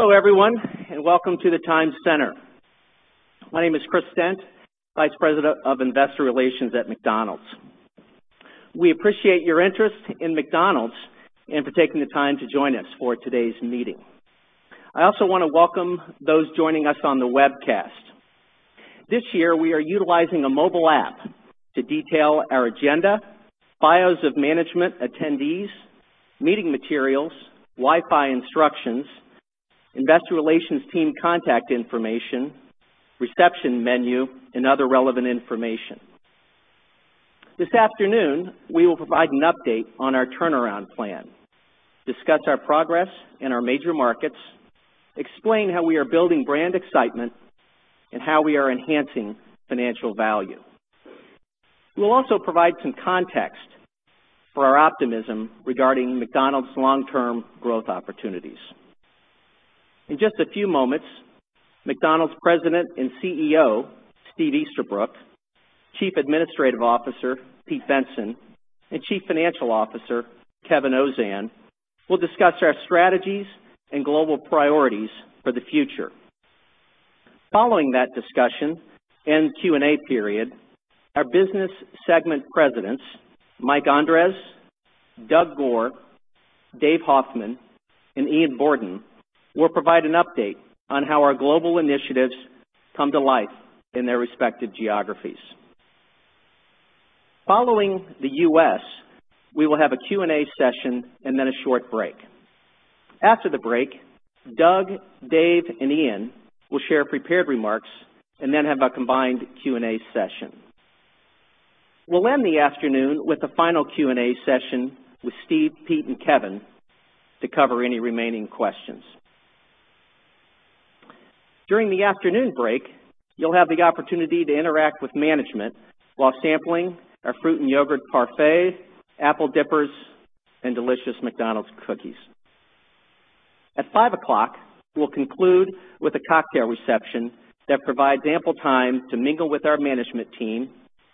Hello, everyone, and welcome to the Times Center. My name is Christopher Stent, Vice President of Investor Relations at McDonald's. We appreciate your interest in McDonald's and for taking the time to join us for today's meeting. I also want to welcome those joining us on the webcast. This year, we are utilizing a mobile app to detail our agenda, bios of management attendees, meeting materials, Wi-Fi instructions, investor relations team contact information, reception menu, and other relevant information. This afternoon, we will provide an update on our turnaround plan, discuss our progress in our major markets, explain how we are building brand excitement, and how we are enhancing financial value. We'll also provide some context for our optimism regarding McDonald's long-term growth opportunities. In just a few moments, McDonald's President and CEO, Steve Easterbrook, Chief Administrative Officer, Pete Bensen, and Chief Financial Officer, Kevin Ozan, will discuss our strategies and global priorities for the future. Following that discussion and Q&A period, our business segment Presidents, Mike Andres, Doug Goare, Dave Hoffmann, and Ian Borden, will provide an update on how our global initiatives come to life in their respective geographies. Following the U.S., we will have a Q&A session and then a short break. After the break, Doug, Dave, and Ian will share prepared remarks and then have a combined Q&A session. We'll end the afternoon with a final Q&A session with Steve, Pete, and Kevin to cover any remaining questions. During the afternoon break, you'll have the opportunity to interact with management while sampling our fruit and yogurt parfait, apple dippers, and delicious McDonald's cookies. At 5:00 P.M., we'll conclude with a cocktail reception that provides ample time to mingle with our management team,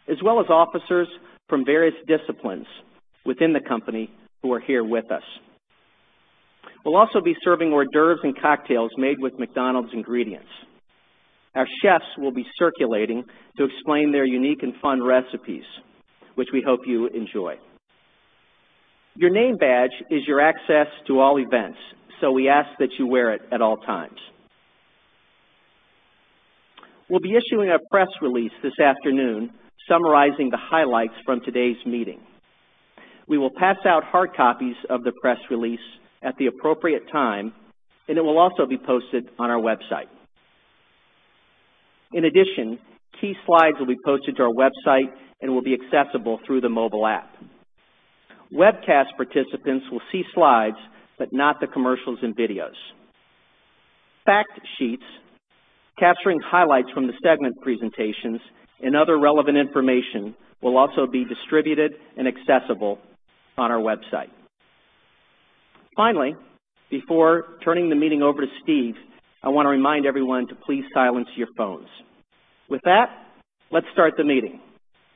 as well as officers from various disciplines within the company who are here with us. We'll also be serving hors d'oeuvres and cocktails made with McDonald's ingredients. Our chefs will be circulating to explain their unique and fun recipes, which we hope you enjoy. Your name badge is your access to all events, so we ask that you wear it at all times. We'll be issuing a press release this afternoon summarizing the highlights from today's meeting. We will pass out hard copies of the press release at the appropriate time, and it will also be posted on our website. In addition, key slides will be posted to our website and will be accessible through the mobile app. Webcast participants will see slides, but not the commercials and videos. Fact sheets capturing highlights from the segment presentations and other relevant information will also be distributed and accessible on our website. Finally, before turning the meeting over to Steve, I want to remind everyone to please silence your phones. With that, let's start the meeting.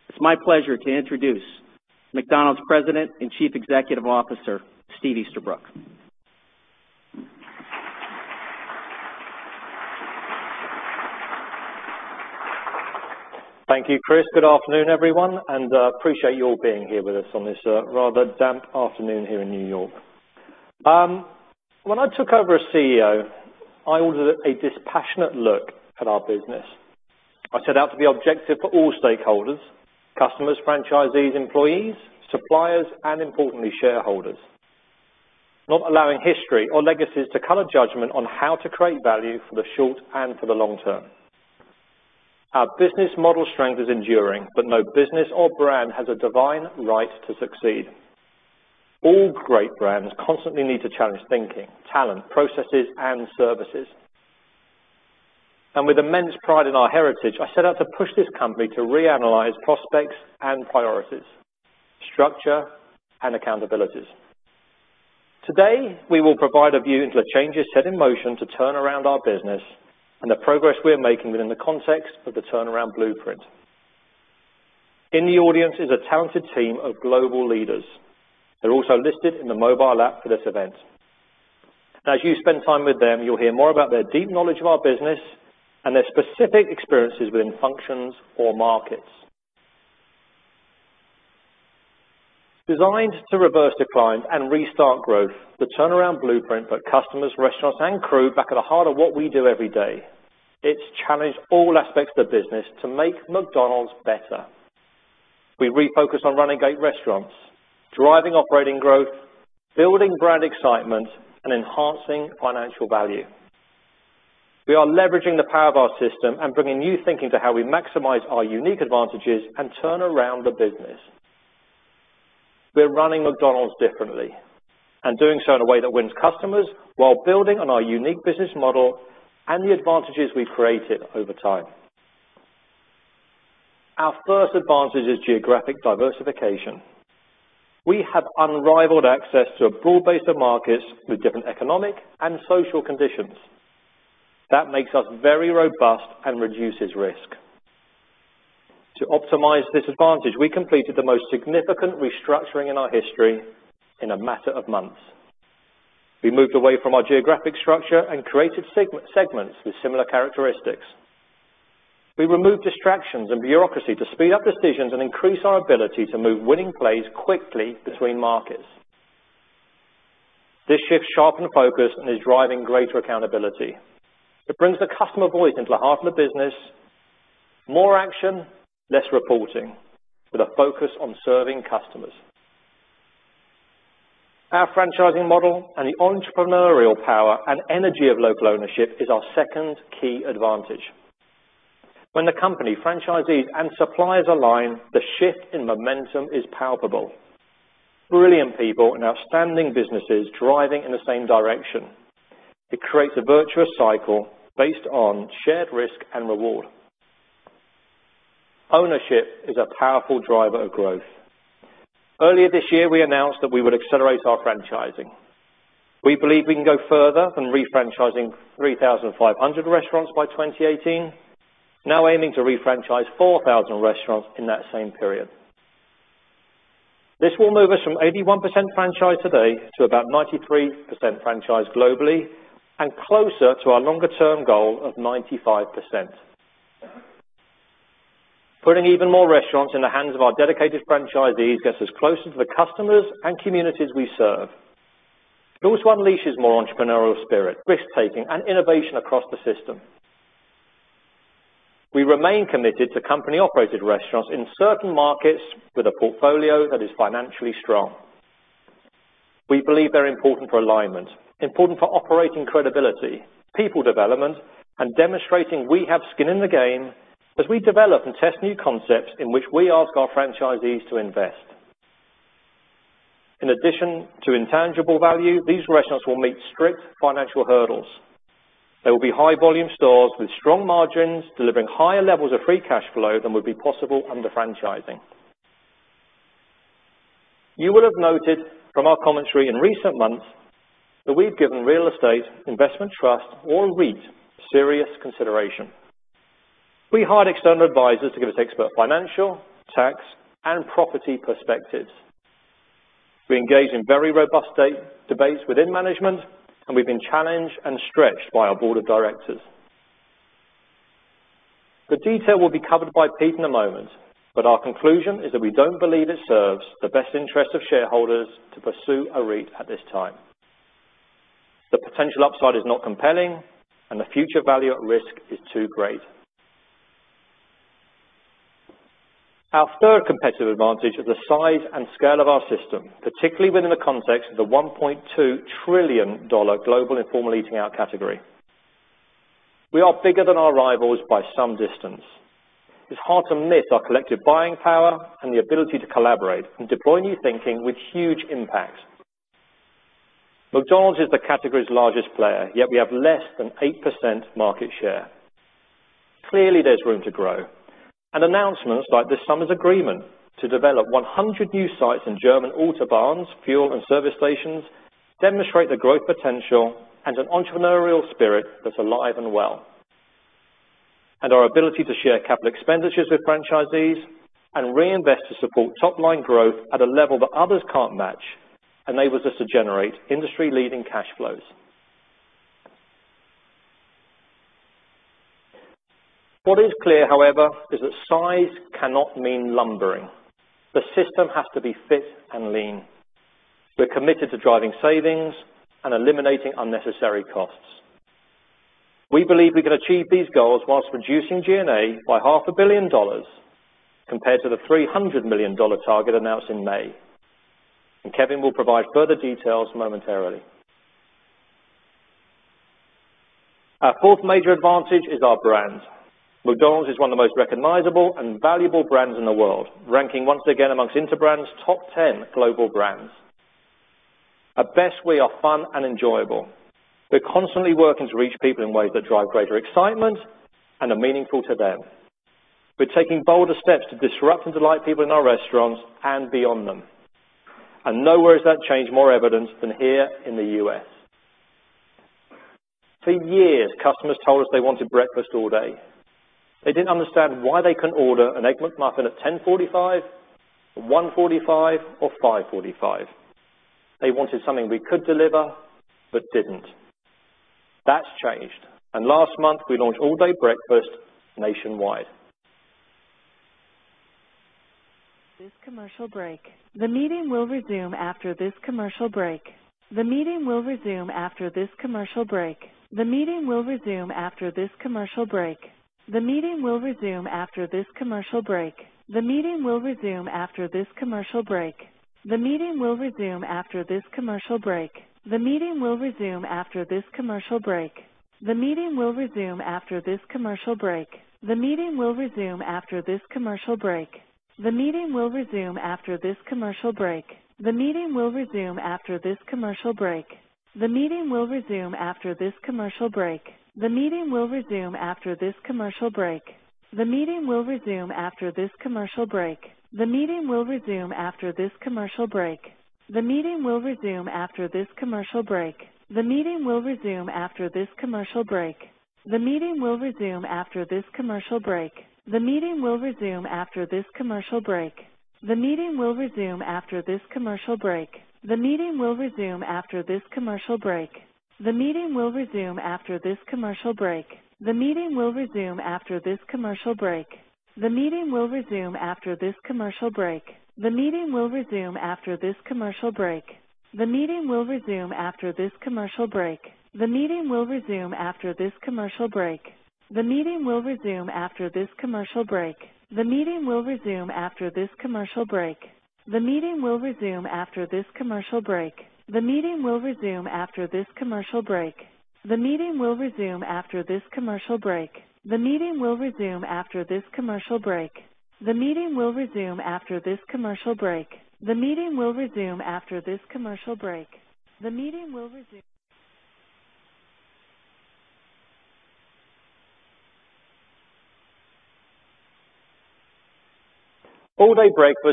It's my pleasure to introduce McDonald's President and Chief Executive Officer, Steve Easterbrook. Thank you, Chris. Good afternoon, everyone, appreciate you all being here with us on this rather damp afternoon here in New York. When I took over as CEO, I ordered a dispassionate look at our business. I set out to be objective for all stakeholders, customers, franchisees, employees, suppliers, and importantly, shareholders. Not allowing history or legacies to color judgment on how to create value for the short and for the long term. Our business model strength is enduring, no business or brand has a divine right to succeed. All great brands constantly need to challenge thinking, talent, processes, and services. With immense pride in our heritage, I set out to push this company to reanalyze prospects and priorities, structure, and accountabilities. Today, we will provide a view into the changes set in motion to turn around our business and the progress we are making within the context of the turnaround blueprint. In the audience is a talented team of global leaders. They're also listed in the mobile app for this event. As you spend time with them, you'll hear more about their deep knowledge of our business and their specific experiences within functions or markets. Designed to reverse decline and restart growth, the turnaround blueprint put customers, restaurants, and crew back at the heart of what we do every day. It's challenged all aspects of the business to make McDonald's better. We refocus on running great restaurants, driving operating growth, building brand excitement, and enhancing financial value. We are leveraging the power of our system and bringing new thinking to how we maximize our unique advantages and turn around the business. We're running McDonald's differently and doing so in a way that wins customers while building on our unique business model and the advantages we've created over time. Our first advantage is geographic diversification. We have unrivaled access to a broad base of markets with different economic and social conditions. That makes us very robust and reduces risk. To optimize this advantage, we completed the most significant restructuring in our history in a matter of months. We moved away from our geographic structure and created segments with similar characteristics. We removed distractions and bureaucracy to speed up decisions and increase our ability to move winning plays quickly between markets. This shift sharpened focus and is driving greater accountability. It brings the customer voice into the heart of the business, more action, less reporting, with a focus on serving customers. Our franchising model and the entrepreneurial power and energy of local ownership is our second key advantage. When the company, franchisees, and suppliers align, the shift in momentum is palpable. Brilliant people and outstanding businesses driving in the same direction. It creates a virtuous cycle based on shared risk and reward. Ownership is a powerful driver of growth. Earlier this year, we announced that we would accelerate our franchising. We believe we can go further than refranchising 3,500 restaurants by 2018. Now aiming to refranchise 4,000 restaurants in that same period. This will move us from 81% franchise today to about 93% franchise globally and closer to our longer-term goal of 95%. Putting even more restaurants in the hands of our dedicated franchisees gets us closer to the customers and communities we serve. It also unleashes more entrepreneurial spirit, risk-taking, and innovation across the system. We remain committed to company-operated restaurants in certain markets with a portfolio that is financially strong. We believe they're important for alignment, important for operating credibility, people development, and demonstrating we have skin in the game as we develop and test new concepts in which we ask our franchisees to invest. In addition to intangible value, these restaurants will meet strict financial hurdles. They will be high volume stores with strong margins delivering higher levels of free cash flow than would be possible under franchising. You will have noted from our commentary in recent months that we've given real estate investment trust or REIT serious consideration. We hired external advisors to give us expert financial, tax, and property perspectives. We engage in very robust debates within management. We've been challenged and stretched by our board of directors. The detail will be covered by Pete in a moment. Our conclusion is that we don't believe it serves the best interest of shareholders to pursue a REIT at this time. The potential upside is not compelling. The future value at risk is too great. Our third competitive advantage is the size and scale of our system, particularly within the context of the $1.2 trillion global informal eating out category. We are bigger than our rivals by some distance. It's hard to miss our collective buying power and the ability to collaborate and deploy new thinking with huge impact. McDonald’s is the category's largest player, yet we have less than 8% market share. Clearly, there's room to grow. Announcements like this summer's agreement to develop 100 new sites in German autobahns fuel and service stations demonstrate the growth potential and an entrepreneurial spirit that's alive and well. Our ability to share capital expenditures with franchises and reinvest to support top line growth at a level that others can't match enables us to generate industry leading cash flows. What is clear however, is that size cannot mean lumbering. The system has to be fit and lean. We're committed to driving savings and eliminating unnecessary costs. We believe we can achieve these goals whilst reducing G&A by $0.5 billion compared to the $300 million target announced in May. Kevin will provide further details momentarily. Our fourth major advantage is our brand. McDonald’s is one of the most recognizable and valuable brands in the world, ranking once again amongst Interbrand's Top Ten Global Brands. At best, we are fun and enjoyable. We're constantly working to reach people in ways that drive greater excitement and are meaningful to them. We're taking bolder steps to disrupt and delight people in our restaurants and beyond them. Nowhere is that change more evident than here in the U.S. For years, customers told us they wanted breakfast all day. They didn't understand why they couldn't order an Egg McMuffin at 10:45, 1:45, or 5:45. They wanted something we could deliver but didn't. That's changed. Last month, we launched All Day Breakfast nationwide. All Day Breakfast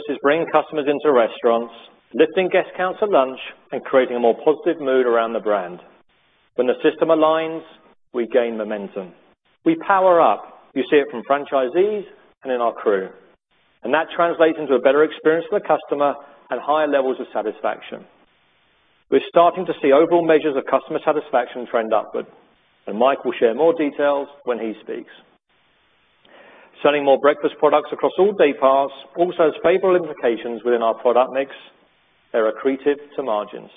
is bringing customers into restaurants, lifting guest counts at lunch, and creating a more positive mood around the brand. When the system aligns, we gain momentum. We power up. You see it from franchisees and in our crew, and that translates into a better experience for the customer and higher levels of satisfaction. We're starting to see overall measures of customer satisfaction trend upward, and Mike will share more details when he speaks. Selling more breakfast products across all dayparts also has favorable implications within our product mix. They're accretive to margins.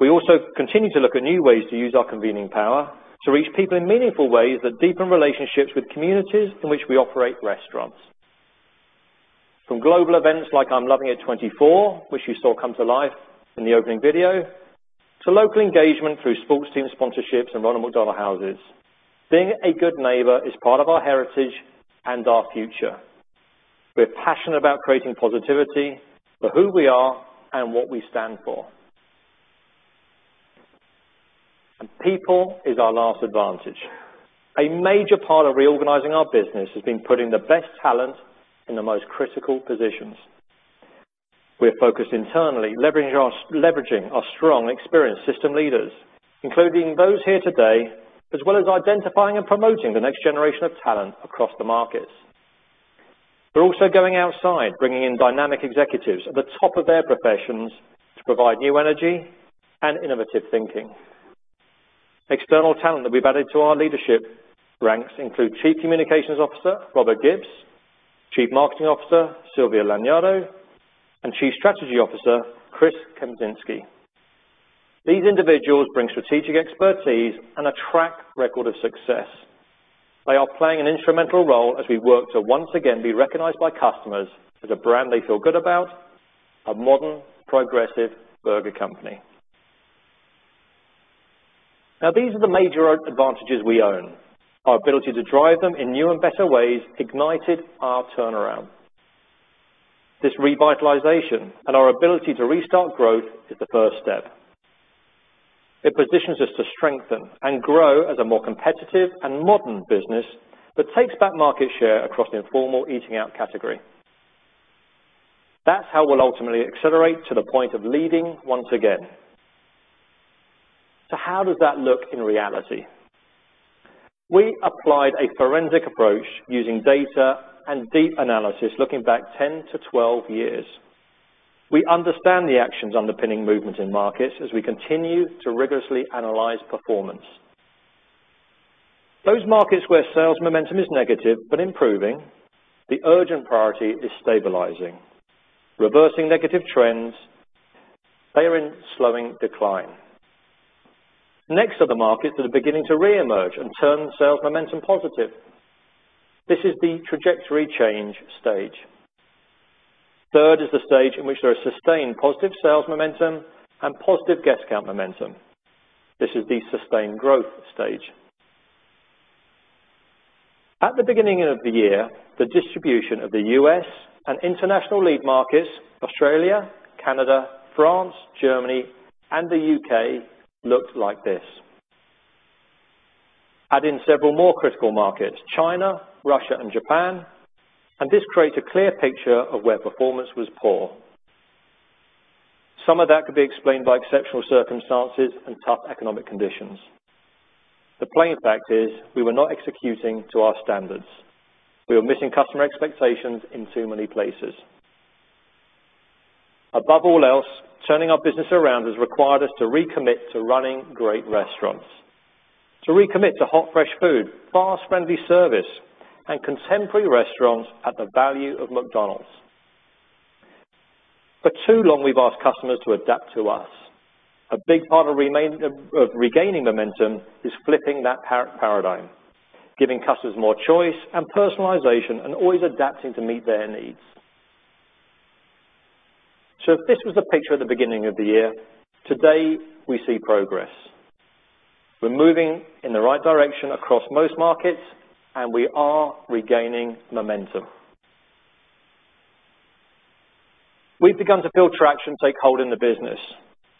We also continue to look at new ways to use our convening power to reach people in meaningful ways that deepen relationships with communities in which we operate restaurants. From global events like imlovinit24, which you saw come to life in the opening video, to local engagement through sports team sponsorships and Ronald McDonald Houses. Being a good neighbor is part of our heritage and our future. We're passionate about creating positivity for who we are and what we stand for. People is our last advantage. A major part of reorganizing our business has been putting the best talent in the most critical positions. We're focused internally leveraging our strong experienced system leaders, including those here today, as well as identifying and promoting the next generation of talent across the markets. We're also going outside, bringing in dynamic executives at the top of their professions to provide new energy and innovative thinking. External talent that we've added to our leadership ranks include Chief Communications Officer Robert Gibbs, Chief Marketing Officer Silvia Lagnado, and Chief Strategy Officer Chris Kempczinski. These individuals bring strategic expertise and a track record of success. They are playing an instrumental role as we work to once again be recognized by customers as a brand they feel good about, a modern progressive burger company. These are the major advantages we own. Our ability to drive them in new and better ways ignited our turnaround. This revitalization and our ability to restart growth is the first step. It positions us to strengthen and grow as a more competitive and modern business that takes back market share across the informal eating out category. That's how we'll ultimately accelerate to the point of leading once again. How does that look in reality? We applied a forensic approach using data and deep analysis looking back 10 to 12 years. We understand the actions underpinning movement in markets as we continue to rigorously analyze performance. Those markets where sales momentum is negative but improving, the urgent priority is stabilizing. Reversing negative trends, fearing slowing decline. Next are the markets that are beginning to reemerge and turn sales momentum positive. This is the trajectory change stage. Third is the stage in which there are sustained positive sales momentum and positive guest count momentum. This is the sustain growth stage. At the beginning of the year, the distribution of the U.S. and international lead markets Australia, Canada, France, Germany, and the U.K. looked like this. Add in several more critical markets, China, Russia, and Japan, and this creates a clear picture of where performance was poor. Some of that could be explained by exceptional circumstances and tough economic conditions. The plain fact is we were not executing to our standards. We were missing customer expectations in too many places. Above all else, turning our business around has required us to recommit to running great restaurants, to recommit to hot fresh food, fast friendly service, and contemporary restaurants at the value of McDonald's. For too long, we've asked customers to adapt to us. A big part of regaining momentum is flipping that paradigm, giving customers more choice and personalization, and always adapting to meet their needs. If this was the picture at the beginning of the year, today we see progress. We're moving in the right direction across most markets, and we are regaining momentum. We've begun to build traction take hold in the business,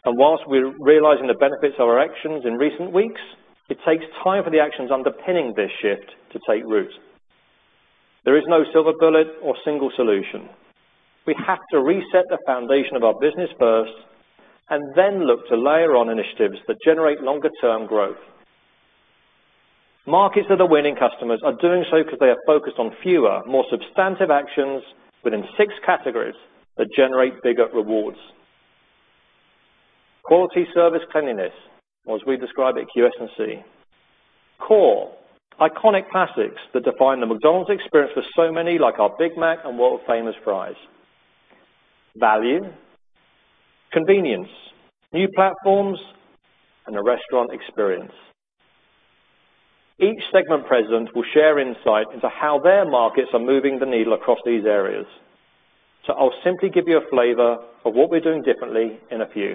and whilst we're realizing the benefits of our actions in recent weeks, it takes time for the actions underpinning this shift to take root. There is no silver bullet or single solution. We have to reset the foundation of our business first and then look to layer on initiatives that generate longer-term growth. Markets that are winning customers are doing so because they are focused on fewer, more substantive actions within six categories that generate bigger rewards. Quality, service, cleanliness, or as we describe it, QS&C. Core: iconic classics that define the McDonald's experience for so many, like our Big Mac and world-famous fries. Value, convenience, new platforms, and the restaurant experience. Each segment president will share insight into how their markets are moving the needle across these areas. I’ll simply give you a flavor of what we’re doing differently in a few.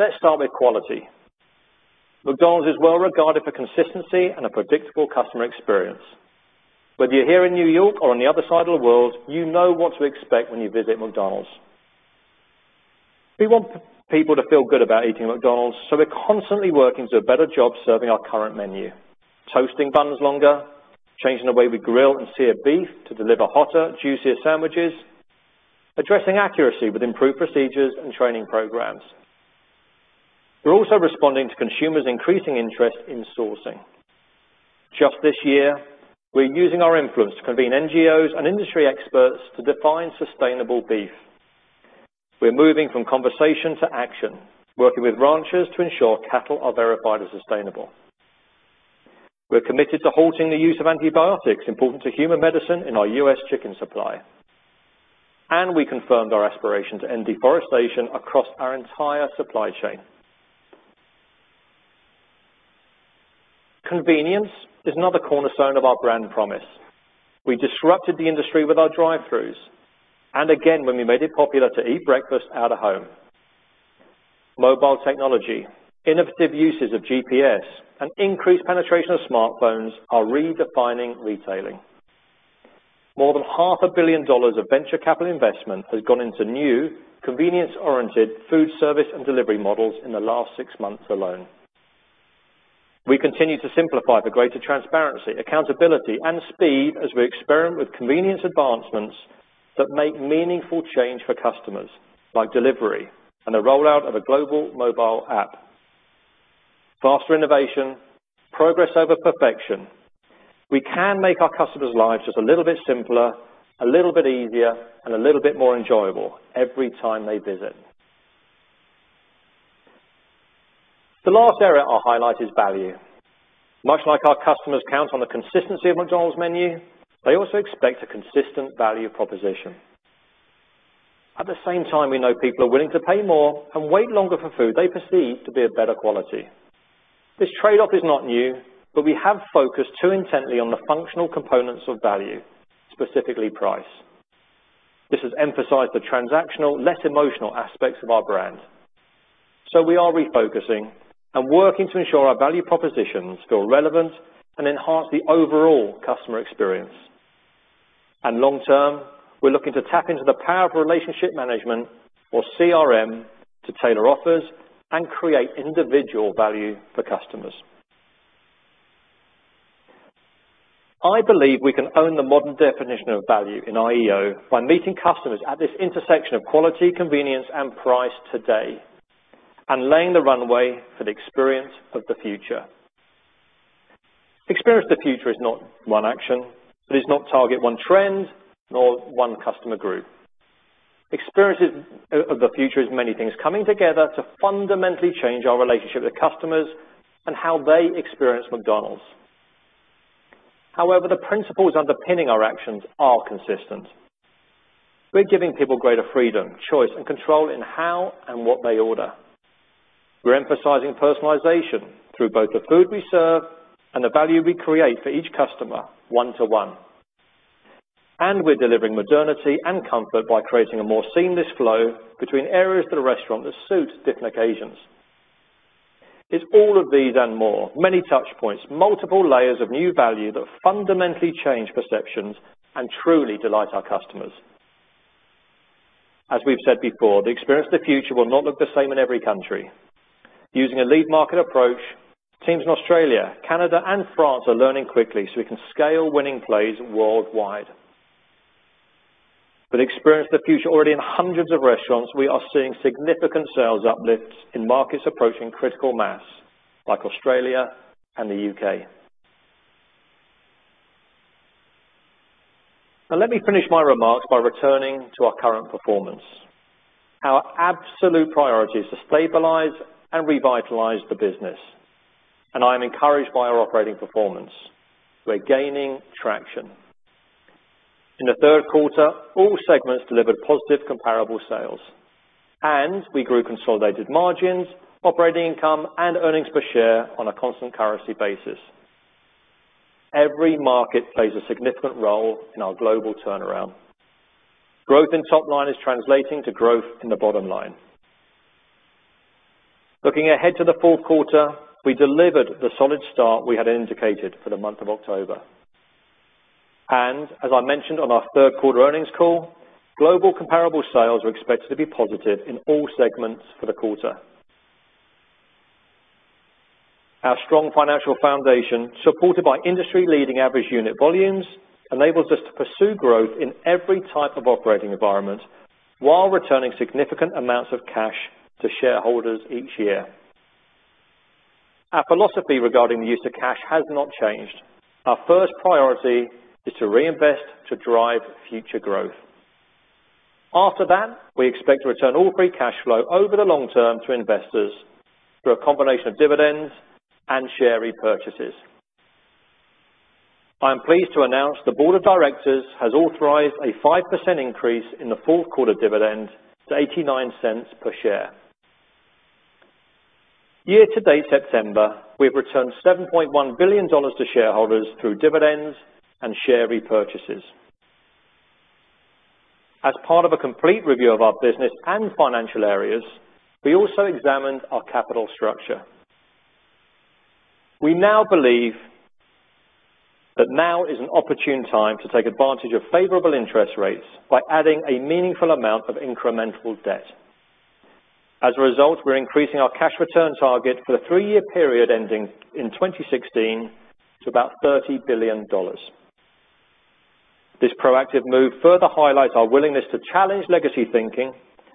Let’s start with quality. McDonald's is well-regarded for consistency and a predictable customer experience. Whether you’re here in New York or on the other side of the world, you know what to expect when you visit McDonald's. We want people to feel good about eating McDonald's. We’re constantly working to do a better job serving our current menu. Toasting buns longer, changing the way we grill and sear beef to deliver hotter, juicier sandwiches, addressing accuracy with improved procedures and training programs. We’re also responding to consumers' increasing interest in sourcing. Just this year, we’re using our influence to convene NGOs and industry experts to define sustainable beef. We’re moving from conversation to action, working with ranchers to ensure cattle are verified as sustainable. We’re committed to halting the use of antibiotics important to human medicine in our U.S. chicken supply. We confirmed our aspiration to end deforestation across our entire supply chain. Convenience is another cornerstone of our brand promise. We disrupted the industry with our drive-throughs, again when we made it popular to eat breakfast out of home. Mobile technology, innovative uses of GPS, and increased penetration of smartphones are redefining retailing. More than half a billion dollars of venture capital investment has gone into new convenience-oriented food service and delivery models in the last six months alone. We continue to simplify for greater transparency, accountability, and speed as we experiment with convenience advancements that make meaningful change for customers, like delivery and the rollout of a global mobile app. Faster innovation, progress over perfection. We can make our customers' lives just a little bit simpler, a little bit easier, and a little bit more enjoyable every time they visit. The last area I’ll highlight is value. Much like our customers count on the consistency of McDonald's menu, they also expect a consistent value proposition. At the same time, we know people are willing to pay more and wait longer for food they perceive to be of better quality. This trade-off is not new. We have focused too intently on the functional components of value, specifically price. This has emphasized the transactional, less emotional aspects of our brand. We are refocusing and working to ensure our value propositions feel relevant and enhance the overall customer experience. Long term, we’re looking to tap into the power of relationship management, or CRM, to tailor offers and create individual value for customers. I believe we can own the modern definition of value in IEO by meeting customers at this intersection of quality, convenience, and price today and laying the runway for the Experience of the Future. Experience of the Future is not one action. It is not target one trend, nor one customer group. Experience of the Future is many things coming together to fundamentally change our relationship with customers and how they experience McDonald's. However, the principles underpinning our actions are consistent. We’re giving people greater freedom, choice, and control in how and what they order. We’re emphasizing personalization through both the food we serve and the value we create for each customer, one to one. We’re delivering modernity and comfort by creating a more seamless flow between areas of the restaurant that suit different occasions. It’s all of these and more. Many touch points, multiple layers of new value that fundamentally change perceptions and truly delight our customers. As we’ve said before, the Experience of the Future will not look the same in every country. Using a lead market approach, teams in Australia, Canada, and France are learning quickly so we can scale winning plays worldwide. With Experience of the Future already in hundreds of restaurants, we are seeing significant sales uplifts in markets approaching critical mass, like Australia and the U.K. Let me finish my remarks by returning to our current performance. Our absolute priority is to stabilize and revitalize the business, and I am encouraged by our operating performance. We’re gaining traction. In the third quarter, all segments delivered positive comparable sales, and we grew consolidated margins, operating income, and earnings per share on a constant currency basis. Every market plays a significant role in our global turnaround. Growth in top line is translating to growth in the bottom line. Looking ahead to the fourth quarter, we delivered the solid start we had indicated for the month of October. As I mentioned on our third quarter earnings call, global comparable sales are expected to be positive in all segments for the quarter. Our strong financial foundation, supported by industry-leading average unit volumes, enables us to pursue growth in every type of operating environment while returning significant amounts of cash to shareholders each year. Our philosophy regarding the use of cash has not changed. Our first priority is to reinvest to drive future growth. After that, we expect to return all free cash flow over the long term to investors through a combination of dividends and share repurchases. I am pleased to announce the board of directors has authorized a 5% increase in the fourth quarter dividend to $0.89 per share. Year to date September, we have returned $7.1 billion to shareholders through dividends and share repurchases. As part of a complete review of our business and financial areas, we also examined our capital structure. We now believe that now is an opportune time to take advantage of favorable interest rates by adding a meaningful amount of incremental debt. As a result, we're increasing our cash return target for the three-year period ending in 2016 to about $30 billion. This proactive move further highlights our willingness to challenge legacy thinking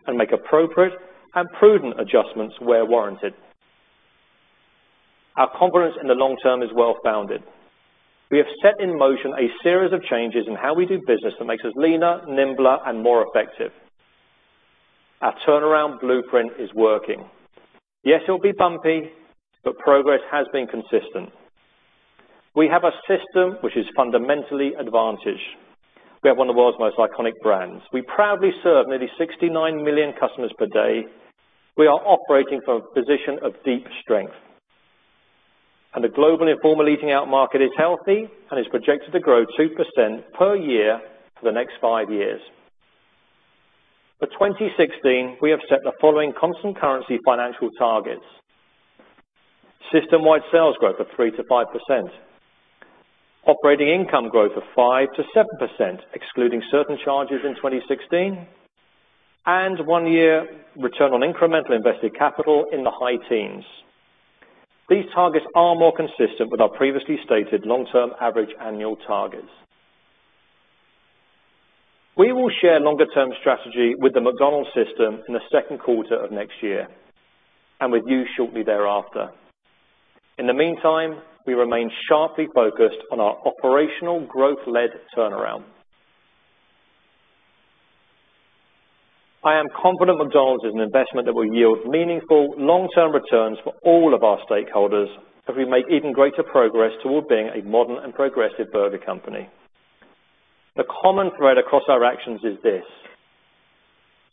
and make appropriate and prudent adjustments where warranted. Our confidence in the long term is well-founded. We have set in motion a series of changes in how we do business that makes us leaner, nimbler, and more effective. Our turnaround blueprint is working. Yes, it will be bumpy, but progress has been consistent. We have a system which is fundamentally advantaged. We have one of the world's most iconic brands. We proudly serve nearly 69 million customers per day. We are operating from a position of deep strength. The global informal eating-out market is healthy and is projected to grow 2% per year for the next five years. For 2016, we have set the following constant currency financial targets. System-wide sales growth of 3%-5%, operating income growth of 5%-7%, excluding certain charges in 2016, and one year return on incremental invested capital in the high teens. These targets are more consistent with our previously stated long-term average annual targets. We will share longer-term strategy with the McDonald's system in the second quarter of next year, and with you shortly thereafter. In the meantime, we remain sharply focused on our operational growth-led turnaround. I am confident McDonald's is an investment that will yield meaningful long-term returns for all of our stakeholders as we make even greater progress toward being a modern and progressive burger company. The common thread across our actions is this: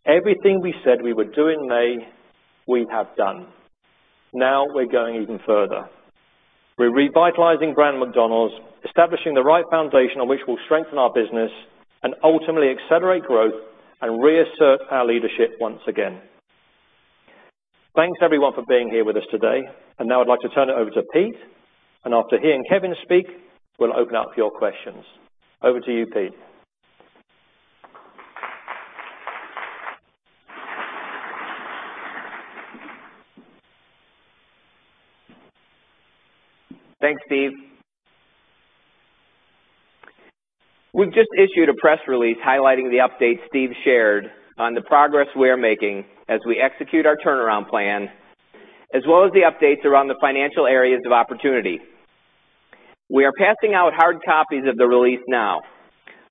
everything we said we would do in May, we have done. Now we're going even further. We're revitalizing brand McDonald's, establishing the right foundation on which we'll strengthen our business and ultimately accelerate growth and reassert our leadership once again. Thanks everyone for being here with us today. Now I'd like to turn it over to Pete, and after hearing Kevin speak, we'll open up for your questions. Over to you, Pete. Thanks, Steve. We've just issued a press release highlighting the updates Steve shared on the progress we are making as we execute our turnaround plan, as well as the updates around the financial areas of opportunity. We are passing out hard copies of the release now,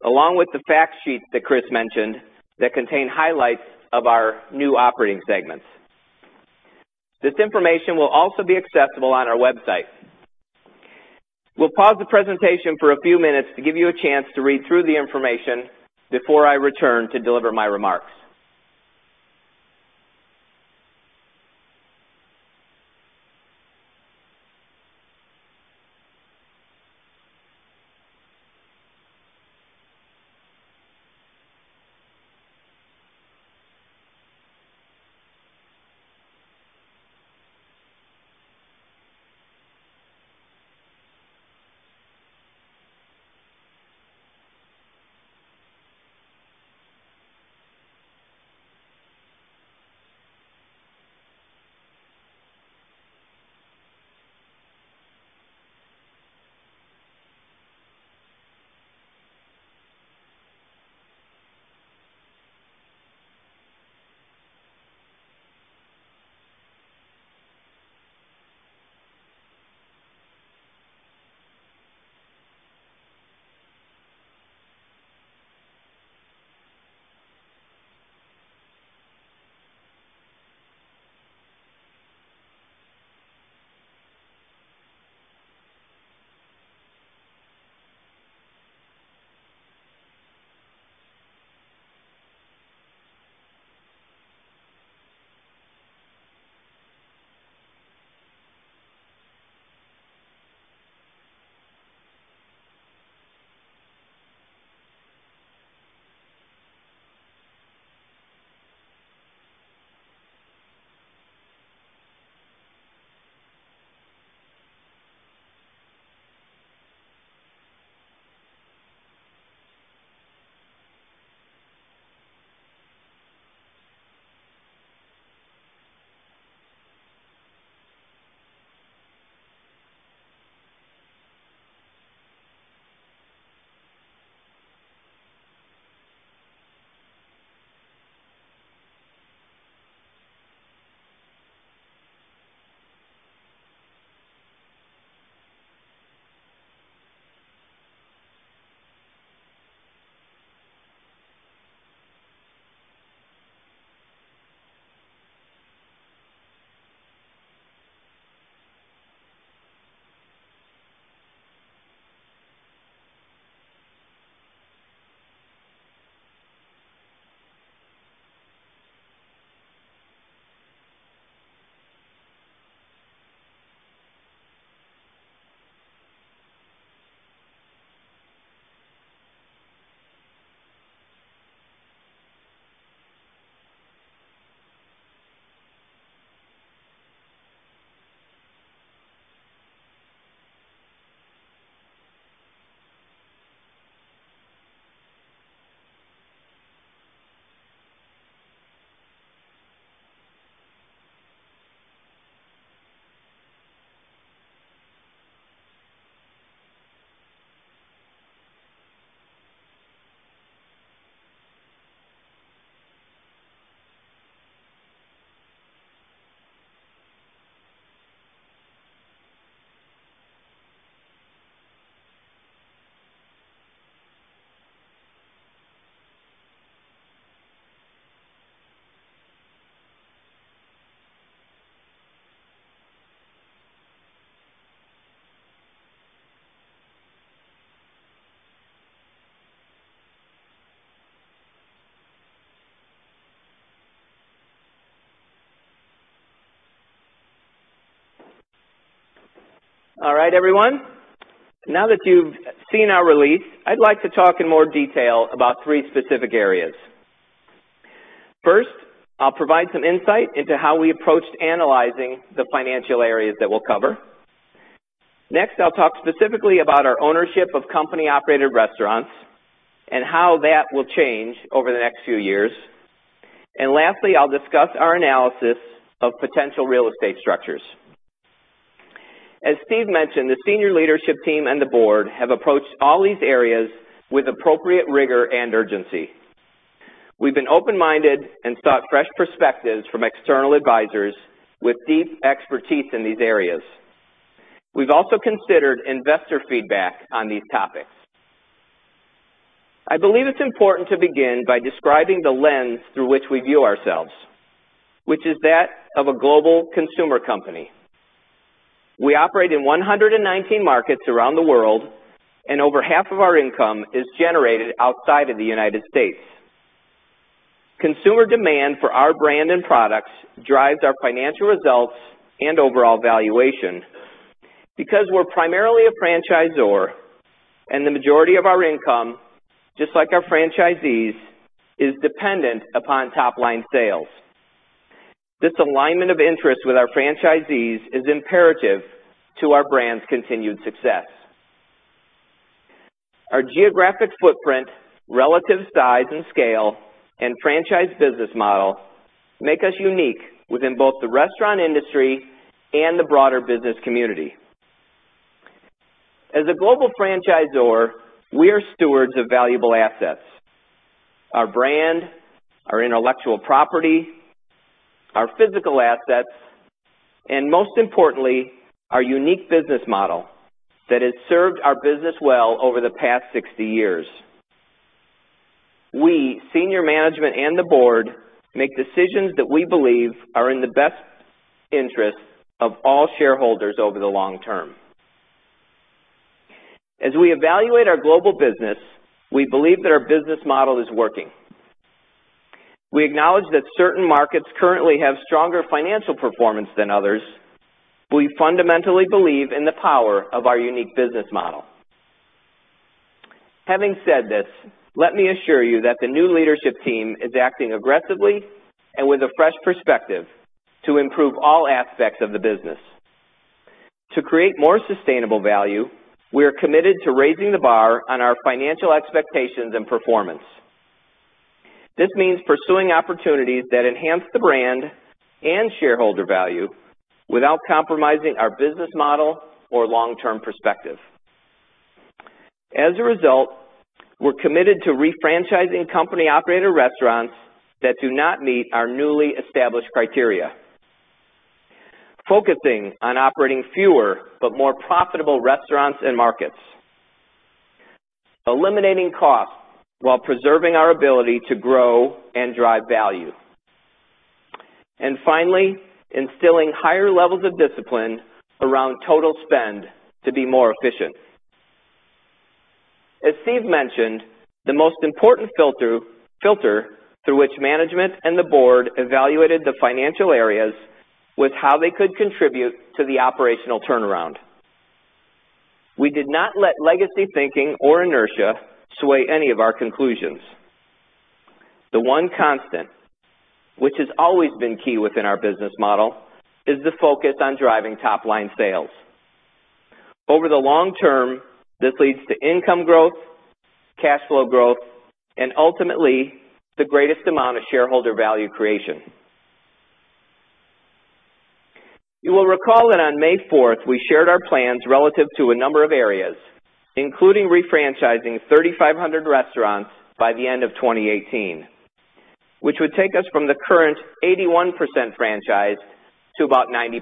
along with the fact sheets that Chris mentioned that contain highlights of our new operating segments. This information will also be accessible on our website. We'll pause the presentation for a few minutes to give you a chance to read through the information before I return to deliver my remarks. All right, everyone. Now that you've seen our release, I'd like to talk in more detail about three specific areas. First, I'll provide some insight into how we approached analyzing the financial areas that we'll cover. Next, I'll talk specifically about our ownership of company-operated restaurants and how that will change over the next few years. Lastly, I'll discuss our analysis of potential real estate structures. As Steve mentioned, the senior leadership team and the board have approached all these areas with appropriate rigor and urgency. We've been open-minded and sought fresh perspectives from external advisors with deep expertise in these areas. We've also considered investor feedback on these topics. I believe it's important to begin by describing the lens through which we view ourselves, which is that of a global consumer company. We operate in 119 markets around the world, and over half of our income is generated outside of the U.S. Consumer demand for our brand and products drives our financial results and overall valuation because we're primarily a franchisor, and the majority of our income, just like our franchisees, is dependent upon top-line sales. This alignment of interest with our franchisees is imperative to our brand's continued success. Our geographic footprint, relative size and scale, and franchise business model make us unique within both the restaurant industry and the broader business community. As a global franchisor, we are stewards of valuable assets, our brand, our intellectual property, our physical assets, and most importantly, our unique business model that has served our business well over the past 60 years. We, senior management and the board, make decisions that we believe are in the best interest of all shareholders over the long term. As we evaluate our global business, we believe that our business model is working. We acknowledge that certain markets currently have stronger financial performance than others, we fundamentally believe in the power of our unique business model. Having said this, let me assure you that the new leadership team is acting aggressively and with a fresh perspective to improve all aspects of the business. To create more sustainable value, we are committed to raising the bar on our financial expectations and performance. This means pursuing opportunities that enhance the brand and shareholder value without compromising our business model or long-term perspective. As a result, we're committed to refranchising company-operated restaurants that do not meet our newly established criteria. Focusing on operating fewer but more profitable restaurants and markets. Eliminating costs while preserving our ability to grow and drive value. Finally, instilling higher levels of discipline around total spend to be more efficient. As Steve mentioned, the most important filter through which management and the board evaluated the financial areas was how they could contribute to the operational turnaround. We did not let legacy thinking or inertia sway any of our conclusions. The one constant, which has always been key within our business model, is the focus on driving top-line sales. Over the long term, this leads to income growth, cash flow growth, and ultimately the greatest amount of shareholder value creation. You will recall that on May 4th, we shared our plans relative to a number of areas, including refranchising 3,500 restaurants by the end of 2018, which would take us from the current 81% franchised to about 90%.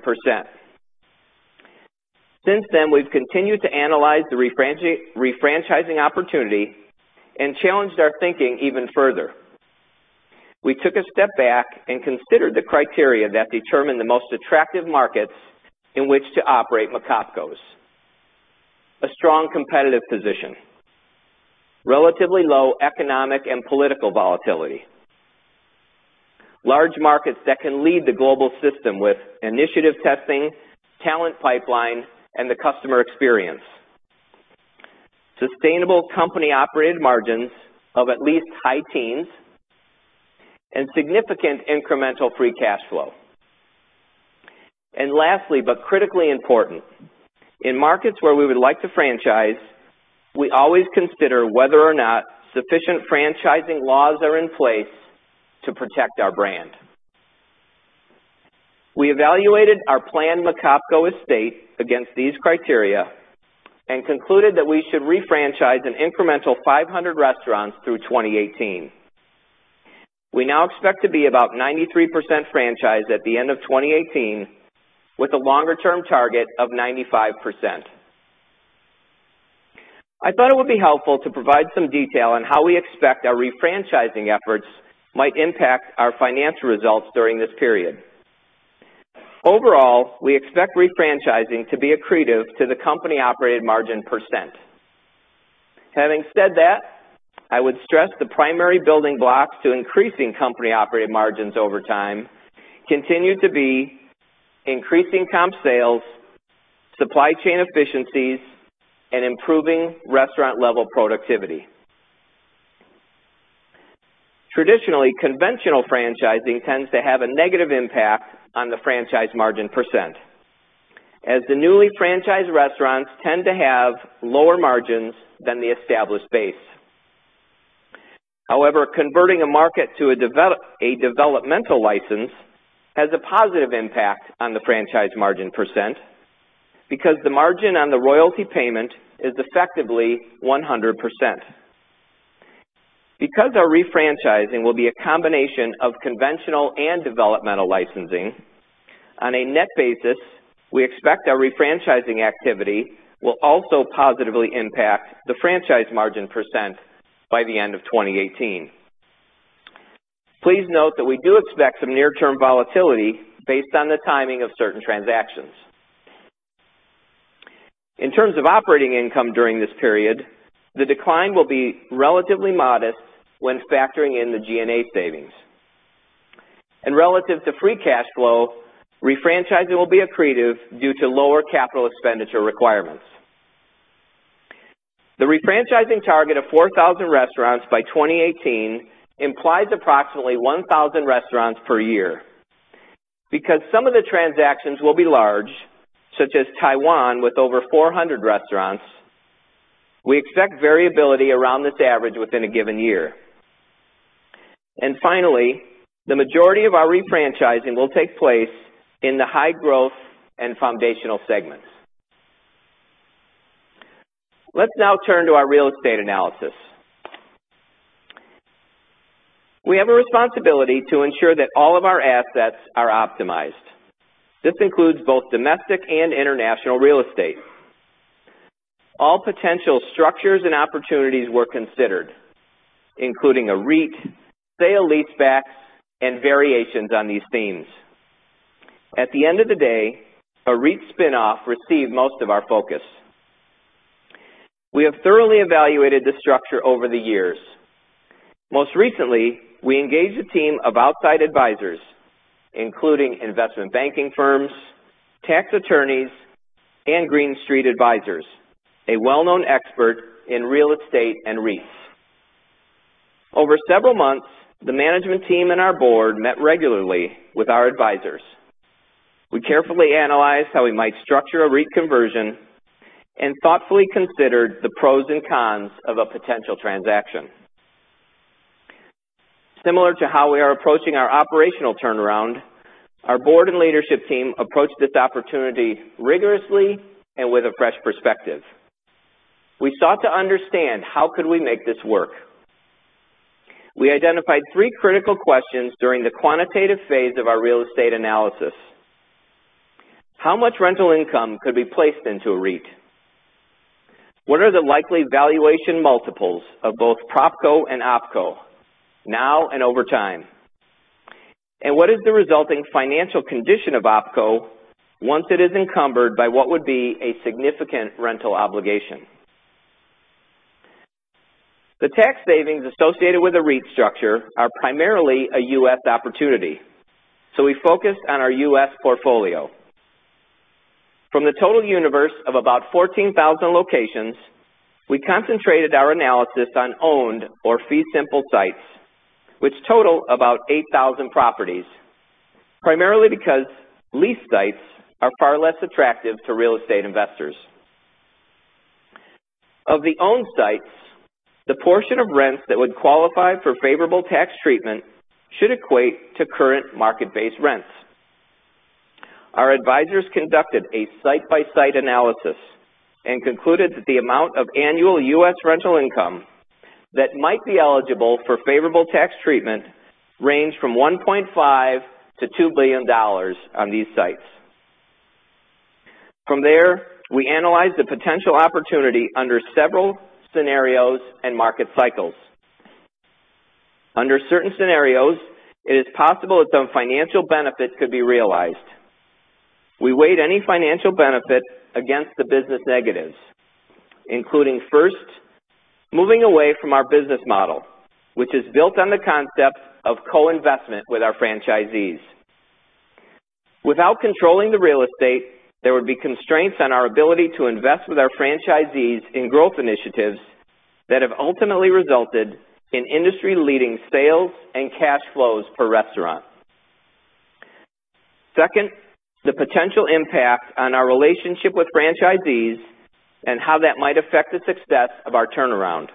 Since then, we've continued to analyze the refranchising opportunity and challenged our thinking even further. We took a step back and considered the criteria that determine the most attractive markets in which to operate McOpCo. A strong competitive position, relatively low economic and political volatility, large markets that can lead the global system with initiative testing, talent pipeline, and the customer experience, sustainable company-operated margins of at least high teens, and significant incremental free cash flow. Lastly, but critically important, in markets where we would like to franchise, we always consider whether or not sufficient franchising laws are in place to protect our brand. We evaluated our planned McOpCo estate against these criteria and concluded that we should refranchise an incremental 500 restaurants through 2018. We now expect to be about 93% franchised at the end of 2018 with a longer-term target of 95%. I thought it would be helpful to provide some detail on how we expect our refranchising efforts might impact our financial results during this period. Overall, we expect refranchising to be accretive to the company-operated margin percent. Having said that, I would stress the primary building blocks to increasing company-operated margins over time continue to be increasing comp sales, supply chain efficiencies, and improving restaurant-level productivity. Traditionally, conventional franchising tends to have a negative impact on the franchise margin percent, as the newly franchised restaurants tend to have lower margins than the established base. However, converting a market to a developmental license has a positive impact on the franchise margin percent because the margin on the royalty payment is effectively 100%. Because our refranchising will be a combination of conventional and developmental licensing, on a net basis, we expect our refranchising activity will also positively impact the franchise margin % by the end of 2018. Please note that we do expect some near-term volatility based on the timing of certain transactions. In terms of operating income during this period, the decline will be relatively modest when factoring in the G&A savings. Relative to free cash flow, refranchising will be accretive due to lower CapEx requirements. The refranchising target of 4,000 restaurants by 2018 implies approximately 1,000 restaurants per year. Because some of the transactions will be large, such as Taiwan with over 400 restaurants, we expect variability around this average within a given year. Finally, the majority of our refranchising will take place in the high growth and foundational segments. Let's now turn to our real estate analysis. We have a responsibility to ensure that all of our assets are optimized. This includes both domestic and international real estate. All potential structures and opportunities were considered, including a REIT, sale-leasebacks, and variations on these themes. At the end of the day, a REIT spinoff received most of our focus. We have thoroughly evaluated this structure over the years. Most recently, we engaged a team of outside advisors, including investment banking firms, tax attorneys, and Green Street Advisors, a well-known expert in real estate and REITs. Over several months, the management team and our board met regularly with our advisors. We carefully analyzed how we might structure a REIT conversion and thoughtfully considered the pros and cons of a potential transaction. Similar to how we are approaching our operational turnaround, our board and leadership team approached this opportunity rigorously and with a fresh perspective. We sought to understand how could we make this work? We identified three critical questions during the quantitative phase of our real estate analysis. How much rental income could be placed into a REIT? What are the likely valuation multiples of both PropCo and OpCo, now and over time? What is the resulting financial condition of OpCo once it is encumbered by what would be a significant rental obligation? The tax savings associated with a REIT structure are primarily a U.S. opportunity, so we focused on our U.S. portfolio. From the total universe of about 14,000 locations, we concentrated our analysis on owned or fee simple sites, which total about 8,000 properties. Primarily because leased sites are far less attractive to real estate investors. Of the owned sites, the portion of rents that would qualify for favorable tax treatment should equate to current market-based rents. Our advisors conducted a site-by-site analysis and concluded that the amount of annual U.S. rental income that might be eligible for favorable tax treatment ranged from $1.5 billion-$2 billion on these sites. From there, we analyzed the potential opportunity under several scenarios and market cycles. Under certain scenarios, it is possible that some financial benefits could be realized. We weighed any financial benefit against the business negatives, including, first, moving away from our business model, which is built on the concept of co-investment with our franchisees. Without controlling the real estate, there would be constraints on our ability to invest with our franchisees in growth initiatives that have ultimately resulted in industry-leading sales and cash flows per restaurant. Second, the potential impact on our relationship with franchisees and how that might affect the success of our turnaround.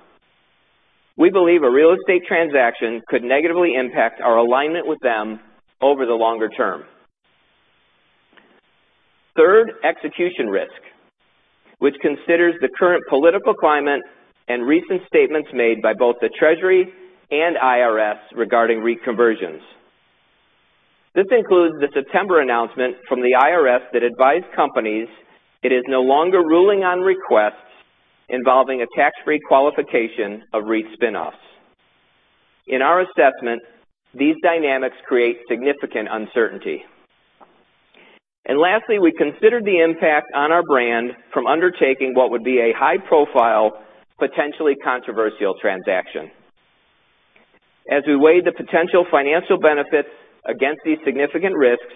We believe a real estate transaction could negatively impact our alignment with them over the longer term. Third, execution risk, which considers the current political climate and recent statements made by both the Treasury and IRS regarding reconversions. This includes the September announcement from the IRS that advised companies it is no longer ruling on requests involving a tax-free qualification of REIT spinoffs. In our assessment, these dynamics create significant uncertainty. Lastly, we considered the impact on our brand from undertaking what would be a high-profile, potentially controversial transaction. As we weighed the potential financial benefits against these significant risks,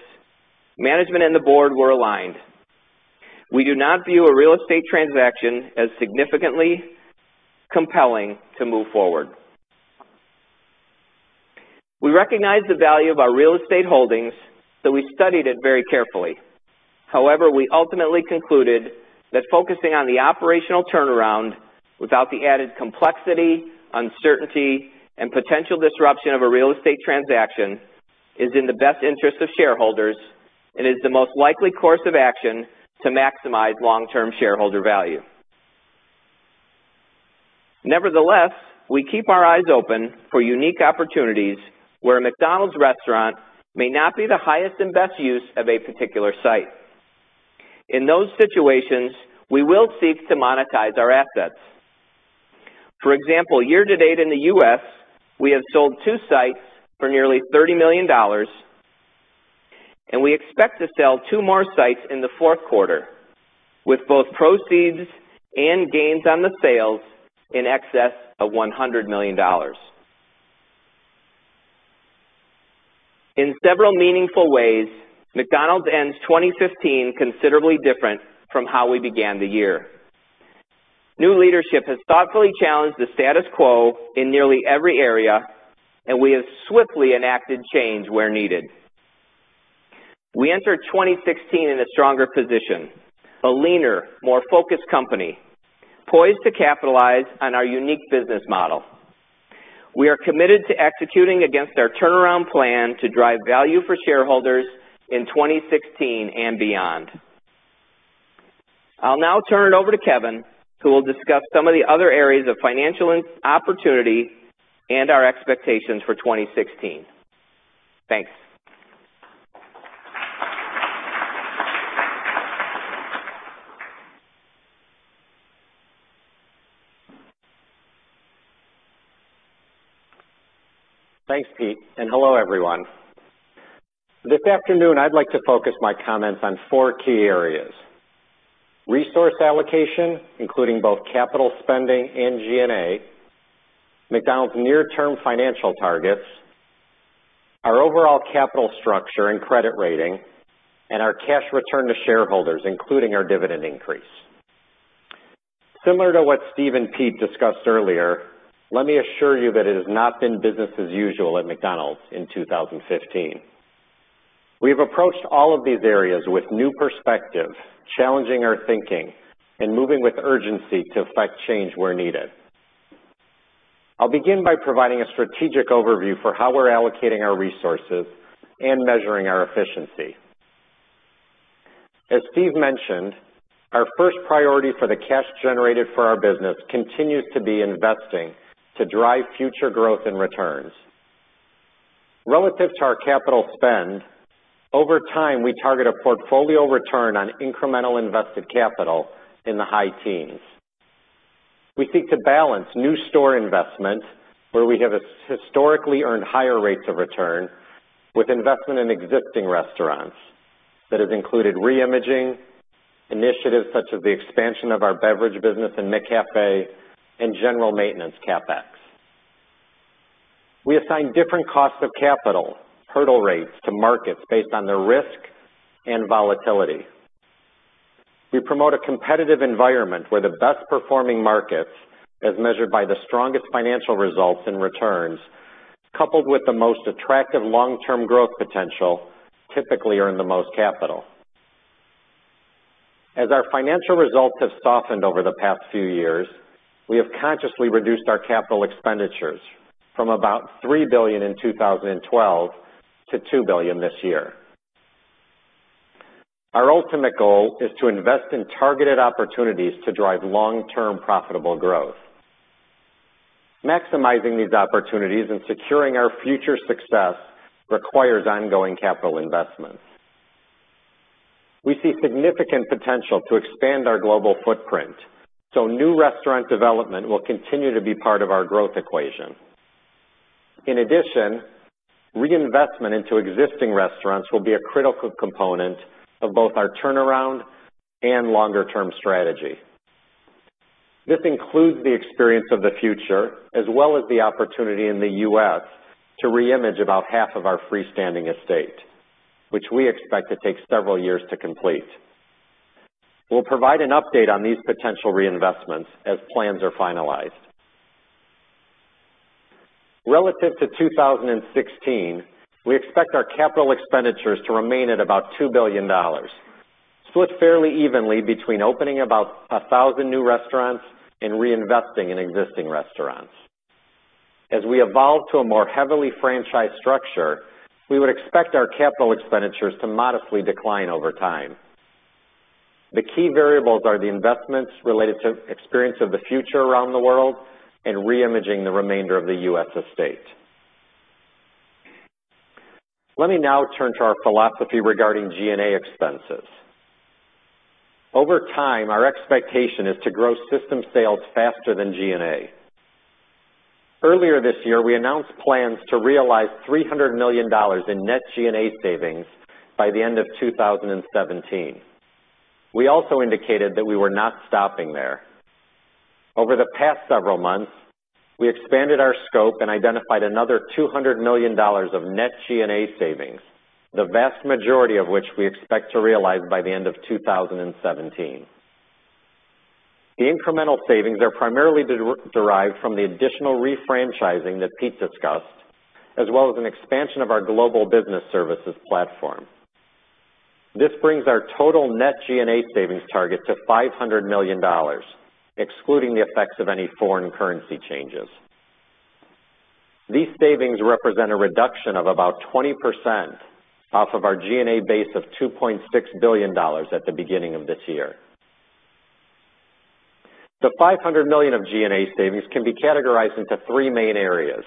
management and the board were aligned. We do not view a real estate transaction as significantly compelling to move forward. We recognize the value of our real estate holdings, so we studied it very carefully. We ultimately concluded that focusing on the operational turnaround without the added complexity, uncertainty, and potential disruption of a real estate transaction is in the best interest of shareholders and is the most likely course of action to maximize long-term shareholder value. Nevertheless, we keep our eyes open for unique opportunities where a McDonald's restaurant may not be the highest and best use of a particular site. In those situations, we will seek to monetize our assets. For example, year-to-date in the U.S., we have sold two sites for nearly $30 million, and we expect to sell two more sites in the fourth quarter, with both proceeds and gains on the sales in excess of $100 million. In several meaningful ways, McDonald's ends 2015 considerably different from how we began the year. New leadership has thoughtfully challenged the status quo in nearly every area, and we have swiftly enacted change where needed. We enter 2016 in a stronger position, a leaner, more focused company, poised to capitalize on our unique business model. We are committed to executing against our turnaround plan to drive value for shareholders in 2016 and beyond. I'll now turn it over to Kevin, who will discuss some of the other areas of financial opportunity and our expectations for 2016. Thanks. Thanks, Pete, and hello, everyone. This afternoon I'd like to focus my comments on four key areas: resource allocation, including both capital spending and G&A, McDonald's near-term financial targets, our overall capital structure and credit rating, and our cash return to shareholders, including our dividend increase. Similar to what Steve and Pete discussed earlier, let me assure you that it has not been business as usual at McDonald's in 2015. We've approached all of these areas with new perspective, challenging our thinking, and moving with urgency to effect change where needed. I'll begin by providing a strategic overview for how we're allocating our resources and measuring our efficiency. As Steve mentioned, our first priority for the cash generated for our business continues to be investing to drive future growth and returns. Relative to our capital spend, over time, we target a portfolio return on incremental invested capital in the high teens. We seek to balance new store investment, where we have historically earned higher rates of return, with investment in existing restaurants. That has included re-imaging, initiatives such as the expansion of our beverage business and McCafé, and general maintenance CapEx. We assign different costs of capital hurdle rates to markets based on their risk and volatility. We promote a competitive environment where the best-performing markets, as measured by the strongest financial results and returns, coupled with the most attractive long-term growth potential, typically earn the most capital. As our financial results have softened over the past few years, we have consciously reduced our capital expenditures from about $3 billion in 2012 to $2 billion this year. Our ultimate goal is to invest in targeted opportunities to drive long-term profitable growth. Maximizing these opportunities and securing our future success requires ongoing capital investments. New restaurant development will continue to be part of our growth equation. In addition, reinvestment into existing restaurants will be a critical component of both our turnaround and longer-term strategy. This includes the Experience of the Future, as well as the opportunity in the U.S. to re-image about half of our freestanding estate, which we expect to take several years to complete. We will provide an update on these potential reinvestments as plans are finalized. Relative to 2016, we expect our capital expenditures to remain at about $2 billion, split fairly evenly between opening about 1,000 new restaurants and reinvesting in existing restaurants. As we evolve to a more heavily franchised structure, we would expect our capital expenditures to modestly decline over time. The key variables are the investments related to Experience of the Future around the world and re-imaging the remainder of the U.S. estate. Let me now turn to our philosophy regarding G&A expenses. Over time, our expectation is to grow system sales faster than G&A. Earlier this year, we announced plans to realize $300 million in net G&A savings by the end of 2017. We also indicated that we were not stopping there. Over the past several months, we expanded our scope and identified another $200 million of net G&A savings, the vast majority of which we expect to realize by the end of 2017. The incremental savings are primarily derived from the additional re-franchising that Pete discussed, as well as an expansion of our global business services platform. This brings our total net G&A savings target to $500 million, excluding the effects of any foreign currency changes. These savings represent a reduction of about 20% off of our G&A base of $2.6 billion at the beginning of this year. The $500 million of G&A savings can be categorized into three main areas.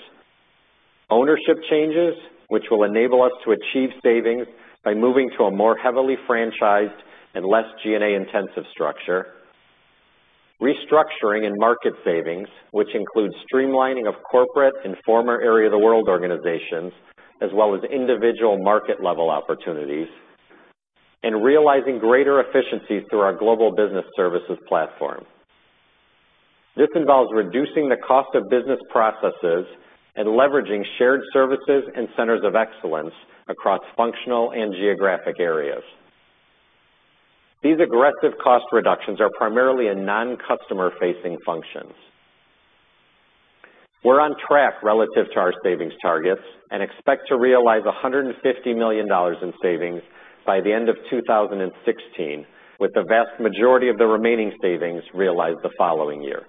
Ownership changes, which will enable us to achieve savings by moving to a more heavily franchised and less G&A-intensive structure. Restructuring and market savings, which includes streamlining of corporate and former area of the world organizations, as well as individual market-level opportunities. Realizing greater efficiencies through our global business services platform. This involves reducing the cost of business processes and leveraging shared services and centers of excellence across functional and geographic areas. These aggressive cost reductions are primarily in non-customer-facing functions. We are on track relative to our savings targets and expect to realize $150 million in savings by the end of 2016, with the vast majority of the remaining savings realized the following year.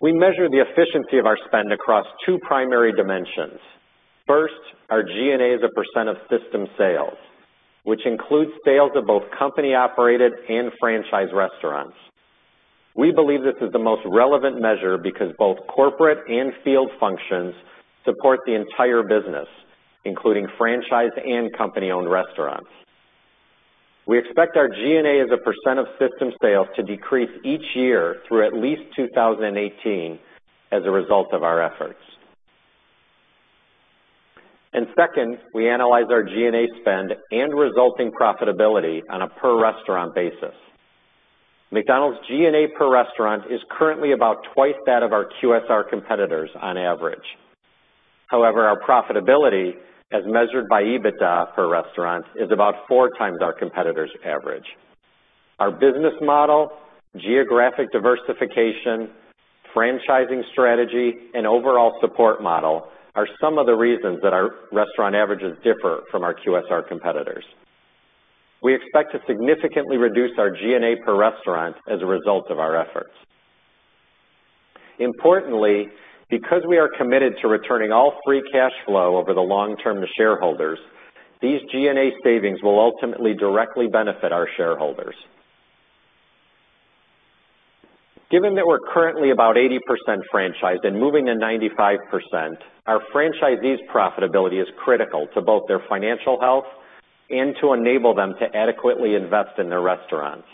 We measure the efficiency of our spend across two primary dimensions. First, our G&A as a percent of system sales, which includes sales of both company-operated and franchise restaurants. We believe this is the most relevant measure because both corporate and field functions support the entire business, including franchise and company-owned restaurants. We expect our G&A as a percent of system sales to decrease each year through at least 2018 as a result of our efforts. Second, we analyze our G&A spend and resulting profitability on a per restaurant basis. McDonald's G&A per restaurant is currently about twice that of our QSR competitors on average. However, our profitability, as measured by EBITDA per restaurant, is about four times our competitors' average. Our business model, geographic diversification, franchising strategy, and overall support model are some of the reasons that our restaurant averages differ from our QSR competitors. We expect to significantly reduce our G&A per restaurant as a result of our efforts. Importantly, because we are committed to returning all free cash flow over the long term to shareholders, these G&A savings will ultimately directly benefit our shareholders. Given that we're currently about 80% franchised and moving to 95%, our franchisees' profitability is critical to both their financial health and to enable them to adequately invest in their restaurants.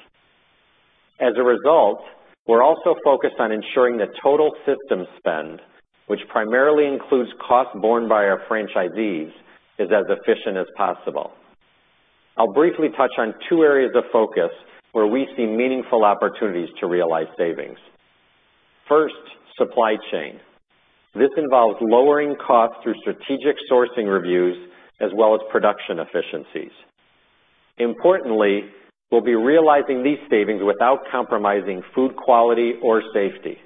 As a result, we're also focused on ensuring the total system spend, which primarily includes costs borne by our franchisees, is as efficient as possible. I'll briefly touch on two areas of focus where we see meaningful opportunities to realize savings. First, supply chain. This involves lowering costs through strategic sourcing reviews as well as production efficiencies. Importantly, we'll be realizing these savings without compromising food quality or safety.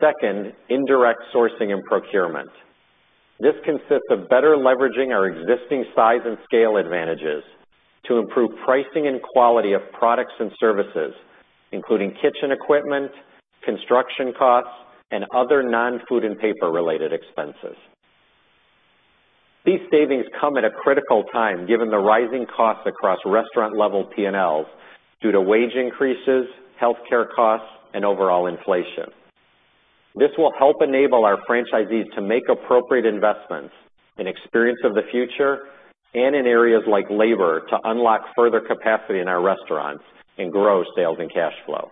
Second, indirect sourcing and procurement. This consists of better leveraging our existing size and scale advantages to improve pricing and quality of products and services, including kitchen equipment, construction costs, and other non-food and paper-related expenses. These savings come at a critical time given the rising costs across restaurant-level P&Ls due to wage increases, healthcare costs, and overall inflation. This will help enable our franchisees to make appropriate investments in Experience of the Future and in areas like labor to unlock further capacity in our restaurants and grow sales and cash flow.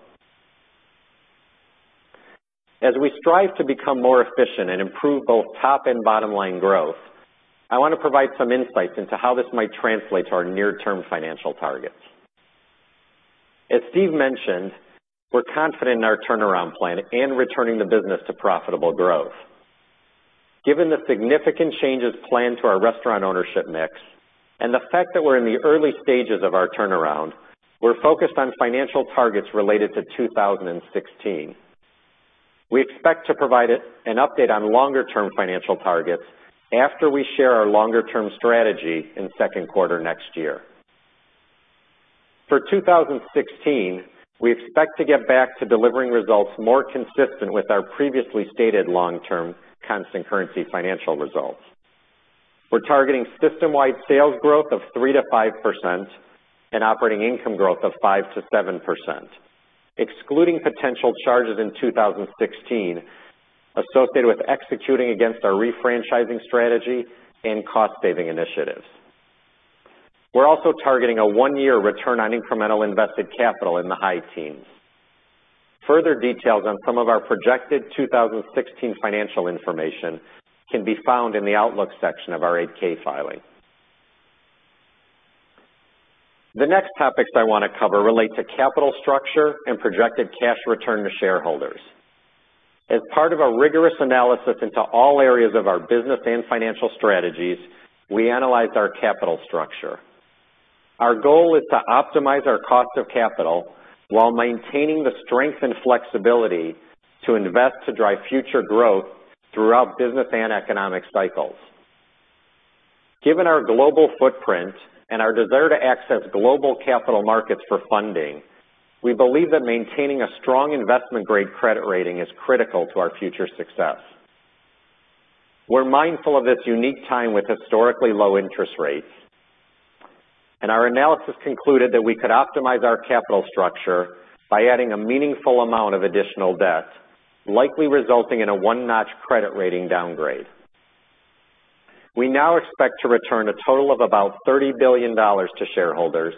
As we strive to become more efficient and improve both top and bottom-line growth, I want to provide some insights into how this might translate to our near-term financial targets. As Steve mentioned, we're confident in our turnaround plan and returning the business to profitable growth. Given the significant changes planned to our restaurant ownership mix and the fact that we're in the early stages of our turnaround, we're focused on financial targets related to 2016. We expect to provide an update on longer-term financial targets after we share our longer-term strategy in the second quarter next year. For 2016, we expect to get back to delivering results more consistent with our previously stated long-term constant currency financial results. We're targeting system-wide sales growth of 3%-5% and operating income growth of 5%-7%, excluding potential charges in 2016 associated with executing against our refranchising strategy and cost-saving initiatives. We're also targeting a one-year return on incremental invested capital in the high teens. Further details on some of our projected 2016 financial information can be found in the Outlook section of our 8-K filing. The next topics I want to cover relate to capital structure and projected cash return to shareholders. As part of a rigorous analysis into all areas of our business and financial strategies, we analyzed our capital structure. Our goal is to optimize our cost of capital while maintaining the strength and flexibility to invest to drive future growth throughout business and economic cycles. Given our global footprint and our desire to access global capital markets for funding, we believe that maintaining a strong investment-grade credit rating is critical to our future success. We're mindful of this unique time with historically low interest rates, and our analysis concluded that we could optimize our capital structure by adding a meaningful amount of additional debt, likely resulting in a one-notch credit rating downgrade. We now expect to return a total of about $30 billion to shareholders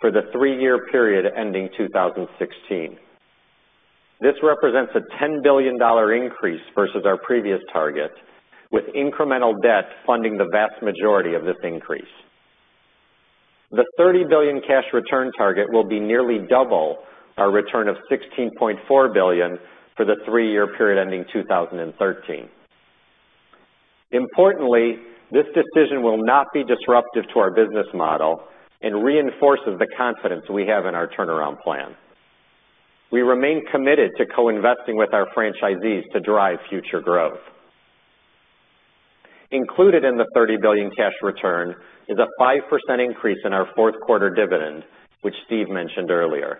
for the three-year period ending 2016. This represents a $10 billion increase versus our previous target, with incremental debt funding the vast majority of this increase. The $30 billion cash return target will be nearly double our return of $16.4 billion for the three-year period ending 2013. Importantly, this decision will not be disruptive to our business model and reinforces the confidence we have in our turnaround plan. We remain committed to co-investing with our franchisees to drive future growth. Included in the $30 billion cash return is a 5% increase in our fourth quarter dividend, which Steve mentioned earlier.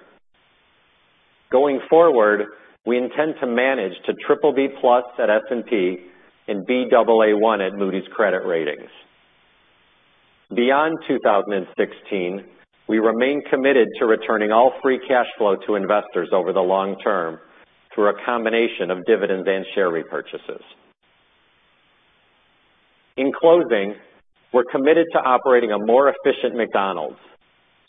Going forward, we intend to manage to BBB+ at S&P and Baa1 at Moody's credit ratings. Beyond 2016, we remain committed to returning all free cash flow to investors over the long term through a combination of dividends and share repurchases. In closing, we're committed to operating a more efficient McDonald's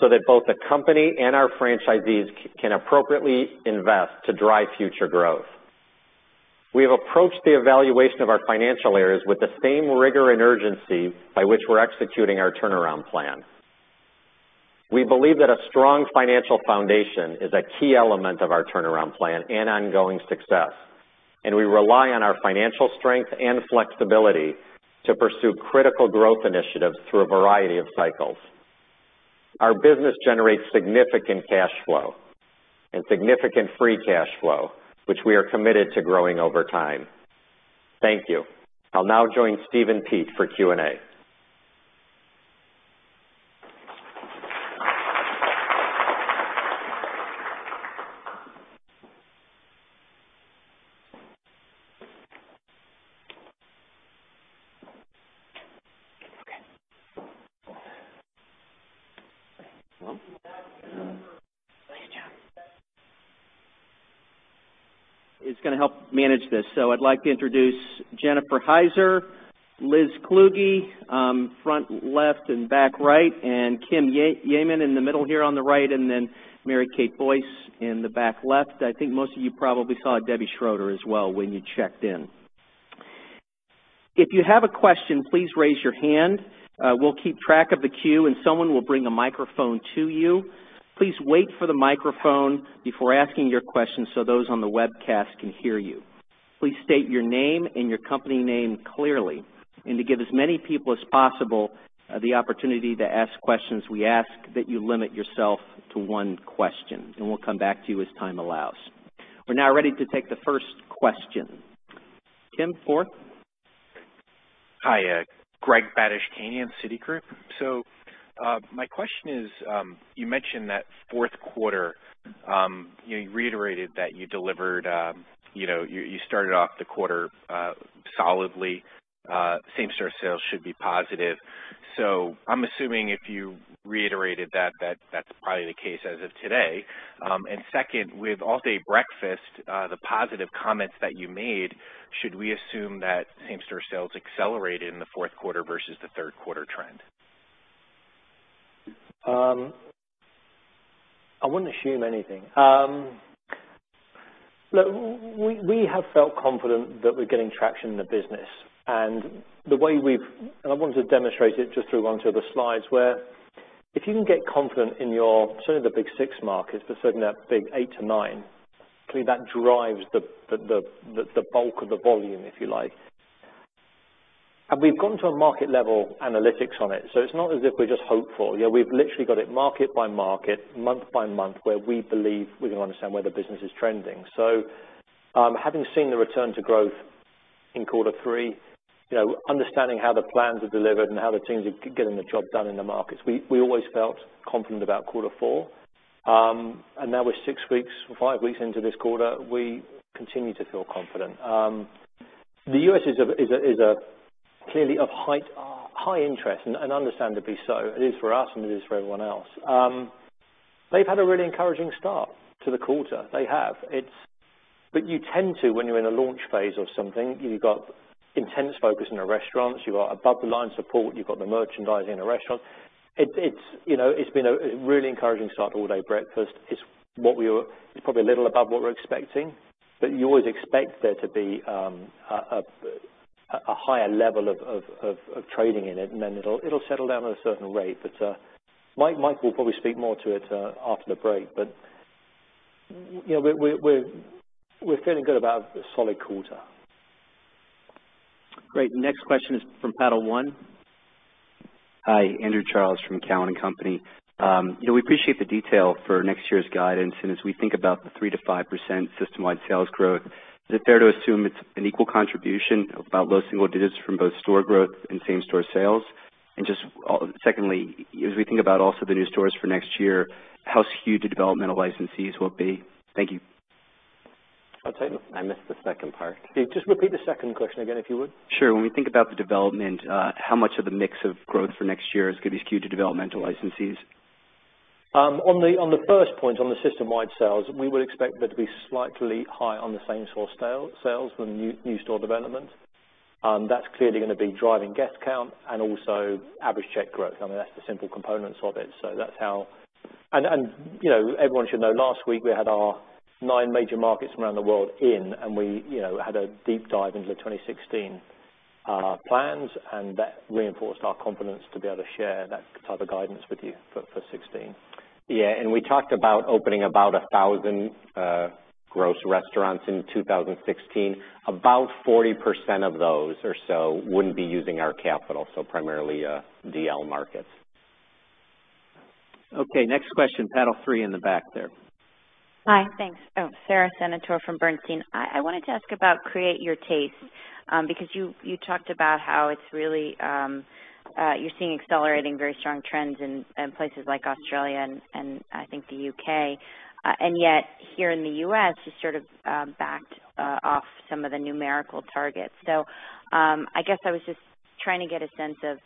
so that both the company and our franchisees can appropriately invest to drive future growth. We have approached the evaluation of our financial areas with the same rigor and urgency by which we're executing our turnaround plan. We believe that a strong financial foundation is a key element of our turnaround plan and ongoing success. We rely on our financial strength and flexibility to pursue critical growth initiatives through a variety of cycles. Our business generates significant cash flow and significant free cash flow, which we are committed to growing over time. Thank you. I'll now join Steve and Pete for Q&A. Okay. Well, thank you. Is going to help manage this. I'd like to introduce Jennifer Heiser, Liz Kluge, front left and back right, and Kim Yeaman in the middle here on the right, and then Mary Kate Boyce in the back left. I think most of you probably saw Debbie Schroeder as well when you checked in. If you have a question, please raise your hand. We'll keep track of the queue, and someone will bring a microphone to you. Please wait for the microphone before asking your question so those on the webcast can hear you. Please state your name and your company name clearly. To give as many people as possible the opportunity to ask questions, we ask that you limit yourself to one question, and we'll come back to you as time allows. We're now ready to take the first question. Tim Ford. Hi. Greg Badishkanian, Citi. My question is, you mentioned that fourth quarter, you reiterated that you started off the quarter solidly. Same-store sales should be positive. I'm assuming if you reiterated that's probably the case as of today. Second, with All Day Breakfast, the positive comments that you made, should we assume that same-store sales accelerated in the fourth quarter versus the third quarter trend? I wouldn't assume anything. Look, we have felt confident that we're getting traction in the business. I wanted to demonstrate it just through one, two other slides where if you can get confident in your, certainly the big six markets, but certainly that big eight to nine, clearly that drives the bulk of the volume, if you like. We've gone to a market level analytics on it, so it's not as if we're just hopeful. We've literally got it market by market, month by month, where we believe we can understand where the business is trending. Having seen the return to growth in quarter three, understanding how the plans are delivered and how the teams are getting the job done in the markets, we always felt confident about quarter four. Now we're six weeks or five weeks into this quarter, we continue to feel confident. The U.S. is clearly of high interest and understandably so. It is for us and it is for everyone else. They've had a really encouraging start to the quarter. They have. You tend to when you're in a launch phase of something, you've got intense focus in the restaurants, you've got above-the-line support, you've got the merchandising in a restaurant. It's been a really encouraging start to All Day Breakfast. It's probably a little above what we're expecting, you always expect there to be a higher level of trading in it, and then it'll settle down at a certain rate. Mike will probably speak more to it after the break. We're feeling good about a solid quarter. Great. Next question is from Panel One. Hi, Andrew Charles from Cowen and Company. We appreciate the detail for next year's guidance. As we think about the 3%-5% system-wide sales growth, is it fair to assume it's an equal contribution of about low single digits from both store growth and same-store sales? Just secondly, as we think about also the new stores for next year, how skewed to developmental licensees will it be? Thank you. I'm sorry. I missed the second part. Just repeat the second question again, if you would. Sure. When we think about the development, how much of the mix of growth for next year is going to be skewed to developmental licensees? On the first point, on the system-wide sales, we would expect there to be slightly higher on the same-store sales than new store development. That's clearly going to be driving guest count and also average check growth. I mean, that's the simple components of it. Everyone should know, last week we had our nine major markets from around the world in, and we had a deep dive into the 2016 plans, and that reinforced our confidence to be able to share that type of guidance with you for 2016. Yeah, we talked about opening about 1,000 gross restaurants in 2016. About 40% of those or so wouldn't be using our capital, so primarily DL markets. Okay, next question, panel 3 in the back there. Hi, thanks. Sara Senatore from Bernstein. I wanted to ask about Create Your Taste because you talked about how you're seeing accelerating very strong trends in places like Australia and I think the U.K. Yet here in the U.S., you sort of backed off some of the numerical targets. I guess I was just trying to get a sense of,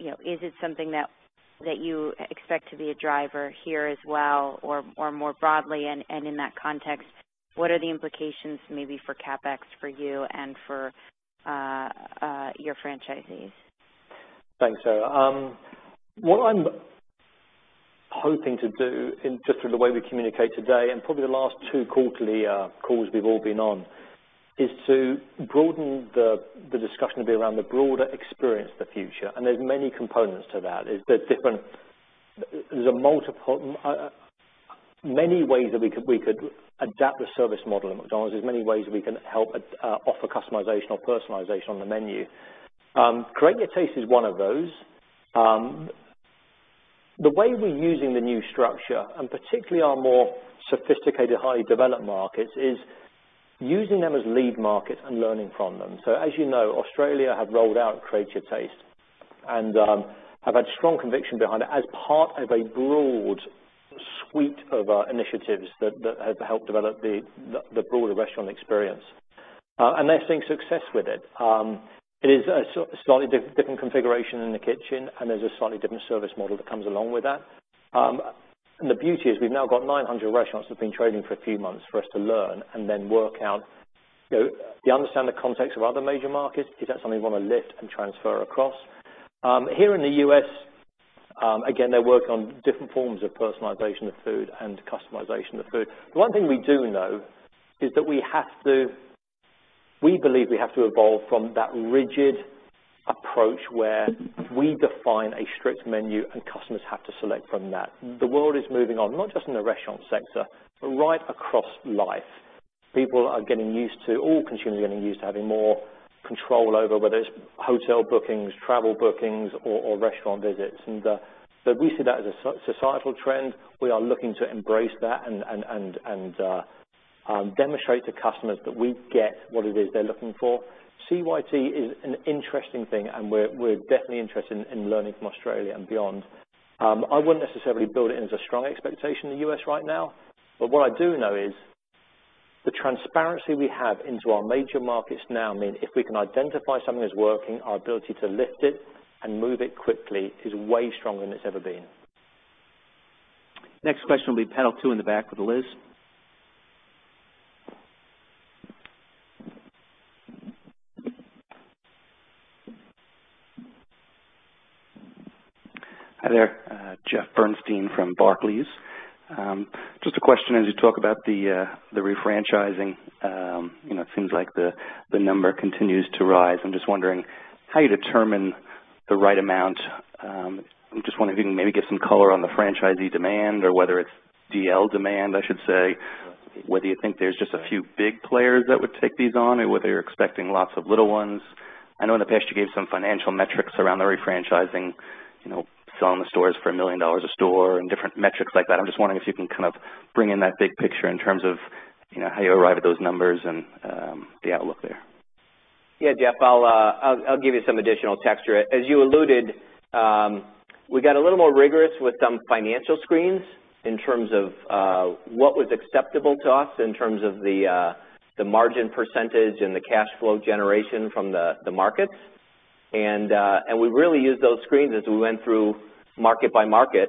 is it something that you expect to be a driver here as well or more broadly? In that context, what are the implications maybe for CapEx for you and for your franchisees? Thanks, Sara. What I'm hoping to do, just through the way we communicate today and probably the last two quarterly calls we've all been on, is to broaden the discussion to be around the broader Experience of the Future, and there's many components to that. There's many ways that we could adapt the service model at McDonald's. There's many ways we can help offer customization or personalization on the menu. Create Your Taste is one of those. The way we're using the new structure, particularly our more sophisticated, highly developed markets, is using them as lead markets and learning from them. As you know, Australia have rolled out Create Your Taste and have had strong conviction behind it as part of a broad suite of initiatives that have helped develop the broader restaurant experience. They're seeing success with it. It is a slightly different configuration in the kitchen, there's a slightly different service model that comes along with that. The beauty is we've now got 900 restaurants that have been trading for a few months for us to learn and then work out. Do you understand the context of other major markets? Is that something we want to lift and transfer across? Here in the U.S. Again, they're working on different forms of personalization of food and customization of food. The one thing we do know is that we believe we have to evolve from that rigid approach where we define a strict menu, and customers have to select from that. The world is moving on, not just in the restaurant sector, but right across life. People are getting used to, all consumers are getting used to having more control over whether it's hotel bookings, travel bookings, or restaurant visits. We see that as a societal trend. We are looking to embrace that and demonstrate to customers that we get what it is they're looking for. CYT is an interesting thing, and we're definitely interested in learning from Australia and beyond. I wouldn't necessarily build it in as a strong expectation in the U.S. right now. What I do know is the transparency we have into our major markets now mean if we can identify something that's working, our ability to lift it and move it quickly is way stronger than it's ever been. Next question will be panel two in the back with Liz. Hi there. Jeffrey Bernstein from Barclays. Just a question, as you talk about the refranchising. It seems like the number continues to rise. I'm just wondering how you determine the right amount. I'm just wondering if you can maybe give some color on the franchisee demand or whether it's DL demand, I should say. Whether you think there's just a few big players that would take these on, or whether you're expecting lots of little ones. I know in the past you gave some financial metrics around the refranchising, selling the stores for $1 million a store and different metrics like that. I'm just wondering if you can kind of bring in that big picture in terms of how you arrive at those numbers and the outlook there. Yeah, Jeff, I'll give you some additional texture. As you alluded, we got a little more rigorous with some financial screens in terms of what was acceptable to us in terms of the margin percentage and the cash flow generation from the markets. We really used those screens as we went through market by market.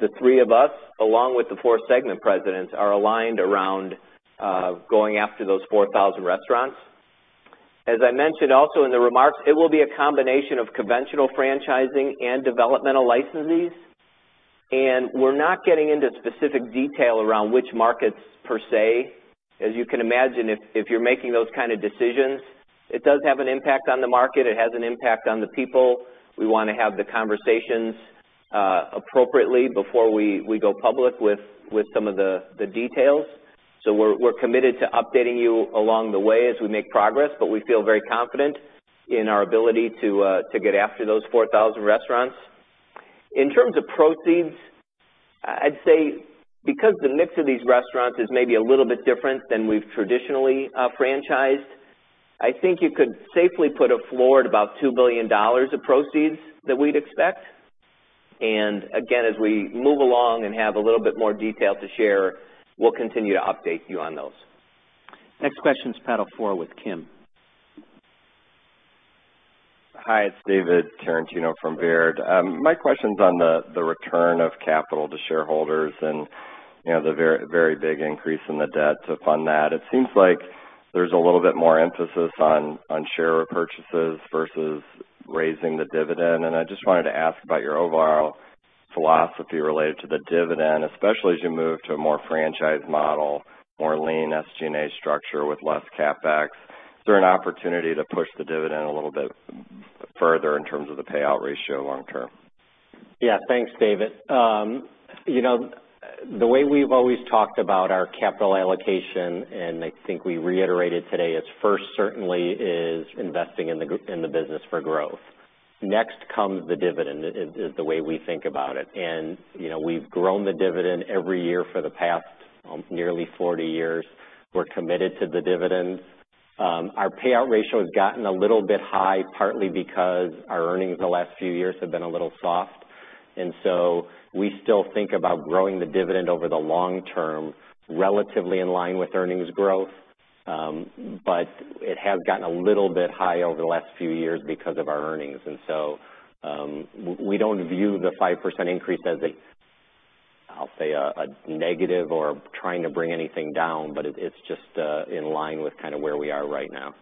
The three of us, along with the four segment presidents, are aligned around going after those 4,000 restaurants. As I mentioned also in the remarks, it will be a combination of conventional franchising and developmental licensees. We're not getting into specific detail around which markets, per se. As you can imagine, if you're making those kind of decisions, it does have an impact on the market. It has an impact on the people. We want to have the conversations appropriately before we go public with some of the details. We're committed to updating you along the way as we make progress, we feel very confident in our ability to get after those 4,000 restaurants. In terms of proceeds, I'd say because the mix of these restaurants is maybe a little bit different than we've traditionally franchised, I think you could safely put a floor at about $2 billion of proceeds that we'd expect. Again, as we move along and have a little bit more detail to share, we'll continue to update you on those. Next question is panel four with Kim. Hi, it's David Tarantino from Baird. My question's on the return of capital to shareholders and the very big increase in the debt to fund that. It seems like there's a little bit more emphasis on share repurchases versus raising the dividend. I just wanted to ask about your overall philosophy related to the dividend, especially as you move to a more franchised model, more lean SG&A structure with less CapEx. Is there an opportunity to push the dividend a little bit further in terms of the payout ratio long term? Yeah, thanks, David. The way we've always talked about our capital allocation, I think we reiterated today, is first certainly is investing in the business for growth. Next comes the dividend is the way we think about it. We've grown the dividend every year for the past nearly 40 years. We're committed to the dividend. Our payout ratio has gotten a little bit high, partly because our earnings the last few years have been a little soft. We still think about growing the dividend over the long term, relatively in line with earnings growth. It has gotten a little bit high over the last few years because of our earnings. We don't view the 5% increase as, I'll say, a negative or trying to bring anything down, it's just in line with kind of where we are right now.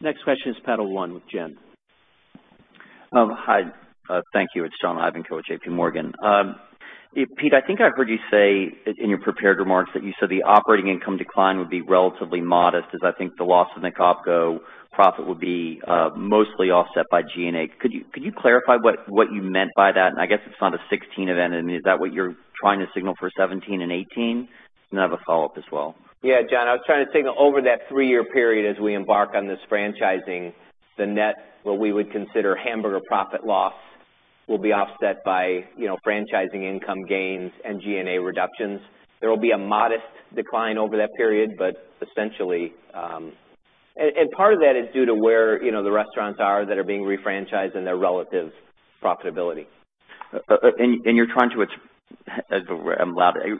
Next question is Panel One with Jim. Hi. Thank you. It's John Ivankoe with JPMorgan. Pete, I think I heard you say in your prepared remarks that you said the operating income decline would be relatively modest as I think the loss in the McOpCo profit would be mostly offset by G&A. Could you clarify what you meant by that? I guess it's not a 2016 event. Is that what you're trying to signal for 2017 and 2018? I have a follow-up as well. Yeah, John, I was trying to signal over that three-year period as we embark on this franchising, the net, what we would consider hamburger profit loss, will be offset by franchising income gains and G&A reductions. There will be a modest decline over that period. Part of that is due to where the restaurants are that are being refranchised and their relative profitability.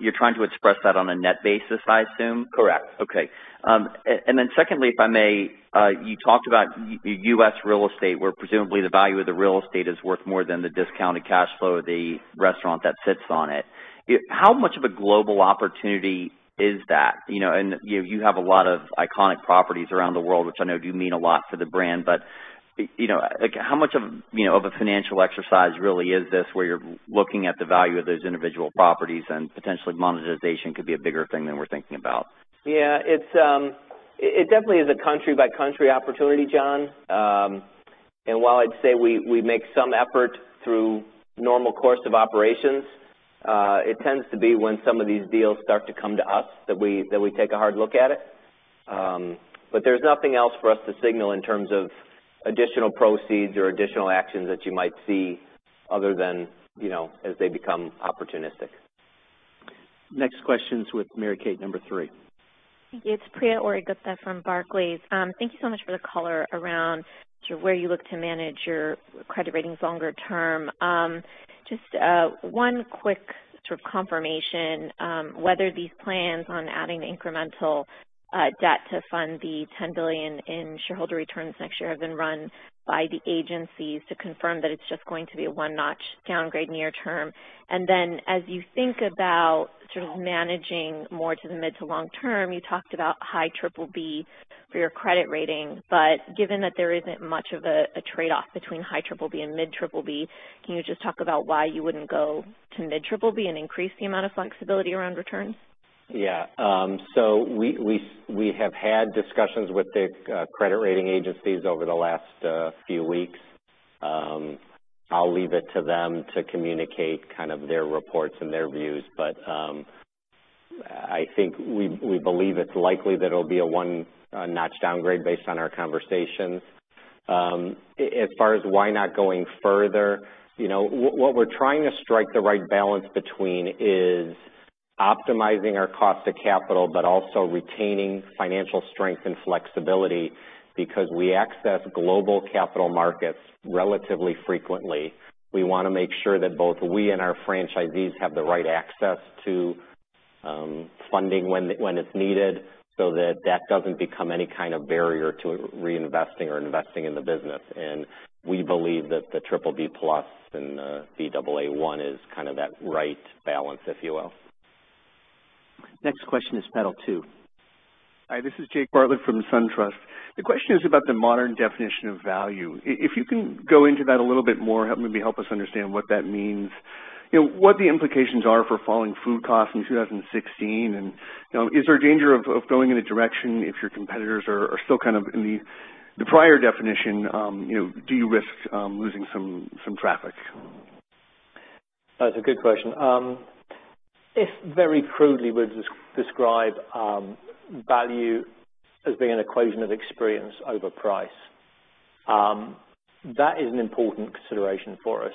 You're trying to express that on a net basis, I assume? Correct. Okay. Secondly, if I may, you talked about U.S. real estate, where presumably the value of the real estate is worth more than the discounted cash flow of the restaurant that sits on it. How much of a global opportunity is that? You have a lot of iconic properties around the world, which I know do mean a lot for the brand, How much of a financial exercise really is this, where you're looking at the value of those individual properties and potentially monetization could be a bigger thing than we're thinking about? It definitely is a country-by-country opportunity, John. While I'd say we make some effort through normal course of operations, it tends to be when some of these deals start to come to us that we take a hard look at it. There's nothing else for us to signal in terms of additional proceeds or additional actions that you might see other than as they become opportunistic. Next question is with Mary Kate, number three. Priya Ohri-Gupta from Barclays. Thank you so much for the color around sort of where you look to manage your credit ratings longer term. Just one quick sort of confirmation, whether these plans on adding the incremental debt to fund the $10 billion in shareholder returns next year have been run by the agencies to confirm that it's just going to be a one-notch downgrade near term. As you think about sort of managing more to the mid-to-long term, you talked about high BBB for your credit rating, but given that there isn't much of a trade-off between high BBB and mid BBB, can you just talk about why you wouldn't go to mid BBB and increase the amount of flexibility around returns? Yeah. We have had discussions with the credit rating agencies over the last few weeks. I'll leave it to them to communicate kind of their reports and their views. I think we believe it's likely that it'll be a one-notch downgrade based on our conversations. As far as why not going further, what we're trying to strike the right balance between is optimizing our cost to capital, but also retaining financial strength and flexibility, because we access global capital markets relatively frequently. We want to make sure that both we and our franchisees have the right access to funding when it's needed, so that that doesn't become any kind of barrier to reinvesting or investing in the business. We believe that the BBB+ and the Baa1 is kind of that right balance, if you will. Next question is panel 2. Hi, this is Jake Bartlett from SunTrust. The question is about the modern definition of value. If you can go into that a little bit more, maybe help us understand what that means. What the implications are for falling food costs in 2016, is there a danger of going in a direction if your competitors are still kind of in the prior definition, do you risk losing some traffic? That's a good question. If very crudely we're to describe value as being an equation of experience over price, that is an important consideration for us.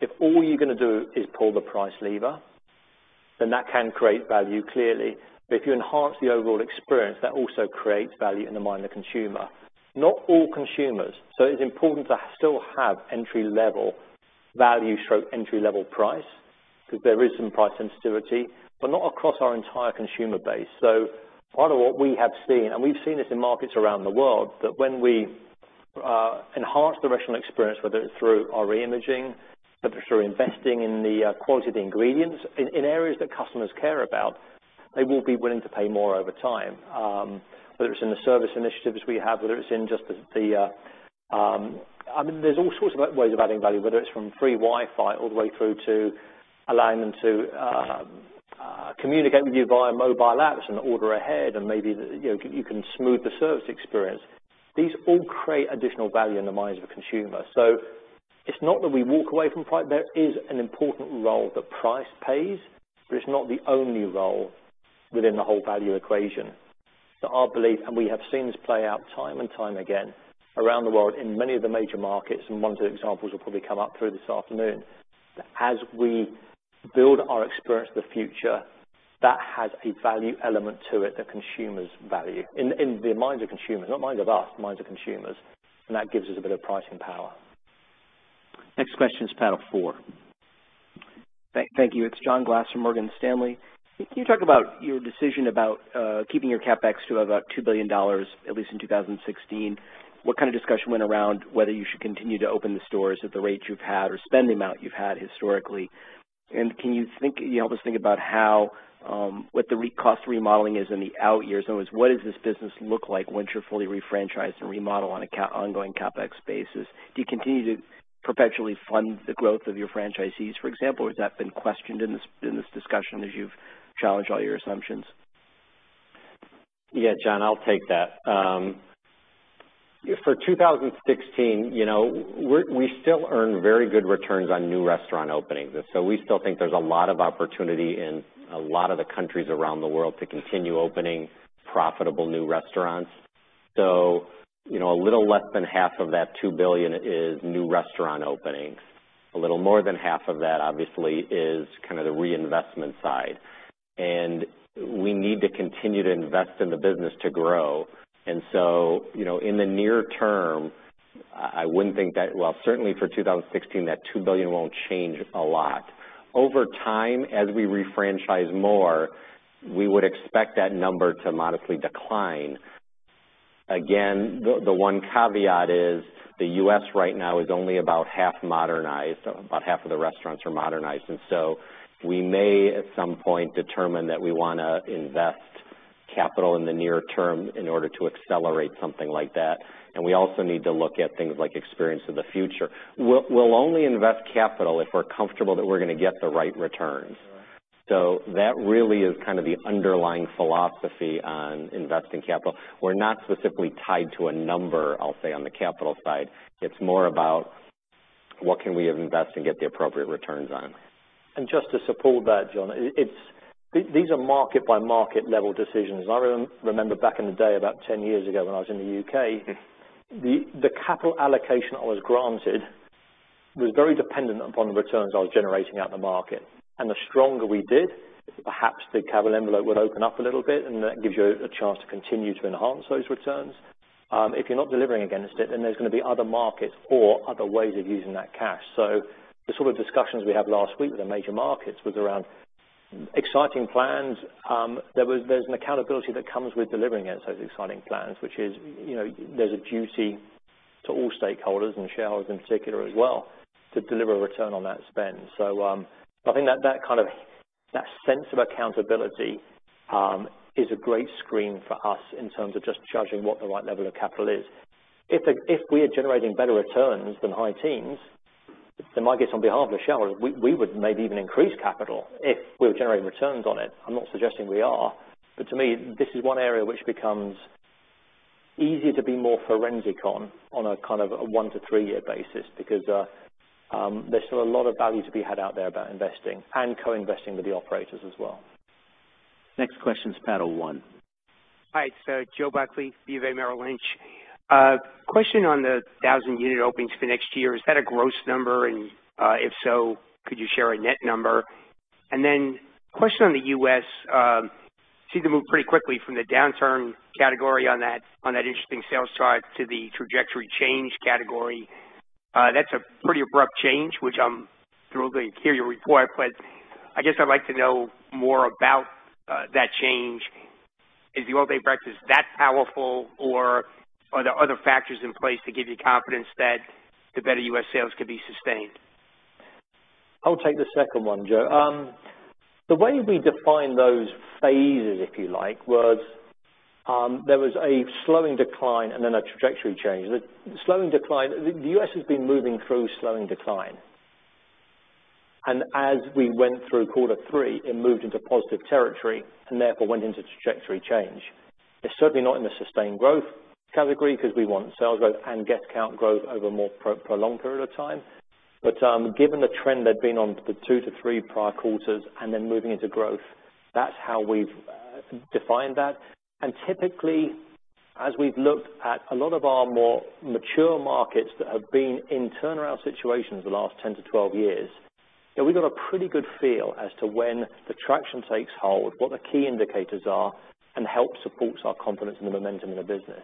If all you're going to do is pull the price lever, then that can create value, clearly. If you enhance the overall experience, that also creates value in the mind of the consumer. Not all consumers. It's important to still have entry-level value/entry-level price, because there is some price sensitivity, but not across our entire consumer base. Part of what we have seen, and we've seen this in markets around the world, that when we enhance the restaurant experience, whether it's through our reimaging, whether it's through investing in the quality of the ingredients in areas that customers care about, they will be willing to pay more over time. Whether it's in the service initiatives we have, whether it's in just the I mean, there's all sorts of ways of adding value, whether it's from free Wi-Fi all the way through to allowing them to communicate with you via mobile apps and order ahead and maybe you can smooth the service experience. These all create additional value in the minds of a consumer. It's not that we walk away from price. There is an important role that price plays, but it's not the only role within the whole value equation. Our belief, and we have seen this play out time and time again around the world in many of the major markets, and ones with examples will probably come up through this afternoon, that as we build our Experience of the Future, that has a value element to it that consumers value. In the minds of consumers, not minds of us, minds of consumers, and that gives us a bit of pricing power. Next question is panel four. Thank you. It's John Glass from Morgan Stanley. Can you talk about your decision about keeping your CapEx to about $2 billion, at least in 2016? What kind of discussion went around whether you should continue to open the stores at the rates you've had or spend the amount you've had historically? Can you help us think about what the cost remodeling is in the out years? In other words, what does this business look like once you're fully re-franchised and remodel on an ongoing CapEx basis? Do you continue to perpetually fund the growth of your franchisees, for example? Has that been questioned in this discussion as you've challenged all your assumptions? Yeah, John, I'll take that. For 2016, we still earn very good returns on new restaurant openings. We still think there's a lot of opportunity in a lot of the countries around the world to continue opening profitable new restaurants. A little less than half of that $2 billion is new restaurant openings. A little more than half of that, obviously, is kind of the reinvestment side. We need to continue to invest in the business to grow. In the near term, I wouldn't think that Well, certainly for 2016, that $2 billion won't change a lot. Over time, as we re-franchise more, we would expect that number to modestly decline. Again, the one caveat is the U.S. right now is only about half modernized. About half of the restaurants are modernized. We may at some point determine that we want to invest capital in the near term in order to accelerate something like that. We also need to look at things like Experience of the Future. We'll only invest capital if we're comfortable that we're going to get the right returns. That really is the underlying philosophy on investing capital. We're not specifically tied to a number, I'll say, on the capital side. It's more about what can we invest and get the appropriate returns on. Just to support that, John, these are market-by-market level decisions. I remember back in the day, about 10 years ago when I was in the U.K. the capital allocation I was granted was very dependent upon the returns I was generating out in the market. The stronger we did, perhaps the capital envelope would open up a little bit, and that gives you a chance to continue to enhance those returns. If you're not delivering against it, then there's going to be other markets or other ways of using that cash. The sort of discussions we had last week with the major markets was around exciting plans. There's an accountability that comes with delivering against those exciting plans, which is, there's a duty to all stakeholders, and shareholders in particular as well, to deliver a return on that spend. I think that sense of accountability is a great screen for us in terms of just judging what the right level of capital is. If we are generating better returns than high teens, I guess on behalf of the shareholders, we would maybe even increase capital if we were generating returns on it. I'm not suggesting we are, but to me, this is one area which becomes easier to be more forensic on a 1-3-year basis because there's still a lot of value to be had out there about investing and co-investing with the operators as well. Next question is Panel One. Hi, Joe Buckley, BofA Merrill Lynch. Question on the 1,000 unit openings for next year, is that a gross number? If so, could you share a net number? Then question on the U.S., seem to move pretty quickly from the downturn category on that interesting sales chart to the trajectory change category. That's a pretty abrupt change, which I'm thrilled to hear your report, but I guess I'd like to know more about that change. Is the All Day Breakfast that powerful, or are there other factors in place to give you confidence that the better U.S. sales could be sustained? I'll take the second one, Joe. The way we define those phases, if you like, was, there was a slowing decline and then a trajectory change. The slowing decline, the U.S. has been moving through slowing decline. As we went through quarter three, it moved into positive territory and therefore went into trajectory change. It's certainly not in the sustained growth category because we want sales growth and guest count growth over a more prolonged period of time. Given the trend they'd been on for two to three prior quarters and then moving into growth, that's how we've defined that. Typically, as we've looked at a lot of our more mature markets that have been in turnaround situations the last 10 to 12 years, we've got a pretty good feel as to when the traction takes hold, what the key indicators are, and helps supports our confidence in the momentum of the business.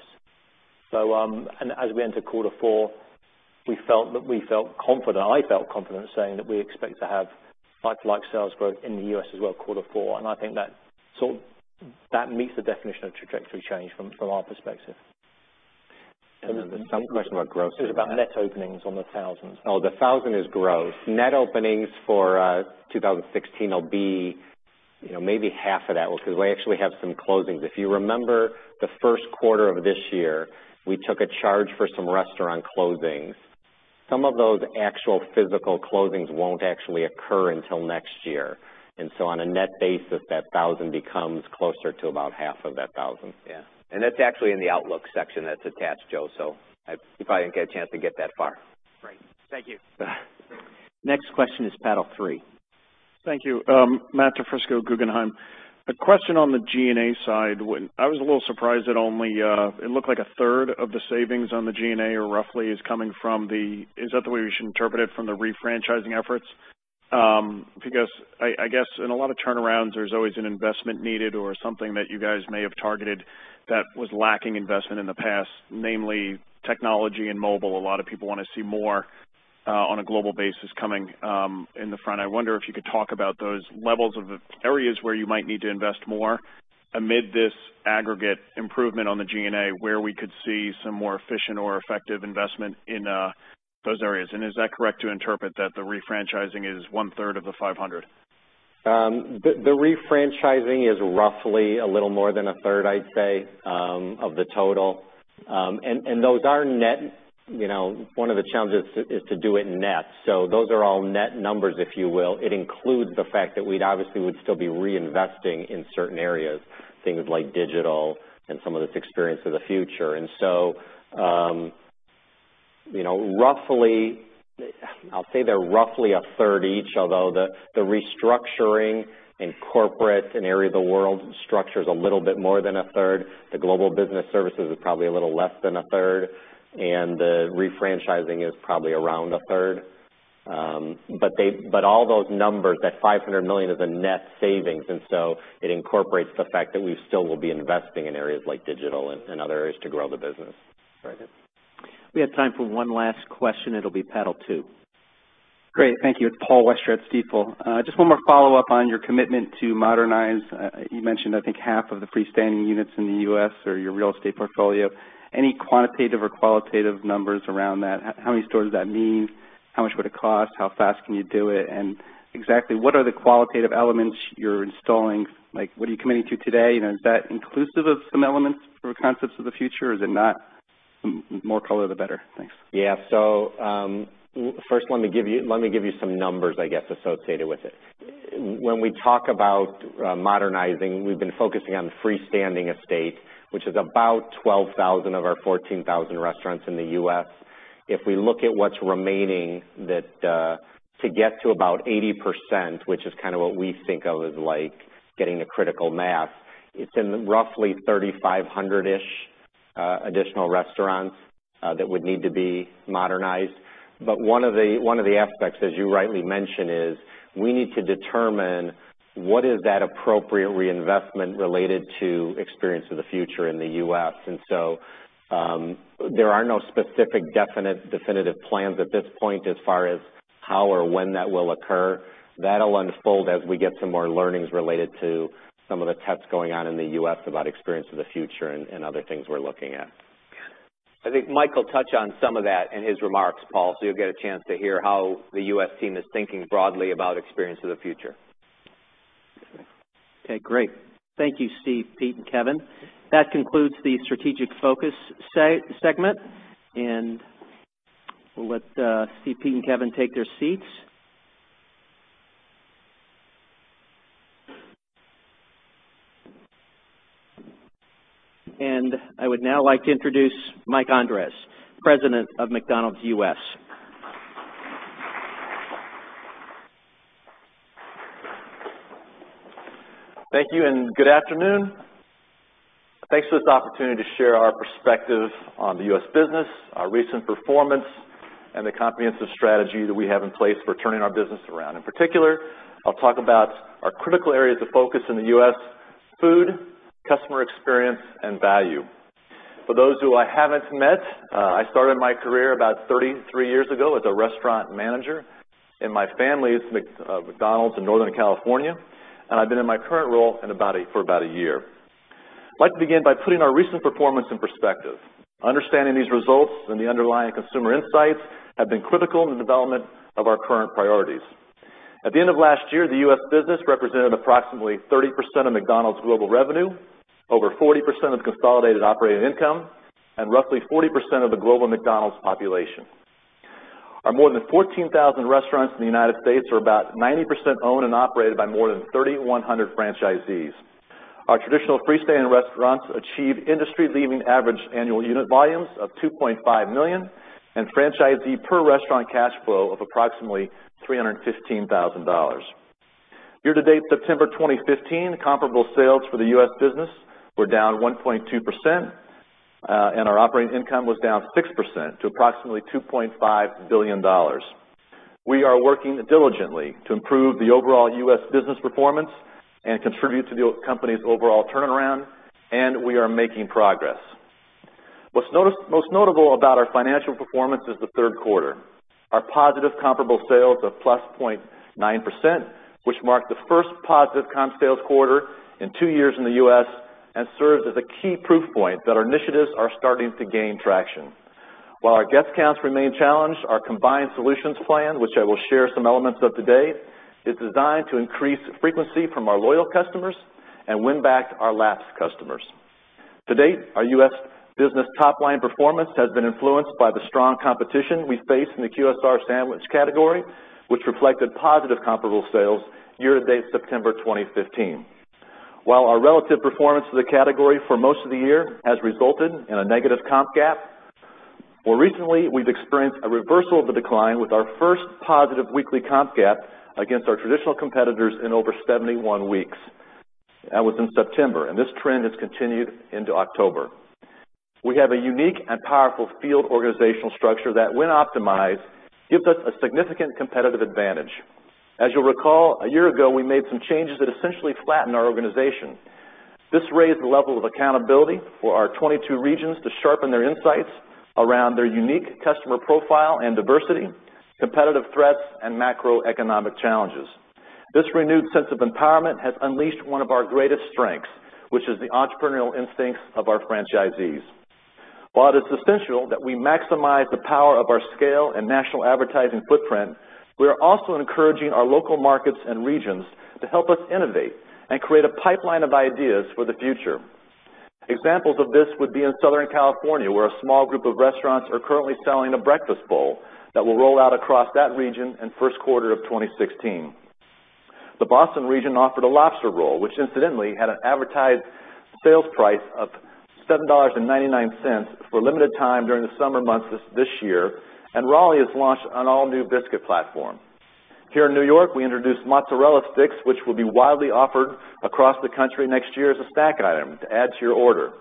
As we enter quarter four, I felt confident saying that we expect to have like-to-like sales growth in the U.S. as well quarter four. I think that meets the definition of trajectory change from our perspective. Then some question about gross. It was about net openings on the thousands. The 1,000 is gross. Net openings for 2016 will be maybe half of that because we actually have some closings. If you remember the first quarter of this year, we took a charge for some restaurant closings. Some of those actual physical closings won't actually occur until next year. On a net basis, that 1,000 becomes closer to about half of that 1,000. Yeah. That's actually in the outlook section that's attached, Joe, so if I didn't get a chance to get that far. Great. Thank you. Next question is Panel three. Thank you. Matthew DiFrisco, Guggenheim. A question on the G&A side. I was a little surprised that only, it looked like a third of the savings on the G&A, or roughly, is coming from the Is that the way we should interpret it from the refranchising efforts? Because I guess in a lot of turnarounds, there's always an investment needed or something that you guys may have targeted that was lacking investment in the past, namely technology and mobile. A lot of people want to see more, on a global basis coming in the front. I wonder if you could talk about those levels of areas where you might need to invest more amid this aggregate improvement on the G&A, where we could see some more efficient or effective investment in those areas. Is that correct to interpret that the refranchising is one-third of the $500? The refranchising is roughly a little more than a third, I'd say, of the total. Those are net. One of the challenges is to do it net. Those are all net numbers, if you will. It includes the fact that we'd obviously would still be reinvesting in certain areas, things like digital and some of this Experience of the Future. I'll say they're roughly a third each, although the restructuring in corporate and area of the world structure's a little bit more than a third. The global business services is probably a little less than a third, and the refranchising is probably around a third. But all those numbers, that $500 million is a net savings. It incorporates the fact that we still will be investing in areas like digital and other areas to grow the business. Right. We have time for one last question. It'll be Panel Two. Great, thank you. It's Paul Westra at Stifel. Just one more follow-up on your commitment to modernize. You mentioned, I think, half of the freestanding units in the U.S. or your real estate portfolio. Any quantitative or qualitative numbers around that? How many stores does that mean? How much would it cost? How fast can you do it? Exactly what are the qualitative elements you're installing? What are you committing to today? Is that inclusive of some elements for the Experience of the Future, or is it not? More color, the better. Thanks. First, let me give you some numbers, I guess, associated with it. When we talk about modernizing, we've been focusing on freestanding estate, which is about 12,000 of our 14,000 restaurants in the U.S. If we look at what's remaining, to get to about 80%, which is what we think of as getting a critical mass, it's in roughly 3,500-ish additional restaurants that would need to be modernized. One of the aspects, as you rightly mention, is we need to determine what is that appropriate reinvestment related to Experience of the Future in the U.S. There are no specific definitive plans at this point as far as how or when that will occur. That'll unfold as we get some more learnings related to some of the tests going on in the U.S. about Experience of the Future and other things we're looking at. Okay. I think Mike will touch on some of that in his remarks, Paul. You'll get a chance to hear how the U.S. team is thinking broadly about Experience of the Future. Okay, great. Thank you, Steve, Pete, and Kevin. That concludes the strategic focus segment. We'll let Steve, Pete, and Kevin take their seats. I would now like to introduce Mike Andres, President of McDonald's U.S. Thank you and good afternoon. Thanks for this opportunity to share our perspective on the U.S. business, our recent performance, and the comprehensive strategy that we have in place for turning our business around. In particular, I'll talk about our critical areas of focus in the U.S.: food, customer experience, and value. For those who I haven't met, I started my career about 33 years ago as a restaurant manager in my family's McDonald's in Northern California, and I've been in my current role for about a year. I'd like to begin by putting our recent performance in perspective. Understanding these results and the underlying consumer insights have been critical in the development of our current priorities. At the end of last year, the U.S. business represented approximately 30% of McDonald's global revenue, over 40% of consolidated operating income, and roughly 40% of the global McDonald's population. Our more than 14,000 restaurants in the United States are about 90% owned and operated by more than 3,100 franchisees. Our traditional freestanding restaurants achieve industry-leading average annual unit volumes of 2.5 million and franchisee per restaurant cash flow of approximately $315,000. Year-to-date September 2015, comparable sales for the U.S. business were down 1.2%, and our operating income was down 6% to approximately $2.5 billion. We are working diligently to improve the overall U.S. business performance and contribute to the company's overall turnaround, and we are making progress. What's most notable about our financial performance is the third quarter. Our positive comparable sales of plus 0.9%, which marked the first positive comp sales quarter in two years in the U.S., and serves as a key proof point that our initiatives are starting to gain traction. While our guest counts remain challenged, our combined solutions plan, which I'll share some elements of today, is designed to increase frequency from our loyal customers and win back our lapsed customers. To date, our U.S. business top-line performance has been influenced by the strong competition we face in the QSR sandwich category, which reflected positive comparable sales year-to-date September 2015. While our relative performance to the category for most of the year has resulted in a negative comp gap, more recently we've experienced a reversal of the decline with our first positive weekly comp gap against our traditional competitors in over 71 weeks. That was in September. This trend has continued into October. We have a unique and powerful field organizational structure that, when optimized, gives us a significant competitive advantage. As you'll recall, a year ago we made some changes that essentially flattened our organization. This raised the level of accountability for our 22 regions to sharpen their insights around their unique customer profile and diversity, competitive threats, and macroeconomic challenges. This renewed sense of empowerment has unleashed one of our greatest strengths, which is the entrepreneurial instincts of our franchisees. While it is essential that we maximize the power of our scale and national advertising footprint, we are also encouraging our local markets and regions to help us innovate and create a pipeline of ideas for the future. Examples of this would be in Southern California, where a small group of restaurants are currently selling a breakfast bowl that will roll out across that region in first quarter of 2016. The Boston region offered a lobster roll, which incidentally had an advertised sales price of $7.99 for a limited time during the summer months this year. Raleigh has launched an all-new biscuit platform. Here in New York, we introduced mozzarella sticks, which will be widely offered across the country next year as a snack item to add to your order.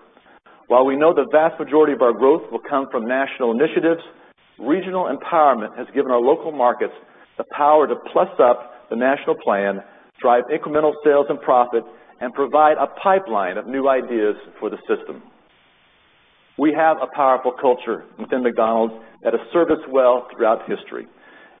While we know the vast majority of our growth will come from national initiatives, regional empowerment has given our local markets the power to plus-up the national plan, drive incremental sales and profit, and provide a pipeline of new ideas for the system. We have a powerful culture within McDonald's that has served us well throughout history.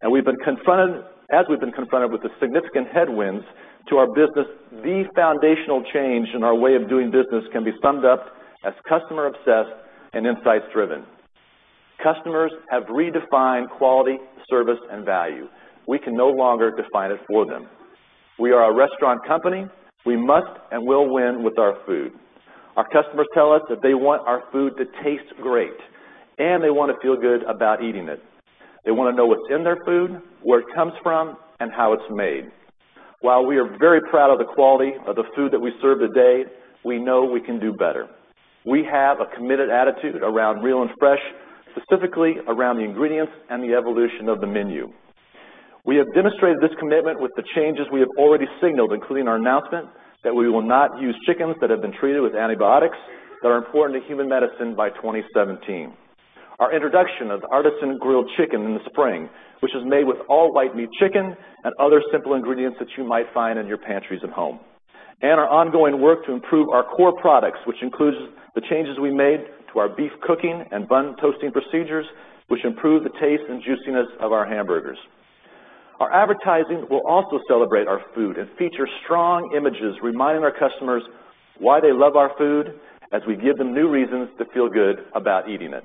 As we've been confronted with the significant headwinds to our business, the foundational change in our way of doing business can be summed up as customer obsessed and insights driven. Customers have redefined quality service and value. We can no longer define it for them. We are a restaurant company. We must and will win with our food. Our customers tell us that they want our food to taste great, and they want to feel good about eating it. They want to know what's in their food, where it comes from, and how it's made. While we are very proud of the quality of the food that we serve today, we know we can do better. We have a committed attitude around real and fresh, specifically around the ingredients and the evolution of the menu. We have demonstrated this commitment with the changes we have already signaled, including our announcement that we will not use chickens that have been treated with antibiotics that are important to human medicine by 2017. Our introduction of Artisan Grilled Chicken in the spring, which is made with all white meat chicken and other simple ingredients that you might find in your pantries at home. Our ongoing work to improve our core products, which includes the changes we made to our beef cooking and bun toasting procedures, which improved the taste and juiciness of our hamburgers. Our advertising will also celebrate our food and feature strong images reminding our customers why they love our food as we give them new reasons to feel good about eating it.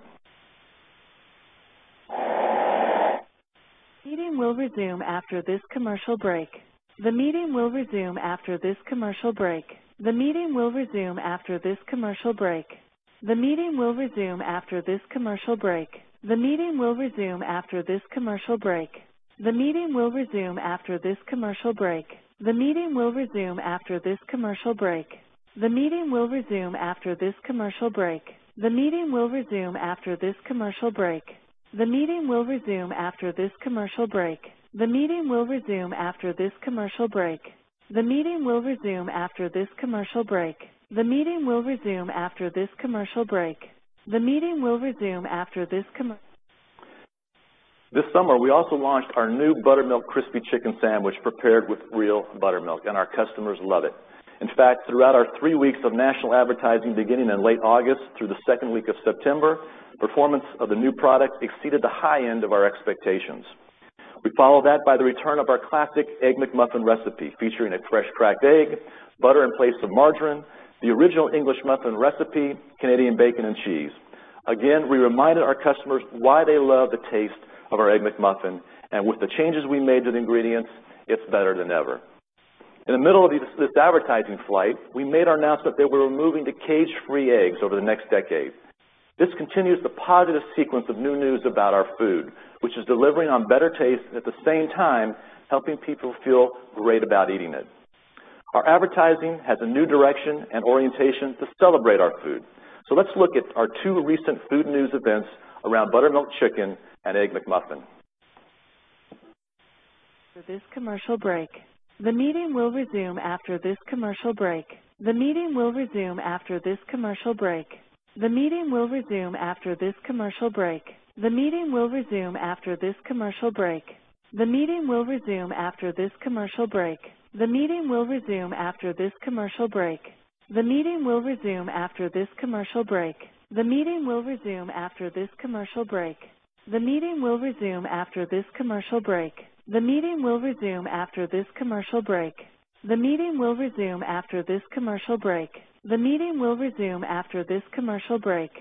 The meeting will resume after this commercial break. performance of the new product exceeded the high end of our expectations. We followed that by the return of our classic Egg McMuffin recipe featuring a fresh cracked egg, butter in place of margarine, the original English muffin recipe, Canadian bacon, and cheese. Again, we reminded our customers why they love the taste of our Egg McMuffin, and with the changes we made to the ingredients, it's better than ever. In the middle of this advertising flight, we made our announcement that we're removing the cage-free eggs over the next decade. This continues the positive sequence of new news about our food, which is delivering on better taste and at the same time helping people feel great about eating it. Our advertising has a new direction and orientation to celebrate our food. Let's look at our two recent food news events around Buttermilk Chicken and Egg McMuffin. After this commercial break. The meeting will resume after this commercial break. The meeting will resume after this commercial break. The meeting will resume after this commercial break. The meeting will resume after this commercial break.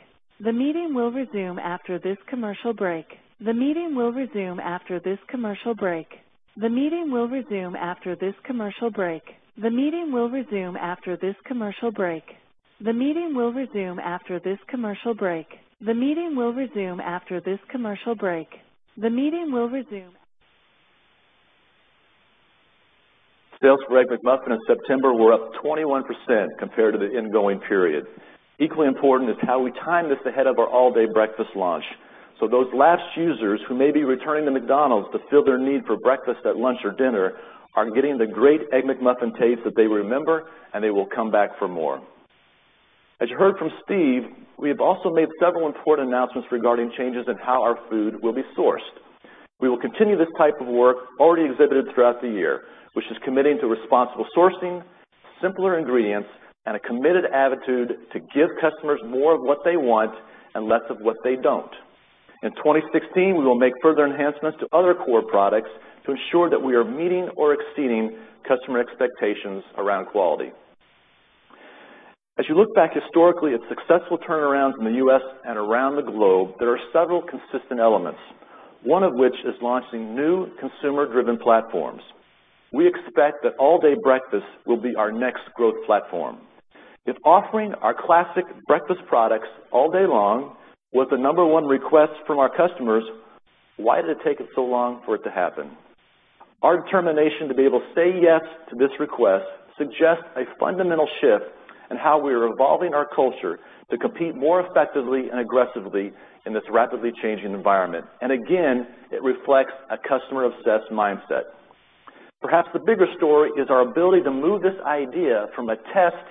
which is committing to responsible sourcing, simpler ingredients, and a committed attitude to give customers more of what they want and less of what they don't. In 2016, we will make further enhancements to other core products to ensure that we are meeting or exceeding customer expectations around quality. As you look back historically at successful turnarounds in the U.S. and around the globe, there are several consistent elements, one of which is launching new consumer-driven platforms. We expect that All Day Breakfast will be our next growth platform. If offering our classic breakfast products all day long was the number one request from our customers, why did it take us so long for it to happen? Our determination to be able to say yes to this request suggests a fundamental shift in how we are evolving our culture to compete more effectively and aggressively in this rapidly changing environment. Again, it reflects a customer-obsessed mindset. Perhaps the bigger story is our ability to move this idea from a test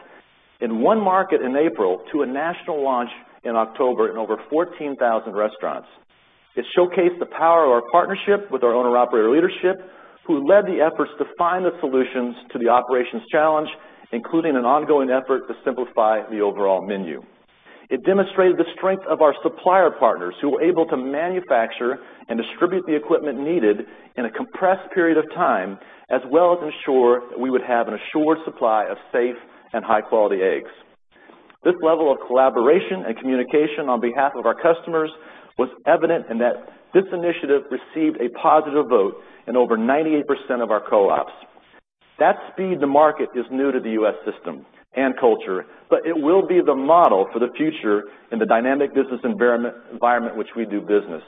in one market in April to a national launch in October in over 14,000 restaurants. It showcased the power of our partnership with our owner operator leadership, who led the efforts to find the solutions to the operations challenge, including an ongoing effort to simplify the overall menu. It demonstrated the strength of our supplier partners who were able to manufacture and distribute the equipment needed in a compressed period of time, as well as ensure that we would have an assured supply of safe and high-quality eggs. This level of collaboration and communication on behalf of our customers was evident in that this initiative received a positive vote in over 98% of our co-ops. That speed to market is new to the U.S. system and culture, it will be the model for the future in the dynamic business environment which we do business.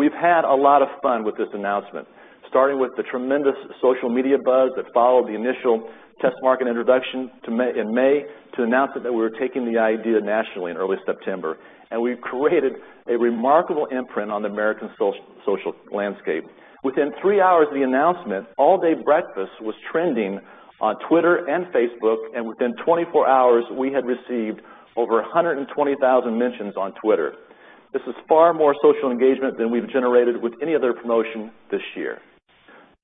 We’ve had a lot of fun with this announcement, starting with the tremendous social media buzz that followed the initial test market introduction in May to announce that we were taking the idea nationally in early September, we created a remarkable imprint on the American social landscape. Within three hours of the announcement, All Day Breakfast was trending on Twitter and Facebook. Within 24 hours, we had received over 120,000 mentions on Twitter. This is far more social engagement than we've generated with any other promotion this year.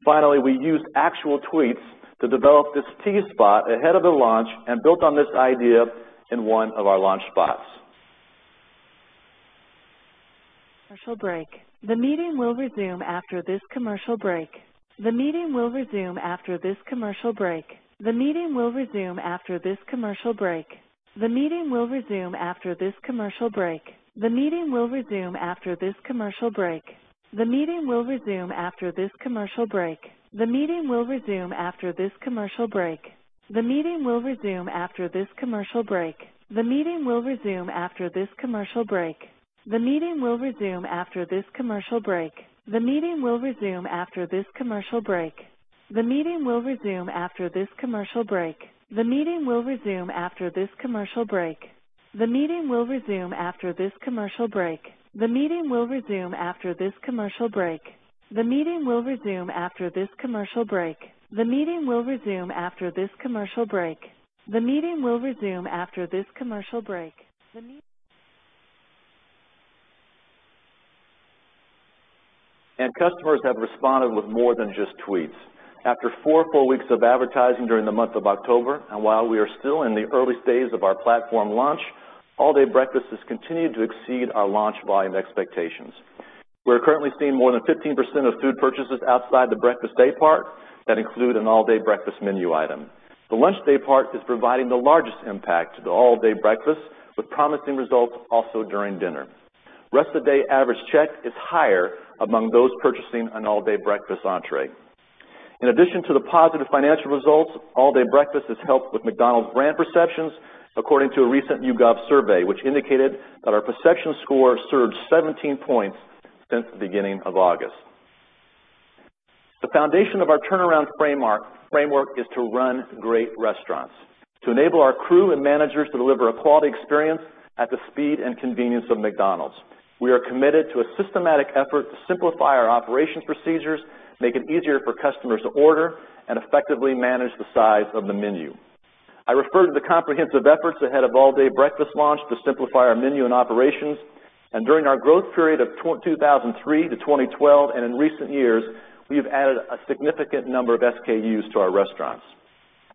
Finally, we used actual tweets to develop this tease spot ahead of the launch and built on this idea in one of our launch spots. All Day Breakfast has continued to exceed our launch volume expectations. We're currently seeing more than 15% of food purchases outside the breakfast day part that include an All Day Breakfast menu item. The lunch day part is providing the largest impact to the All Day Breakfast, with promising results also during dinner. Rest of day average check is higher among those purchasing an All Day Breakfast entree. In addition to the positive financial results, All Day Breakfast has helped with McDonald’s brand perceptions according to a recent YouGov survey, which indicated that our perception score surged 17 points since the beginning of August. The foundation of our turnaround framework is to run great restaurants, to enable our crew and managers to deliver a quality experience at the speed and convenience of McDonald’s. We are committed to a systematic effort to simplify our operations procedures, make it easier for customers to order, and effectively manage the size of the menu. I refer to the comprehensive efforts ahead of All Day Breakfast launch to simplify our menu and operations. During our growth period of 2003 to 2012 and in recent years, we have added a significant number of SKUs to our restaurants.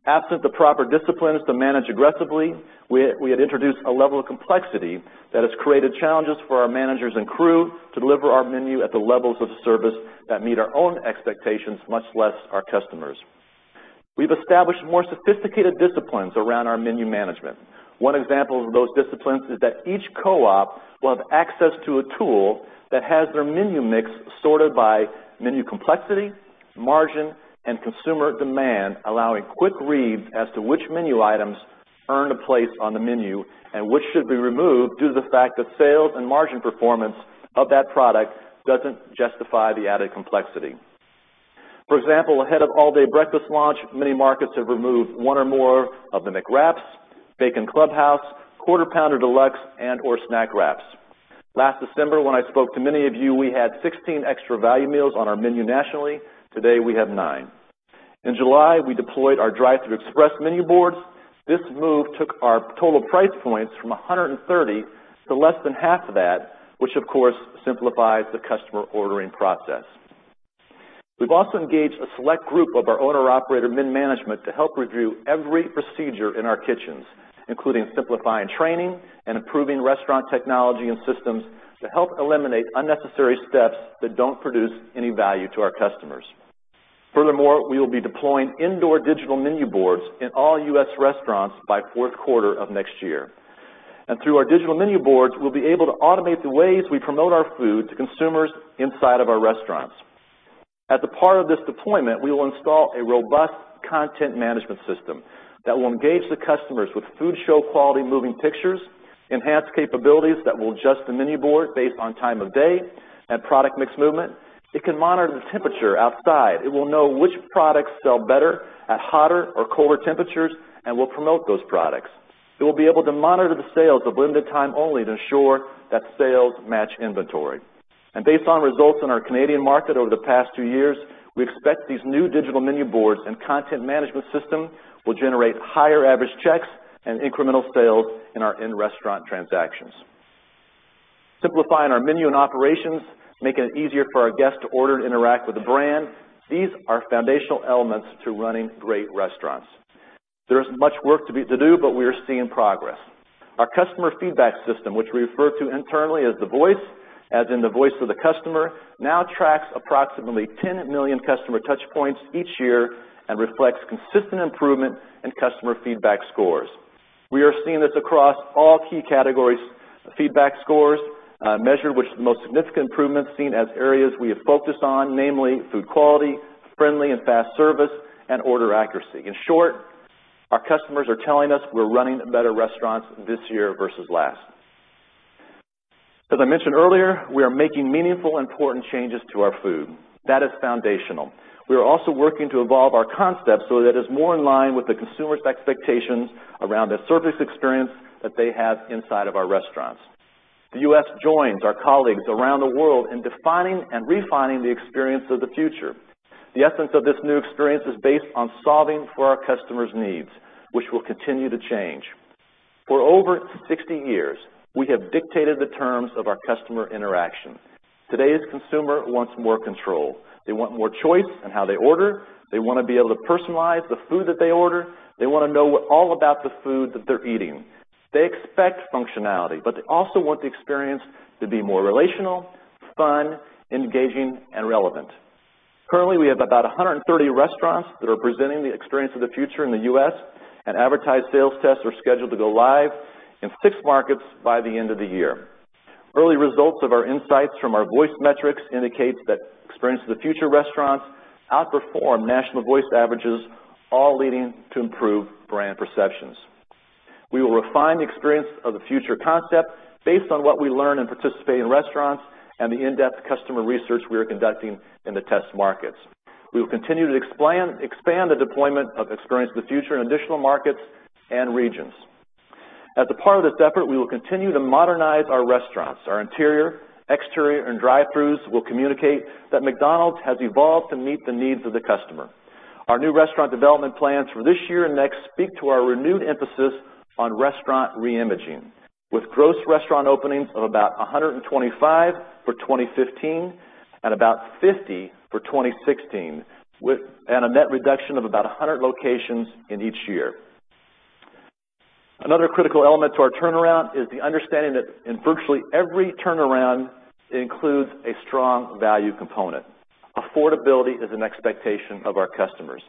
Absent the proper disciplines to manage aggressively, we had introduced a level of complexity that has created challenges for our managers and crew to deliver our menu at the levels of service that meet our own expectations, much less our customers'. We've established more sophisticated disciplines around our menu management. One example of those disciplines is that each OpCo will have access to a tool that has their menu mix sorted by menu complexity, margin, and consumer demand allowing quick reads as to which menu items earn a place on the menu and which should be removed due to the fact that sales and margin performance of that product doesn't justify the added complexity. For example, ahead of All Day Breakfast launch many markets have removed one or more of the McWraps, Bacon Clubhouse, Quarter Pounder Deluxe, and/or Snack Wraps. Last December when I spoke to many of you, we had 16 extra value meals on our menu nationally. Today we have nine. In July, we deployed our drive-through express menu boards. This move took our total price points from 130 to less than half of that, which of course simplifies the customer ordering process. We've also engaged a select group of our owner-operator mid-management to help review every procedure in our kitchens including simplifying training and improving restaurant technology and systems to help eliminate unnecessary steps that don't produce any value to our customers. Furthermore, we will be deploying indoor digital menu boards in all U.S. restaurants by fourth quarter of next year. Through our digital menu boards, we'll be able to automate the ways we promote our food to consumers inside of our restaurants. As a part of this deployment, we will install a robust content management system that will engage the customers with food show quality moving pictures, enhanced capabilities that will adjust the menu board based on time of day and product mix movement. It can monitor the temperature outside. It will know which products sell better at hotter or colder temperatures and will promote those products. It will be able to monitor the sales of limited time only to ensure that sales match inventory. Based on results in our Canadian market over the past two years, we expect these new digital menu boards and content management system will generate higher average checks and incremental sales in our in-restaurant transactions. Simplifying our menu and operations, making it easier for our guests to order and interact with the brand, these are foundational elements to running great restaurants. There's much work to do, but we are seeing progress. Our customer feedback system, which we refer to internally as the Voice, as in the voice of the customer, now tracks approximately 10 million customer touchpoints each year and reflects consistent improvement in customer feedback scores. We are seeing this across all key categories of feedback scores measured, with the most significant improvements seen as areas we have focused on, namely food quality, friendly and fast service, and order accuracy. In short, our customers are telling us we're running better restaurants this year versus last. As I mentioned earlier, we are making meaningful, important changes to our food. That is foundational. We are also working to evolve our concept so that it is more in line with the consumer's expectations around the service experience that they have inside of our restaurants. The U.S. joins our colleagues around the world in defining and refining the Experience of the Future. The essence of this new experience is based on solving for our customers' needs, which will continue to change. For over 60 years, we have dictated the terms of our customer interaction. Today's consumer wants more control. They want more choice in how they order. They want to be able to personalize the food that they order. They want to know all about the food that they're eating. They expect functionality, but they also want the Experience of the Future to be more relational, fun, engaging, and relevant. Currently, we have about 130 restaurants that are presenting the Experience of the Future in the U.S., and advertised sales tests are scheduled to go live in six markets by the end of the year. Early results of our insights from our Voice metrics indicates that Experience of the Future restaurants outperform national Voice averages, all leading to improved brand perceptions. We will refine the Experience of the Future concept based on what we learn and participate in restaurants and the in-depth customer research we are conducting in the test markets. We will continue to expand the deployment of Experience of the Future in additional markets and regions. As a part of this effort, we will continue to modernize our restaurants. Our interior, exterior, and drive-throughs will communicate that McDonald's has evolved to meet the needs of the customer. Our new restaurant development plans for this year and next speak to our renewed emphasis on restaurant re-imaging, with gross restaurant openings of about 125 for 2015 and about 50 for 2016, and a net reduction of about 100 locations in each year. Another critical element to our turnaround is the understanding that in virtually every turnaround, it includes a strong value component. Affordability is an expectation of our customers.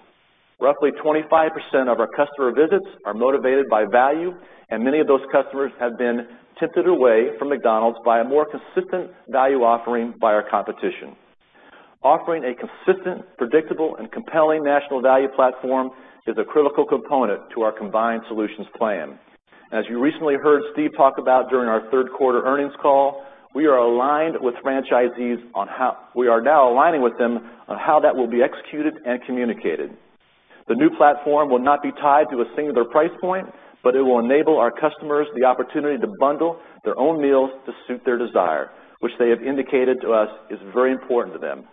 Roughly 25% of our customer visits are motivated by value, and many of those customers have been tipped away from McDonald's by a more consistent value offering by our competition. Offering a consistent, predictable, and compelling national value platform is a critical component to our combined solutions plan. As you recently heard Steve talk about during our third quarter earnings call, we are now aligning with franchisees on how that will be executed and communicated. The new platform will not be tied to a singular price point, but it will enable our customers the opportunity to bundle their own meals to suit their desire, which they have indicated to us is very important to them.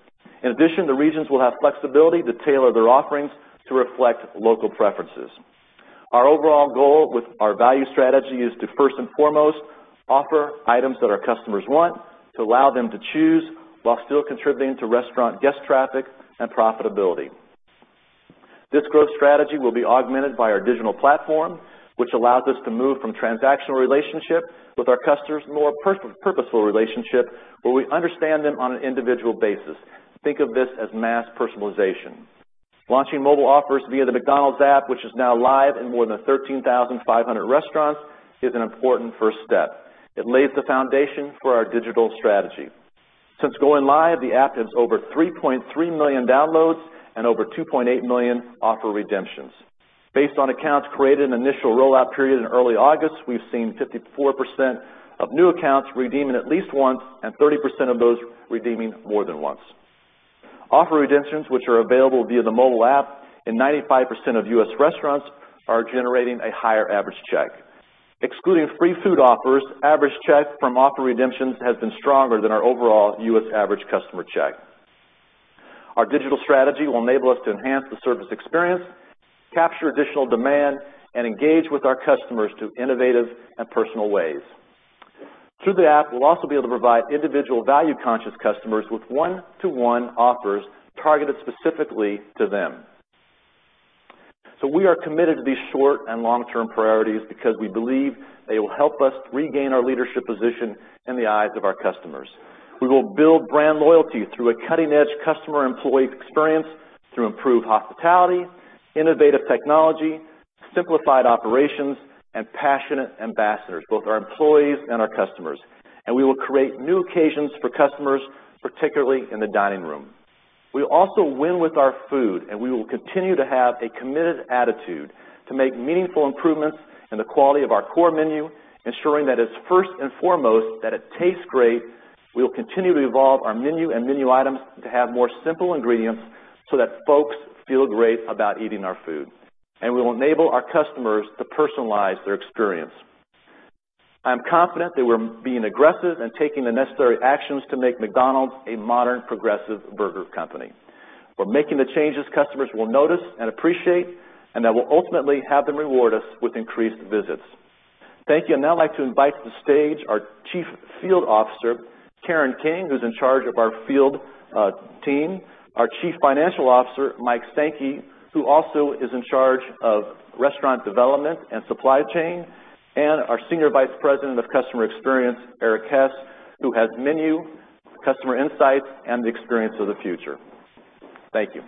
In addition, the regions will have flexibility to tailor their offerings to reflect local preferences. Our overall goal with our value strategy is to first and foremost offer items that our customers want, to allow them to choose, while still contributing to restaurant guest traffic and profitability. This growth strategy will be augmented by our digital platform, which allows us to move from transactional relationship with our customers, to more purposeful relationship where we understand them on an individual basis. Think of this as mass personalization. Launching mobile offers via the McDonald's app, which is now live in more than 13,500 restaurants, is an important first step. It lays the foundation for our digital strategy. Since going live, the app has over 3.3 million downloads and over 2.8 million offer redemptions. Based on accounts created in initial rollout period in early August, we've seen 54% of new accounts redeeming at least once, and 30% of those redeeming more than once. Offer redemptions, which are available via the mobile app in 95% of U.S. restaurants, are generating a higher average check. Excluding free food offers, average check from offer redemptions has been stronger than our overall U.S. average customer check. Our digital strategy will enable us to enhance the service experience, capture additional demand, and engage with our customers through innovative and personal ways. Through the app, we'll also be able to provide individual value-conscious customers with one-to-one offers targeted specifically to them. We are committed to these short and long-term priorities because we believe they will help us regain our leadership position in the eyes of our customers. We will build brand loyalty through a cutting-edge customer employee experience through improved hospitality, innovative technology, simplified operations, and passionate ambassadors, both our employees and our customers. We will create new occasions for customers, particularly in the dining room. We will also win with our food. We will continue to have a committed attitude to make meaningful improvements in the quality of our core menu, ensuring that it's first and foremost that it tastes great. We will continue to evolve our menu and menu items to have more simple ingredients so that folks feel great about eating our food. We will enable our customers to personalize their experience. I'm confident that we're being aggressive and taking the necessary actions to make McDonald's a modern, progressive burger company. We're making the changes customers will notice and appreciate, and that will ultimately have them reward us with increased visits. Thank you. I'd now like to invite to the stage our Chief Field Officer Karen King, who's in charge of our field team, our Chief Financial Officer, Mike Stanke, who also is in charge of restaurant development and supply chain, and our Senior Vice President of Customer Experience, Erik Hess, who heads menu, customer insights, and the Experience of the Future. Thank you.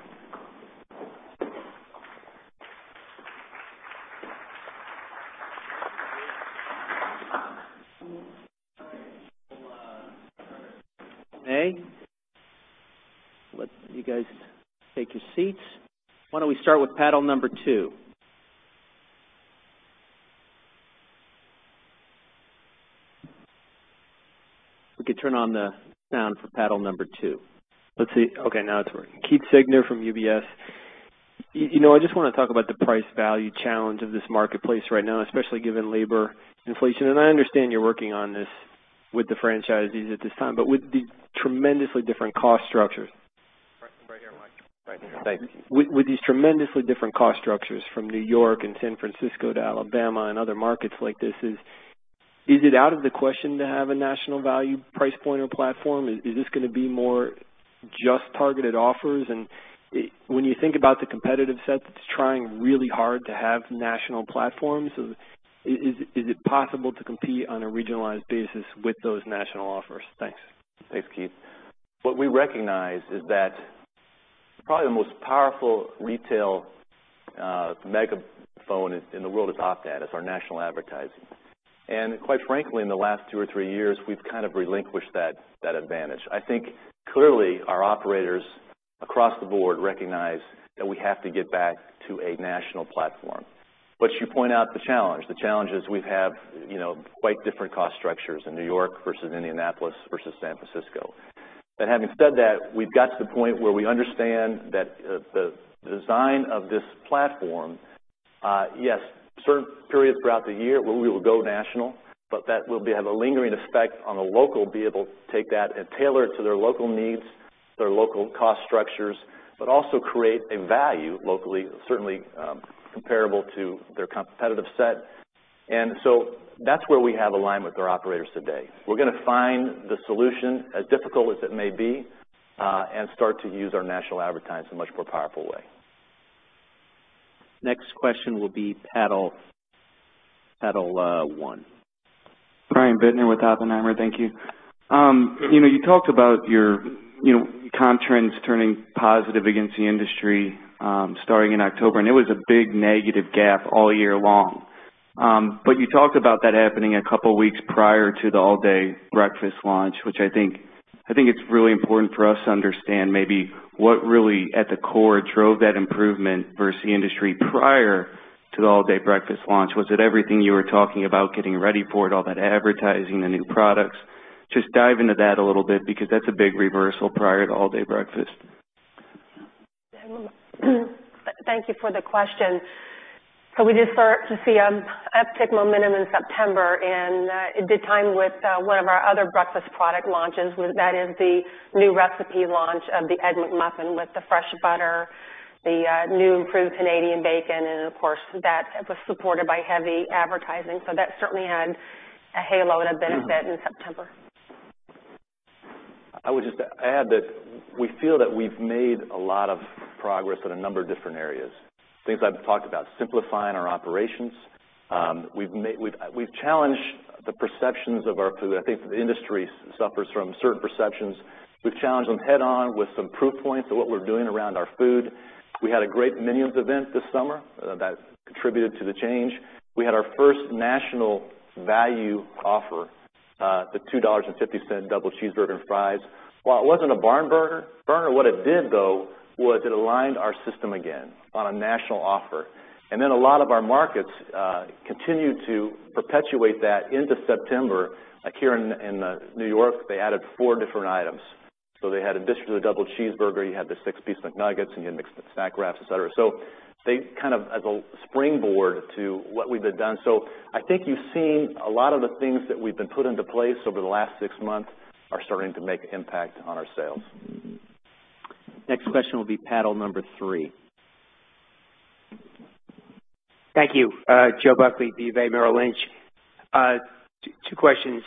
All right. We'll let you guys take your seats. Why don't we start with panel number two? If we could turn on the sound for panel number two. Let's see. Okay, now it's working. Keith Siegner from UBS. I just want to talk about the price-value challenge of this marketplace right now, especially given labor inflation. I understand you're working on this with the franchisees at this time, with the tremendously different cost structures. Right here, Mike. Right here. Thank you. With these tremendously different cost structures from New York and San Francisco to Alabama and other markets like this, is it out of the question to have a national value price point or platform? Is this going to be more just targeted offers? When you think about the competitive set that's trying really hard to have national platforms, is it possible to compete on a regionalized basis with those national offers? Thanks. Thanks, Keith. What we recognize is that probably the most powerful retail megaphone in the world is off ad, is our national advertising. Quite frankly, in the last two or three years, we've kind of relinquished that advantage. I think clearly our operators across the board recognize that we have to get back to a national platform. You point out the challenge. The challenge is we have quite different cost structures in New York versus Indianapolis versus San Francisco. Having said that, we've got to the point where we understand that the design of this platform, yes, certain periods throughout the year where we will go national, but that will have a lingering effect on the local be able to take that and tailor it to their local needs, their local cost structures, but also create a value locally, certainly comparable to their competitive set. That's where we have alignment with our operators today. We're going to find the solution, as difficult as it may be, and start to use our national advertising in a much more powerful way. Next question will be Panel One. Brian Bittner with Oppenheimer. Thank you. You talked about your comp trends turning positive against the industry starting in October, and it was a big negative gap all year long. You talked about that happening a couple of weeks prior to the All Day Breakfast launch, which I think it's really important for us to understand maybe what really at the core drove that improvement versus the industry prior to the All Day Breakfast launch. Was it everything you were talking about getting ready for it, all that advertising, the new products? Just dive into that a little bit because that's a big reversal prior to All Day Breakfast. Thank you for the question. We did start to see an uptick momentum in September, and it did time with one of our other breakfast product launches. That is the new recipe launch of the Egg McMuffin with the fresh butter, the new improved Canadian bacon, and of course, that was supported by heavy advertising. That certainly had a halo and a benefit in September. I would just add that we feel that we've made a lot of progress in a number of different areas. Things I've talked about, simplifying our operations. We've challenged the perceptions of our food. I think the industry suffers from certain perceptions. We've challenged them head-on with some proof points of what we're doing around our food. We had a great Minions event this summer that contributed to the change. We had our first national value offer, the $2.50 double cheeseburger and fries. While it wasn't a barn burner, what it did, though, was it aligned our system again on a national offer. A lot of our markets continued to perpetuate that into September. Like here in New York, they added four different items. They had additionally the double cheeseburger, you had the six-piece McNuggets, and you had mixed Snack Wraps, et cetera. They kind of as a springboard to what we've done. I think you've seen a lot of the things that we've been put into place over the last six months are starting to make an impact on our sales. Next question will be paddle number 3. Thank you. Joe Buckley, BofA Merrill Lynch. Two questions.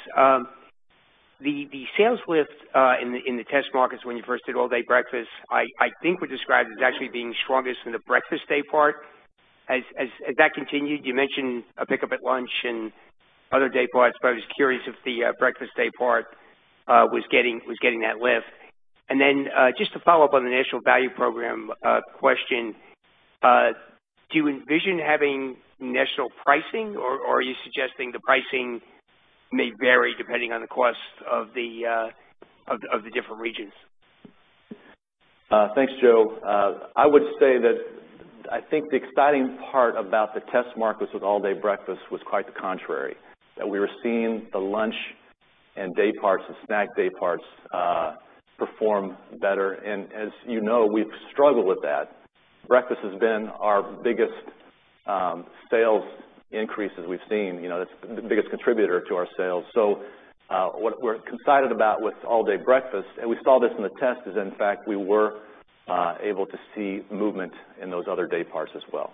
The sales lift in the test markets when you first did All Day Breakfast, I think we described as actually being strongest in the breakfast day part. Has that continued? You mentioned a pickup at lunch and other day parts, but I was curious if the breakfast day part was getting that lift. Just to follow up on the national value program question, do you envision having national pricing, or are you suggesting the pricing may vary depending on the cost of the different regions? Thanks, Joe. I would say that I think the exciting part about the test markets with All Day Breakfast was quite the contrary, that we were seeing the lunch and day parts, the snack day parts, perform better. As you know, we've struggled with that. Breakfast has been our biggest sales increase, as we've seen. That's the biggest contributor to our sales. What we're excited about with All Day Breakfast, and we saw this in the test, is, in fact, we were able to see movement in those other day parts as well.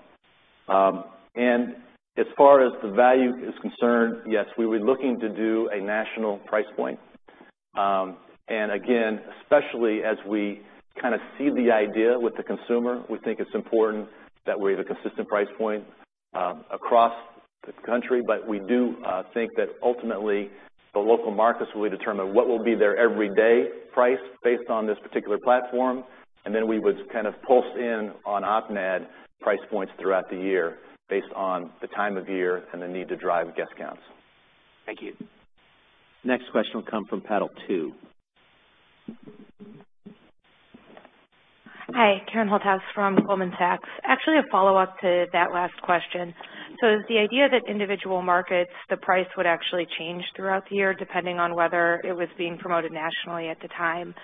As far as the value is concerned, yes, we were looking to do a national price point. Again, especially as we kind of seed the idea with the consumer, we think it's important that we have a consistent price point across the country. We do think that ultimately, the local markets will determine what will be their everyday price based on this particular platform, and then we would kind of pulse in on op net price points throughout the year based on the time of year and the need to drive guest counts. Thank you. Next question will come from Panel Two. Hi, Karen Holthouse from Goldman Sachs. Actually, a follow-up to that last question. Is the idea that individual markets, the price would actually change throughout the year depending on whether it was being promoted nationally at the time?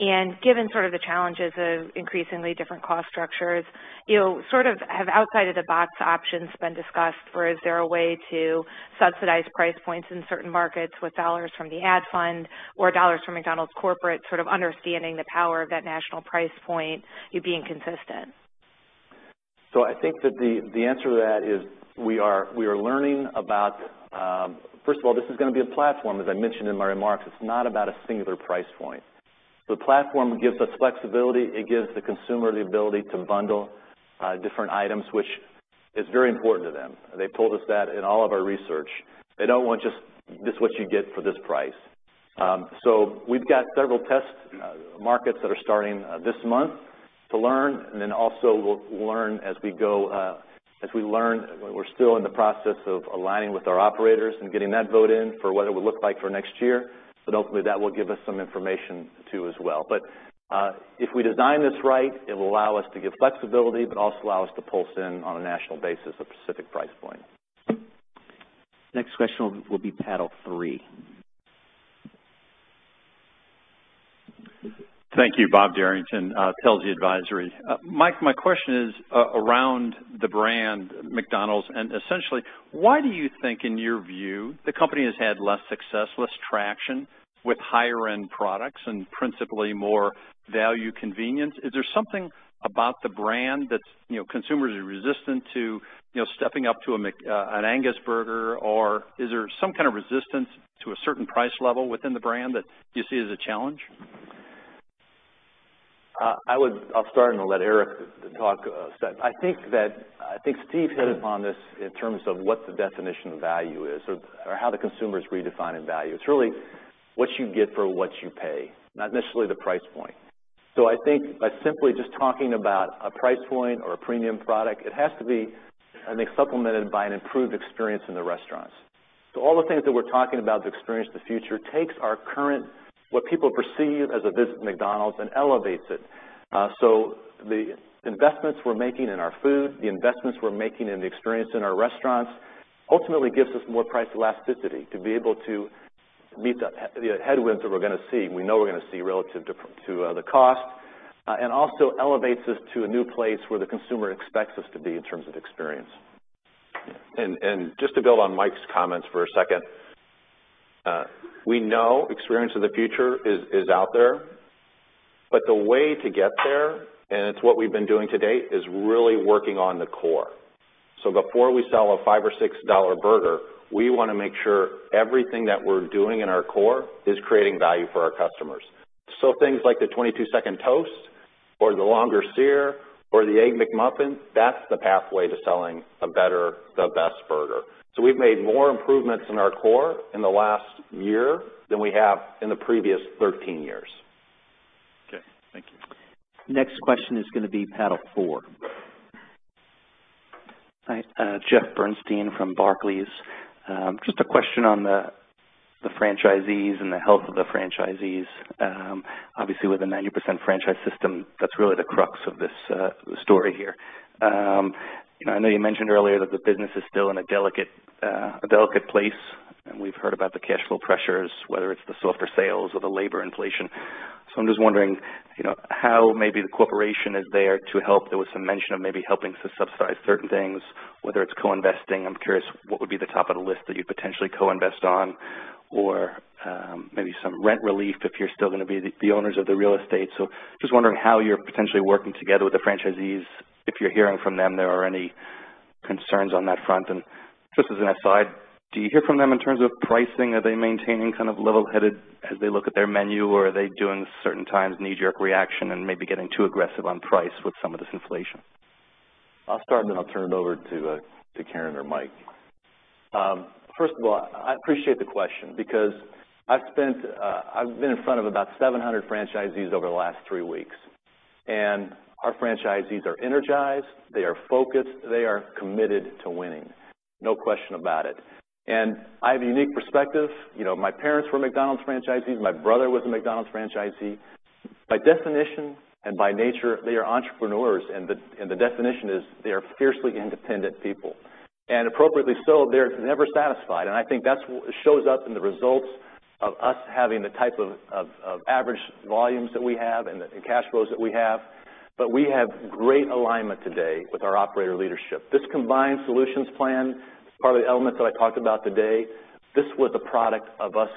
Given sort of the challenges of increasingly different cost structures, have outside of the box options been discussed, or is there a way to subsidize price points in certain markets with dollars from the ad fund or dollars from McDonald's corporate, sort of understanding the power of that national price point, you being consistent? I think that the answer to that is we are learning about, first of all, this is going to be a platform, as I mentioned in my remarks. It's not about a singular price point. The platform gives us flexibility. It gives the consumer the ability to bundle different items, which is very important to them. They've told us that in all of our research. They don't want just this, what you get for this price. We've got several test markets that are starting this month to learn, and then also we'll learn as we go. As we learn, we're still in the process of aligning with our operators and getting that vote in for what it would look like for next year. Hopefully, that will give us some information too as well. If we design this right, it will allow us to give flexibility, but also allow us to pulse in on a national basis, a specific price point. Next question will be paddle three. Thank you. Bob Derrington, Telsey Advisory Group. Mike, my question is around the brand McDonald's, essentially, why do you think, in your view, the company has had less success, less traction with higher-end products and principally more value convenience? Is there something about the brand that consumers are resistant to stepping up to an Angus burger? Is there some kind of resistance to a certain price level within the brand that you see as a challenge? I'll start and I'll let Erik talk a sec. I think Steve hit upon this in terms of what the definition of value is or how the consumer is redefining value. It's really what you get for what you pay, not necessarily the price point. I think by simply just talking about a price point or a premium product, it has to be, I think, supplemented by an improved experience in the restaurants. All the things that we're talking about with Experience of the Future takes our current, what people perceive as a visit to McDonald's and elevates it. The investments we're making in our food, the investments we're making in the experience in our restaurants, ultimately gives us more price elasticity to be able to meet the headwinds that we're going to see. We know we're going to see relative to the cost. Also elevates us to a new place where the consumer expects us to be in terms of experience. Just to build on Mike's comments for a second. We know Experience of the Future is out there, the way to get there, it's what we've been doing to date, is really working on the core. Before we sell a $5 or $6 burger, we want to make sure everything that we're doing in our core is creating value for our customers. Things like the 22-second toast or the longer sear or the Egg McMuffin, that's the pathway to selling a better, the best burger. We've made more improvements in our core in the last year than we have in the previous 13 years. Okay. Thank you. Next question is going to be panel four. Hi, Jeffrey Bernstein from Barclays. Just a question on the franchisees and the health of the franchisees. Obviously, with a 90% franchise system, that's really the crux of this story here. I know you mentioned earlier that the business is still in a delicate place, and we've heard about the cash flow pressures, whether it's the softer sales or the labor inflation. I'm just wondering how maybe the corporation is there to help. There was some mention of maybe helping to subsidize certain things, whether it's co-investing. I'm curious what would be the top of the list that you'd potentially co-invest on, or maybe some rent relief if you're still going to be the owners of the real estate. Just wondering how you're potentially working together with the franchisees, if you're hearing from them there are any concerns on that front. Just as an aside, do you hear from them in terms of pricing? Are they maintaining kind of level-headed as they look at their menu, or are they doing certain times knee-jerk reaction and maybe getting too aggressive on price with some of this inflation? I'll start and then I'll turn it over to Karen or Mike. First of all, I appreciate the question because I've been in front of about 700 franchisees over the last three weeks, our franchisees are energized, they are focused, they are committed to winning, no question about it. I have a unique perspective. My parents were McDonald's franchisees. My brother was a McDonald's franchisee. By definition and by nature, they are entrepreneurs, the definition is they are fiercely independent people, and appropriately so, they're never satisfied. I think that shows up in the results of us having the type of average volumes that we have and the cash flows that we have. We have great alignment today with our operator leadership. This combined solutions plan, part of the elements that I talked about today, this was a product of us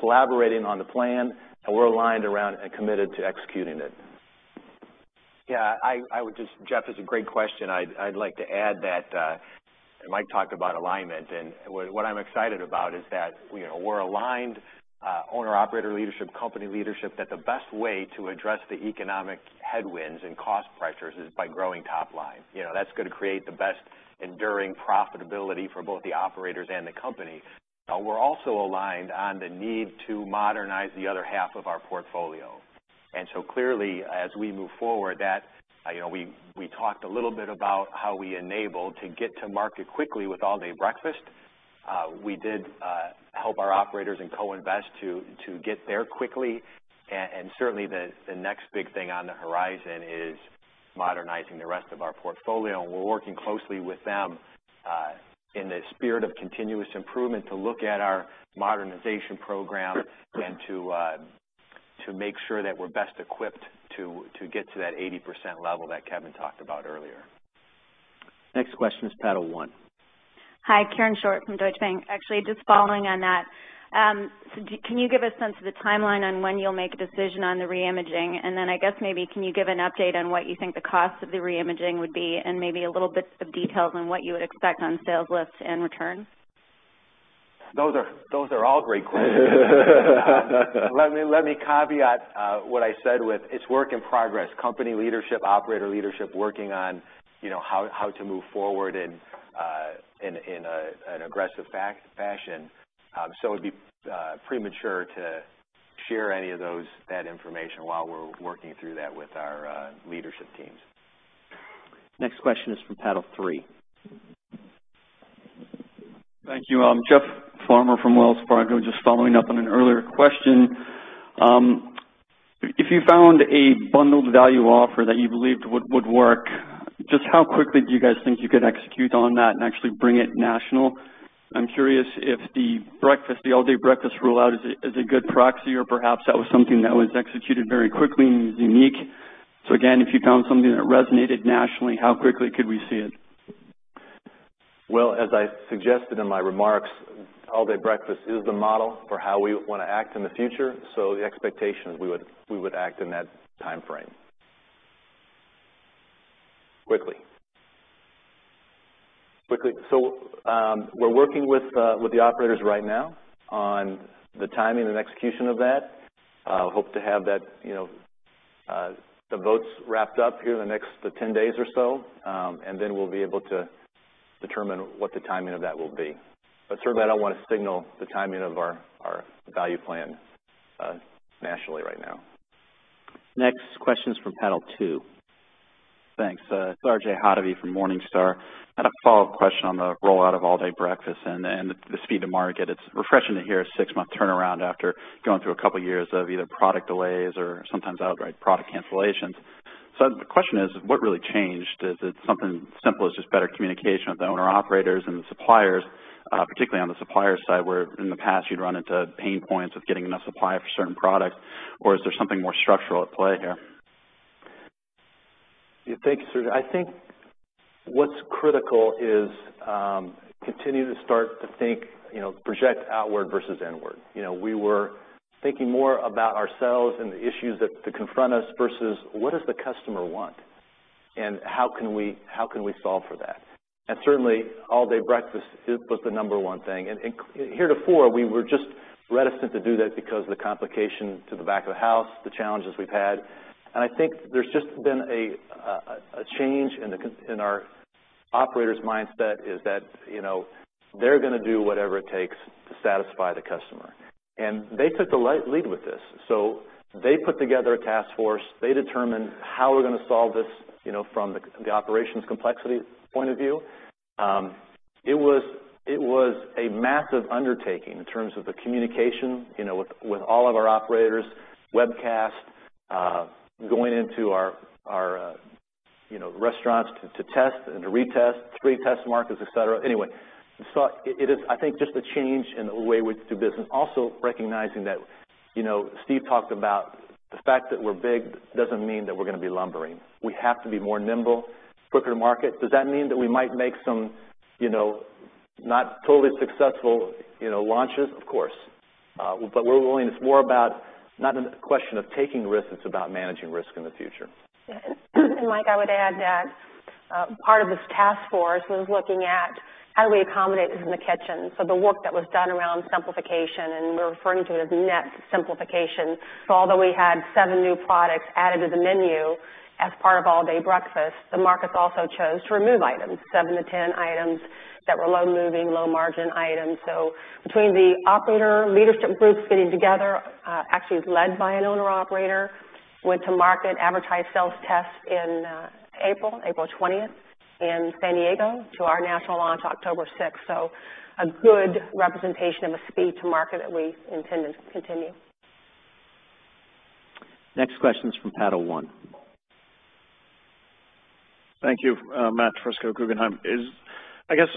collaborating on the plan, and we're aligned around and committed to executing it. Yeah, Jeff, it's a great question. I'd like to add that Mike talked about alignment, and what I'm excited about is that we're aligned, owner-operator leadership, company leadership, that the best way to address the economic headwinds and cost pressures is by growing top line. That's going to create the best enduring profitability for both the operators and the company. We're also aligned on the need to modernize the other half of our portfolio. Clearly, as we move forward, we talked a little bit about how we enabled to get to market quickly with All Day Breakfast. We did help our operators and co-invest to get there quickly, certainly the next big thing on the horizon is modernizing the rest of our portfolio, we're working closely with them in the spirit of continuous improvement to look at our modernization program and to make sure that we're best equipped to get to that 80% level that Kevin talked about earlier. Next question is Panel One. Hi, Karen Short from Deutsche Bank. Actually, just following on that, can you give a sense of the timeline on when you'll make a decision on the re-imaging? Then I guess maybe can you give an update on what you think the cost of the re-imaging would be, and maybe a little bit of details on what you would expect on sales lifts and returns? Those are all great questions. Let me caveat what I said with it's work in progress. Company leadership, operator leadership, working on how to move forward in an aggressive fashion. It'd be premature to share any of that information while we're working through that with our leadership teams. Next question is from Panel Three. Thank you. I'm Jeff Farmer from Wells Fargo, just following up on an earlier question. If you found a bundled value offer that you believed would work, just how quickly do you guys think you could execute on that and actually bring it national? I'm curious if the All Day Breakfast rollout is a good proxy or perhaps that was something that was executed very quickly and is unique. Again, if you found something that resonated nationally, how quickly could we see it? As I suggested in my remarks, All Day Breakfast is the model for how we want to act in the future. The expectation is we would act in that timeframe. Quickly. We're working with the operators right now on the timing and execution of that. Hope to have the votes wrapped up here in the next 10 days or so. Then we'll be able to determine what the timing of that will be. Certainly I don't want to signal the timing of our value plan nationally right now. Next question's from panel two. Thanks. It's R.J. Hottovy from Morningstar. Had a follow-up question on the rollout of All Day Breakfast and the speed to market. It's refreshing to hear a six-month turnaround after going through a couple of years of either product delays or sometimes outright product cancellations. The question is, what really changed? Is it something simple as just better communication with the owner-operators and the suppliers, particularly on the supplier side, where in the past you'd run into pain points with getting enough supply for certain products, or is there something more structural at play here? Yeah. Thank you, Sir. I think what's critical is continue to start to think, project outward versus inward. We were thinking more about ourselves and the issues that confront us versus what does the customer want and how can we solve for that? Certainly All Day Breakfast was the number one thing. Heretofore, we were just reticent to do that because of the complication to the back of the house, the challenges we've had. I think there's just been a change in our operator's mindset is that they're going to do whatever it takes to satisfy the customer. They took the lead with this. They put together a task force. They determined how we're going to solve this from the operations complexity point of view. It was a massive undertaking in terms of the communication with all of our operators, webcasts, going into our restaurants to test and to retest, three test markets, et cetera. Anyway. It is, I think, just a change in the way we do business. Also recognizing that Steve talked about the fact that we're big doesn't mean that we're going to be lumbering. We have to be more nimble, quicker to market. Does that mean that we might make some not totally successful launches? Of course. It's more about not a question of taking risks, it's about managing risk in the future. Yeah. Mike, I would add that part of this task force was looking at how do we accommodate this in the kitchen. The work that was done around simplification, we're referring to it as net simplification. Although we had seven new products added to the menu as part of All Day Breakfast, the markets also chose to remove items, 7 to 10 items that were low-moving, low-margin items. Between the operator leadership groups getting together, actually it was led by an owner-operator, went to market, advertised sales test in April 20th in San Diego to our national launch October 6th. A good representation of a speed to market that we intend to continue. Next question's from Panel One. Thank you. Matt DiFrisco, Guggenheim. I guess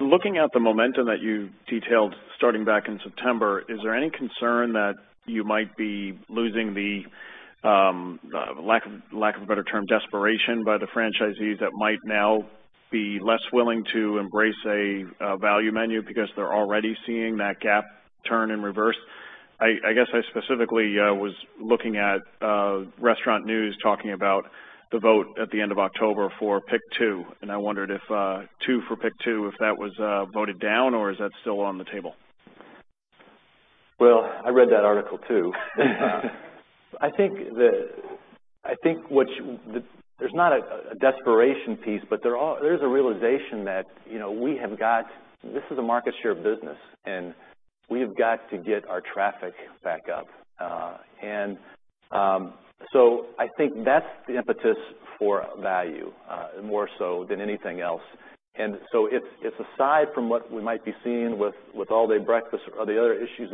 looking at the momentum that you detailed starting back in September, is there any concern that you might be losing the, lack of a better term, desperation by the franchisees that might now be less willing to embrace a value menu because they're already seeing that gap turn in reverse? I guess I specifically was looking at Restaurant News talking about the vote at the end of October for McPick 2, I wondered if Two for McPick 2, if that was voted down, or is that still on the table? Well, I read that article too. There's not a desperation piece, there is a realization that this is a market share business, we have got to get our traffic back up. I think that's the impetus for value, more so than anything else. It's aside from what we might be seeing with All Day Breakfast or the other issues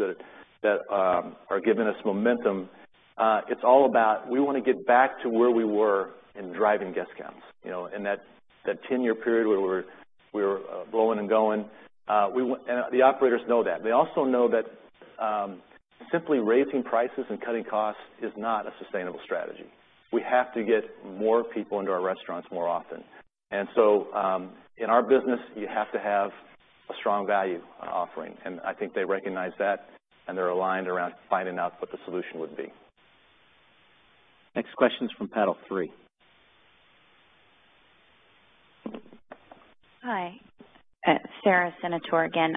that are giving us momentum. It's all about we want to get back to where we were in driving guest counts, in that 10-year period where we were rolling and going. The operators know that. They also know that simply raising prices and cutting costs is not a sustainable strategy. We have to get more people into our restaurants more often. In our business, you have to have a strong value offering, I think they recognize that, they're aligned around finding out what the solution would be. Next question is from Panel Three. Hi. Sara Senatore again.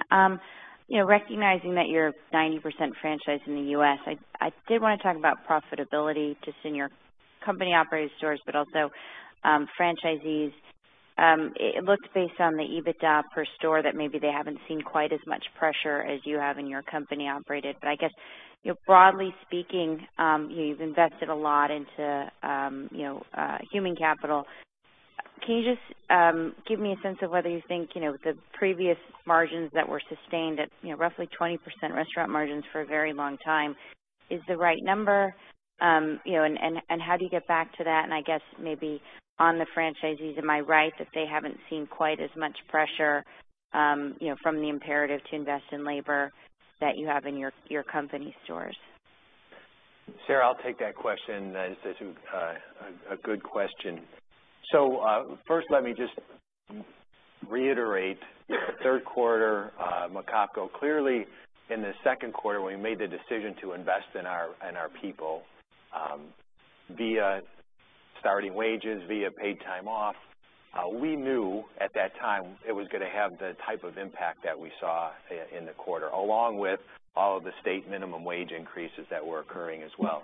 Recognizing that you're 90% franchise in the U.S., I did want to talk about profitability just in your company-operated stores, but also franchisees. It looks based on the EBITDA per store that maybe they haven't seen quite as much pressure as you have in your company-operated. I guess, broadly speaking, you've invested a lot into human capital. Can you just give me a sense of whether you think the previous margins that were sustained at roughly 20% restaurant margins for a very long time is the right number? How do you get back to that? I guess maybe on the franchisees, am I right that they haven't seen quite as much pressure from the imperative to invest in labor that you have in your company stores? Sara, I'll take that question. It's a good question. First, let me just reiterate third quarter, McOpCo, clearly in the second quarter, when we made the decision to invest in our people, via starting wages, via paid time off. We knew at that time it was going to have the type of impact that we saw in the quarter, along with all of the state minimum wage increases that were occurring as well.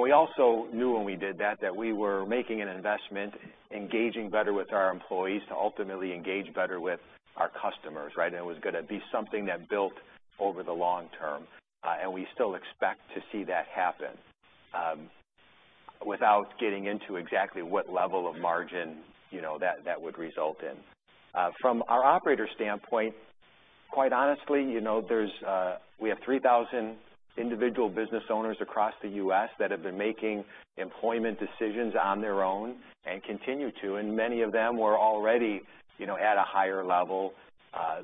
We also knew when we did that we were making an investment, engaging better with our employees to ultimately engage better with our customers. Right? It was going to be something that built over the long term. We still expect to see that happen without getting into exactly what level of margin that would result in. From our operator standpoint, quite honestly, we have 3,000 individual business owners across the U.S. that have been making employment decisions on their own and continue to. Many of them were already at a higher level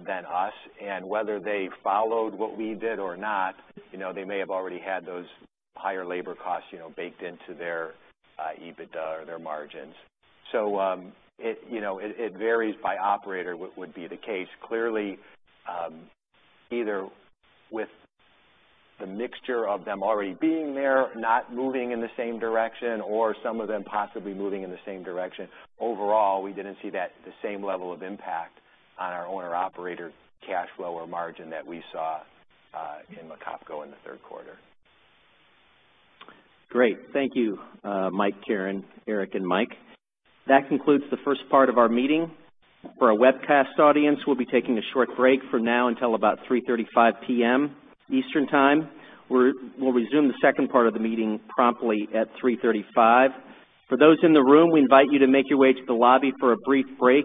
than us. Whether they followed what we did or not, they may have already had those higher labor costs baked into their EBITDA or their margins. It varies by operator, would be the case. Clearly, either with the mixture of them already being there, not moving in the same direction, or some of them possibly moving in the same direction. Overall, we didn't see the same level of impact on our owner operator cash flow or margin that we saw in McOpCo in the third quarter. Great. Thank you, Mike, Karen, Erik, and Mike. That concludes the first part of our meeting. For our webcast audience, we will be taking a short break from now until about 3:35 P.M. Eastern Time. We will resume the second part of the meeting promptly at 3:35. For those in the room, we invite you to make your way to the lobby for a brief break.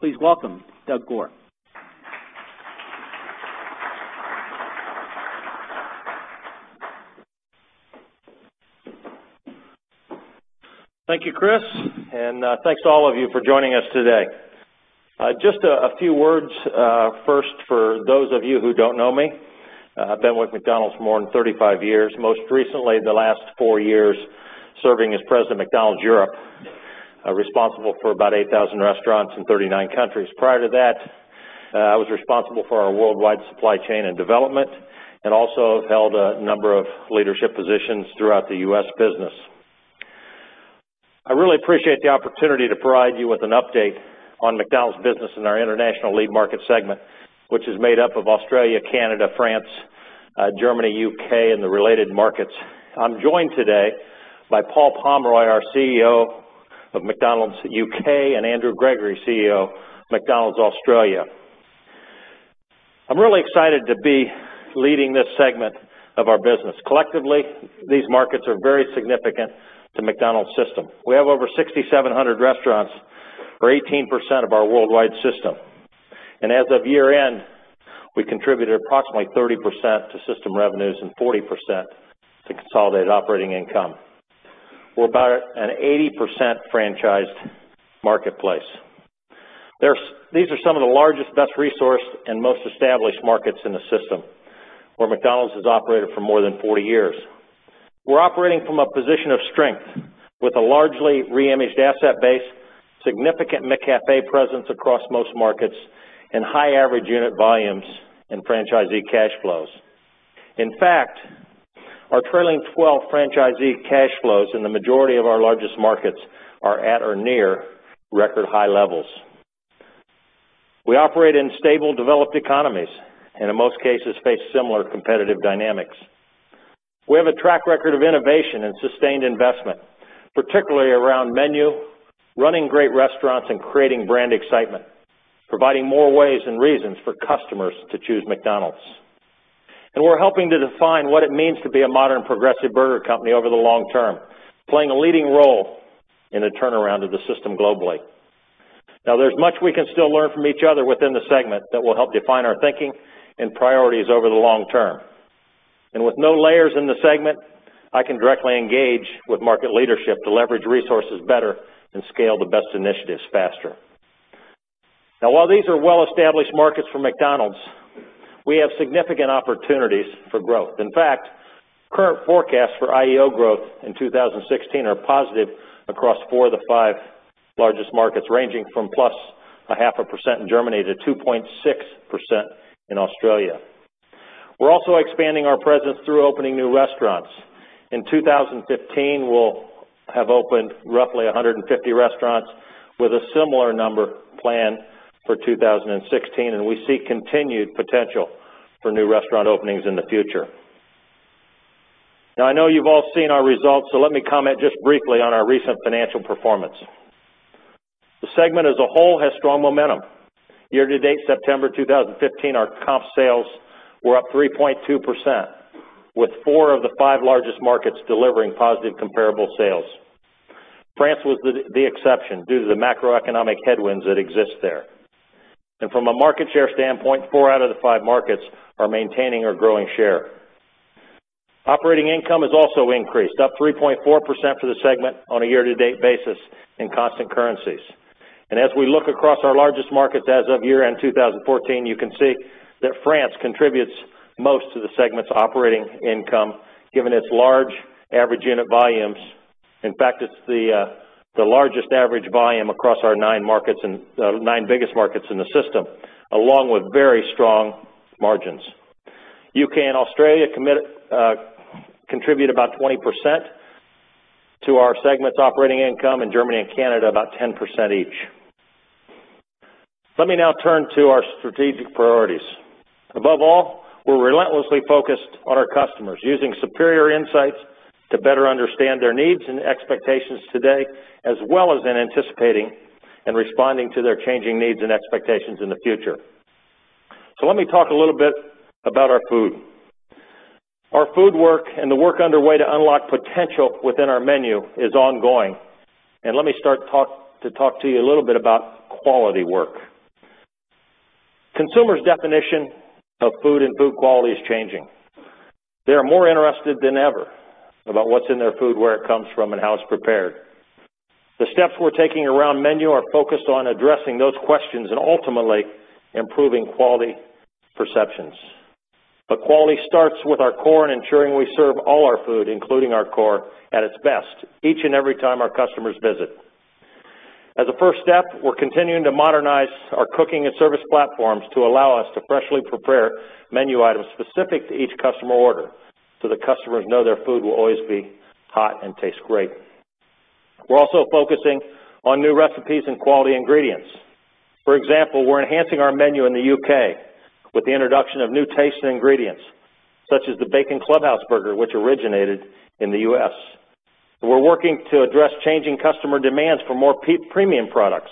Please welcome Doug Goare. Thank you, Chris, and thanks to all of you for joining us today. Just a few words first for those of you who do not know me. I have been with McDonald's for more than 35 years, most recently the last four years serving as President of McDonald's Europe, responsible for about 8,000 restaurants in 39 countries. Prior to that, I was responsible for our worldwide supply chain and development, and also have held a number of leadership positions throughout the U.S. business. I really appreciate the opportunity to provide you with an update on McDonald's business in our International Lead Market Segment, which is made up of Australia, Canada, France, Germany, U.K., and the related markets. I am joined today by Paul Pomroy, our CEO of McDonald's U.K., and Andrew Gregory, CEO of McDonald's Australia. I am really excited to be leading this segment of our business. Collectively, these markets are very significant to McDonald's system. We have over 6,700 restaurants or 18% of our worldwide system. As of year-end, we contributed approximately 30% to system revenues and 40% to consolidated operating income. We are about an 80% franchised marketplace. These are some of the largest, best resourced, and most established markets in the system, where McDonald's has operated for more than 40 years. We are operating from a position of strength with a largely re-imaged asset base, significant McCafé presence across most markets, and high average unit volumes and franchisee cash flows. In fact, our trailing 12 franchisee cash flows in the majority of our largest markets are at or near record high levels. We operate in stable, developed economies, and in most cases face similar competitive dynamics. We have a track record of innovation and sustained investment, particularly around menu, running great restaurants, and creating brand excitement, providing more ways and reasons for customers to choose McDonald's. We are helping to define what it means to be a modern progressive burger company over the long term, playing a leading role in the turnaround of the system globally. There is much we can still learn from each other within the segment that will help define our thinking and priorities over the long term. With no layers in the segment, I can directly engage with market leadership to leverage resources better and scale the best initiatives faster. While these are well-established markets for McDonald's, we have significant opportunities for growth. In fact, current forecasts for IEO growth in 2016 are positive across four of the five largest markets, ranging from +0.5% in Germany to 2.6% in Australia. We're also expanding our presence through opening new restaurants. In 2015, we'll have opened roughly 150 restaurants with a similar number planned for 2016, and we see continued potential for new restaurant openings in the future. I know you've all seen our results, let me comment just briefly on our recent financial performance. The segment as a whole has strong momentum. Year to date, September 2015, our comp sales were up 3.2%, with four of the five largest markets delivering positive comparable sales. France was the exception due to the macroeconomic headwinds that exist there. From a market share standpoint, four out of the five markets are maintaining or growing share. Operating income has also increased, up 3.4% for the segment on a year-to-date basis in constant currencies. As we look across our largest markets as of year-end 2014, you can see that France contributes most to the segment's operating income, given its large average unit volumes. In fact, it's the largest average volume across our nine biggest markets in the system, along with very strong margins. U.K. and Australia contribute about 20% to our segment's operating income, and Germany and Canada about 10% each. Let me now turn to our strategic priorities. Above all, we're relentlessly focused on our customers, using superior insights to better understand their needs and expectations today, as well as in anticipating and responding to their changing needs and expectations in the future. Let me talk a little bit about our food. Our food work and the work underway to unlock potential within our menu is ongoing, let me start to talk to you a little bit about quality work. Consumers' definition of food and food quality is changing. They are more interested than ever about what's in their food, where it comes from, and how it's prepared. The steps we're taking around menu are focused on addressing those questions and ultimately improving quality perceptions. Quality starts with our core and ensuring we serve all our food, including our core, at its best each and every time our customers visit. As a first step, we're continuing to modernize our cooking and service platforms to allow us to freshly prepare menu items specific to each customer order, so the customers know their food will always be hot and taste great. We're also focusing on new recipes and quality ingredients. For example, we're enhancing our menu in the U.K. with the introduction of new tastes and ingredients, such as the Bacon Clubhouse Burger, which originated in the U.S. We're working to address changing customer demands for more premium products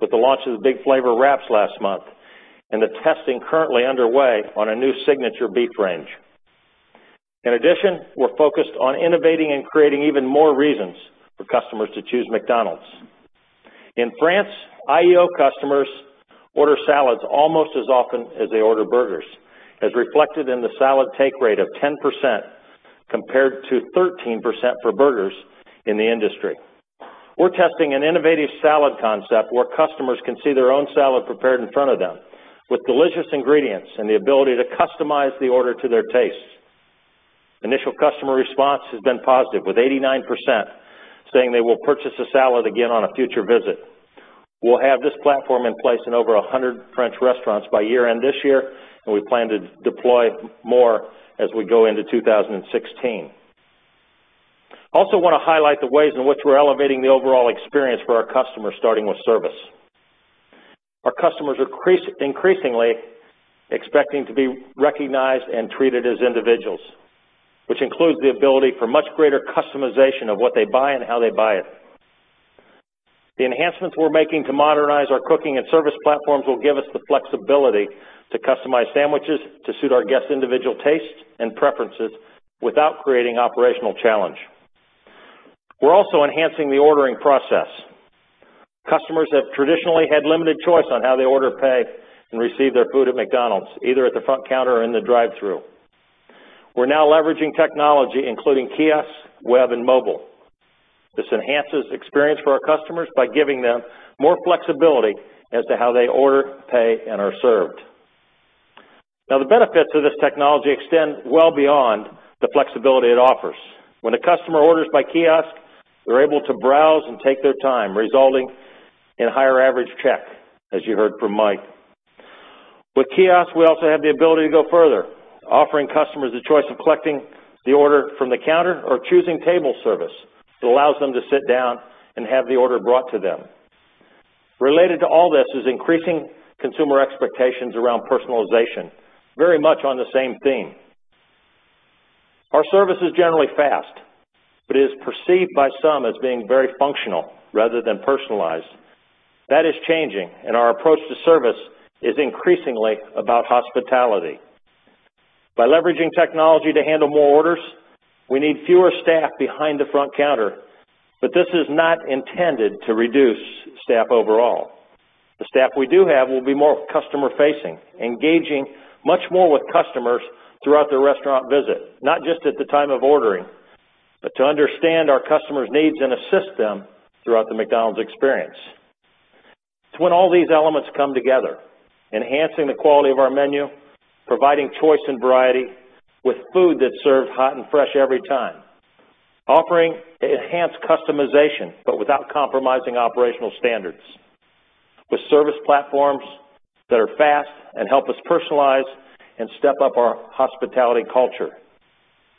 with the launch of the Big Flavour Wraps last month and the testing currently underway on a new signature beef range. In addition, we're focused on innovating and creating even more reasons for customers to choose McDonald's. In France, IEO customers order salads almost as often as they order burgers, as reflected in the salad take rate of 10% compared to 13% for burgers in the industry. We're testing an innovative salad concept where customers can see their own salad prepared in front of them with delicious ingredients and the ability to customize the order to their tastes. Initial customer response has been positive, with 89% saying they will purchase a salad again on a future visit. We'll have this platform in place in over 100 French restaurants by year end this year, and we plan to deploy more as we go into 2016. We also want to highlight the ways in which we're elevating the overall experience for our customers starting with service. Our customers are increasingly expecting to be recognized and treated as individuals, which includes the ability for much greater customization of what they buy and how they buy it. The enhancements we're making to modernize our cooking and service platforms will give us the flexibility to customize sandwiches to suit our guests' individual tastes and preferences without creating operational challenge. We're also enhancing the ordering process. Customers have traditionally had limited choice on how they order pay and receive their food at McDonald's either at the front counter or in the drive-thru. We're now leveraging technology including kiosks, web, and mobile. This enhances experience for our customers by giving them more flexibility as to how they order pay and are served. The benefits of this technology extend well beyond the flexibility it offers. When a customer orders by kiosk they're able to browse and take their time resulting in higher average check as you heard from Mike. With kiosk, we also have the ability to go further offering customers the choice of collecting the order from the counter or choosing table service. It allows them to sit down and have the order brought to them. Related to all this is increasing consumer expectations around personalization very much on the same theme. Our service is generally fast, but is perceived by some as being very functional rather than personalized. That is changing, and our approach to service is increasingly about hospitality. By leveraging technology to handle more orders, we need fewer staff behind the front counter, but this is not intended to reduce staff overall. The staff we do have will be more customer-facing, engaging much more with customers throughout the restaurant visit, not just at the time of ordering, but to understand our customers' needs and assist them throughout the McDonald's experience. It's when all these elements come together, enhancing the quality of our menu providing choice and variety with food that serves hot and fresh every time, offering enhanced customization but without compromising operational standards, with service platforms that are fast and help us personalize and step up our hospitality culture.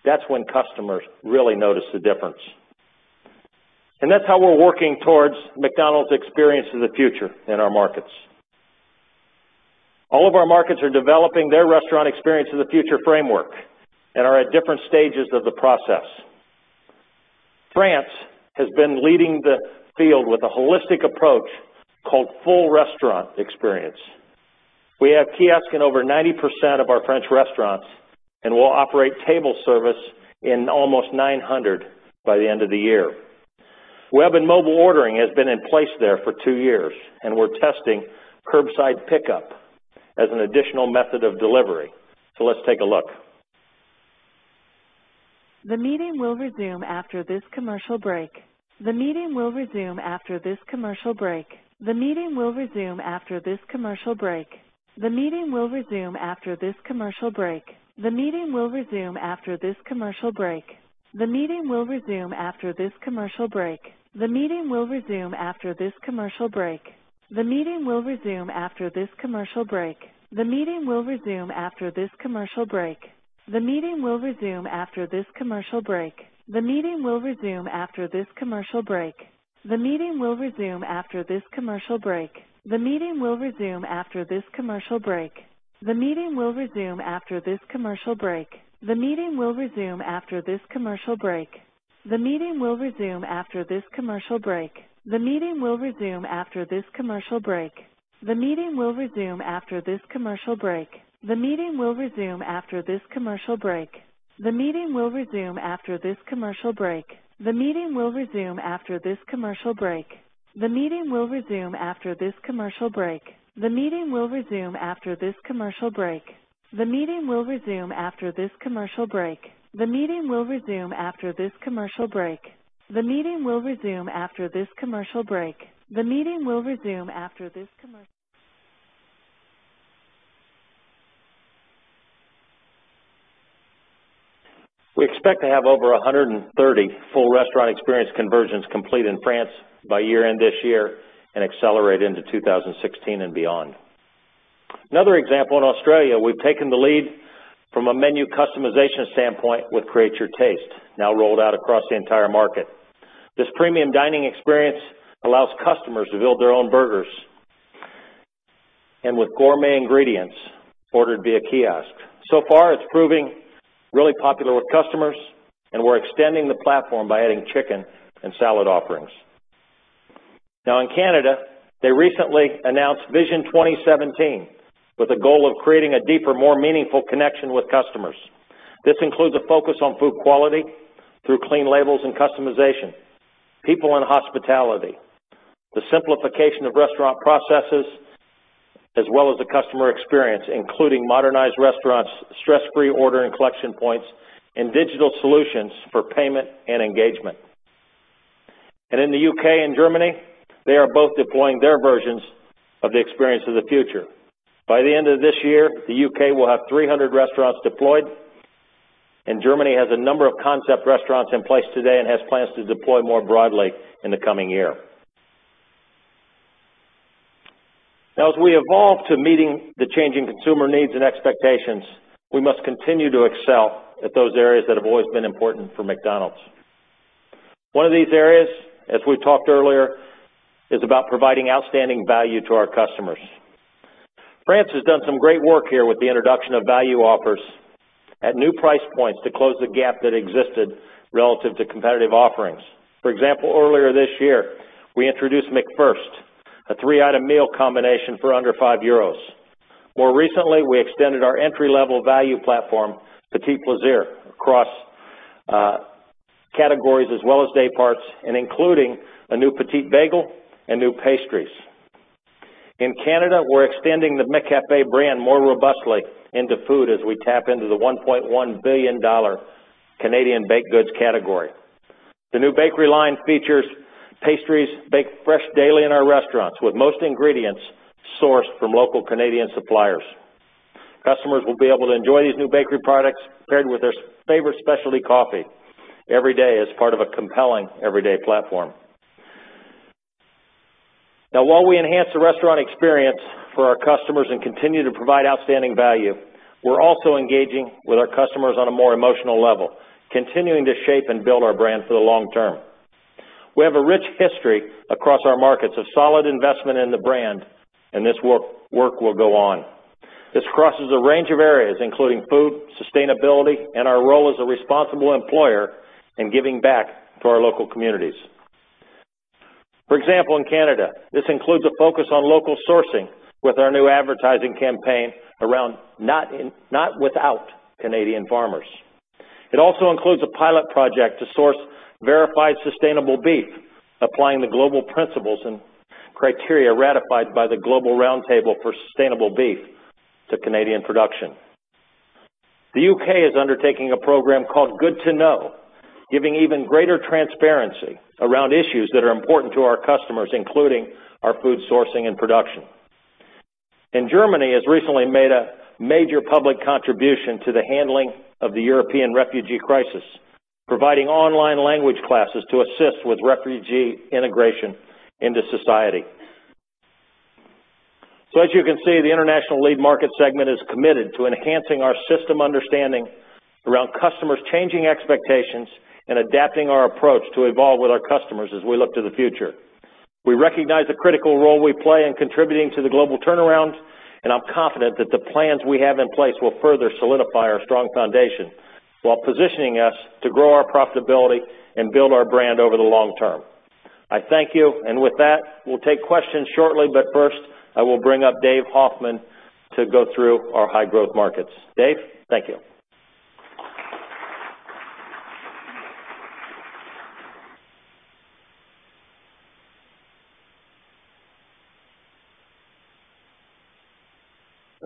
That's when customers really notice the difference. That's how we're working towards McDonald's Experience of the Future in our markets. All of our markets are developing their Experience of the Future framework and are at different stages of the process. France has been leading the field with a holistic approach called full restaurant experience. We have kiosks in over 90% of our French restaurants and will operate table service in almost 900 by the end of the year. Web and mobile ordering has been in place there for two years and we're testing curbside pickup as an additional method of delivery. Let's take a look. The meeting will resume after this commercial break. The meeting will resume after this commercial break. The meeting will resume after this commercial break. This premium dining experience allows customers to build their own burgers, and with gourmet ingredients ordered via kiosk. So far, it's proving really popular with customers, and we're extending the platform by adding chicken and salad offerings. In Canada, they recently announced Vision 2017 with a goal of creating a deeper, more meaningful connection with customers. This includes a focus on food quality through clean labels and customization, people and hospitality, the simplification of restaurant processes, as well as the customer experience, including modernized restaurants, stress-free order and collection points, and digital solutions for payment and engagement. In the U.K. and Germany, they are both deploying their versions of the Experience of the Future. By the end of this year, the U.K. will have 300 restaurants deployed, and Germany has a number of concept restaurants in place today and has plans to deploy more broadly in the coming year. As we evolve to meeting the changing consumer needs and expectations, we must continue to excel at those areas that have always been important for McDonald's. One of these areas, as we talked earlier, is about providing outstanding value to our customers. France has done some great work here with the introduction of value offers at new price points to close the gap that existed relative to competitive offerings. For example, earlier this year, we introduced McFirst, a three-item meal combination for under 5 euros. More recently, we extended our entry-level value platform, P'tits Plaisirs, across categories as well as day parts, and including a new P'tit Bagel and new pastries. In Canada, we're extending the McCafé brand more robustly into food as we tap into the 1.1 billion Canadian dollars Canadian baked goods category. The new bakery line features pastries baked fresh daily in our restaurants, with most ingredients sourced from local Canadian suppliers. Customers will be able to enjoy these new bakery products paired with their favorite specialty coffee every day as part of a compelling everyday platform. While we enhance the restaurant experience for our customers and continue to provide outstanding value, we're also engaging with our customers on a more emotional level, continuing to shape and build our brand for the long term. We have a rich history across our markets of solid investment in the brand, and this work will go on. This crosses a range of areas, including food, sustainability, and our role as a responsible employer in giving back to our local communities. For example, in Canada, this includes a focus on local sourcing with our new advertising campaign around Not Without Canadian Farmers. It also includes a pilot project to source verified sustainable beef, applying the global principles and criteria ratified by the Global Roundtable for Sustainable Beef to Canadian production. The U.K. is undertaking a program called Good to Know, giving even greater transparency around issues that are important to our customers, including our food sourcing and production. Germany has recently made a major public contribution to the handling of the European refugee crisis, providing online language classes to assist with refugee integration into society. As you can see, the international lead market segment is committed to enhancing our system understanding around customers' changing expectations and adapting our approach to evolve with our customers as we look to the future. We recognize the critical role we play in contributing to the global turnaround, and I'm confident that the plans we have in place will further solidify our strong foundation while positioning us to grow our profitability and build our brand over the long term. I thank you. With that, we'll take questions shortly, but first, I will bring up Dave Hoffmann to go through our high-growth markets. Dave, thank you.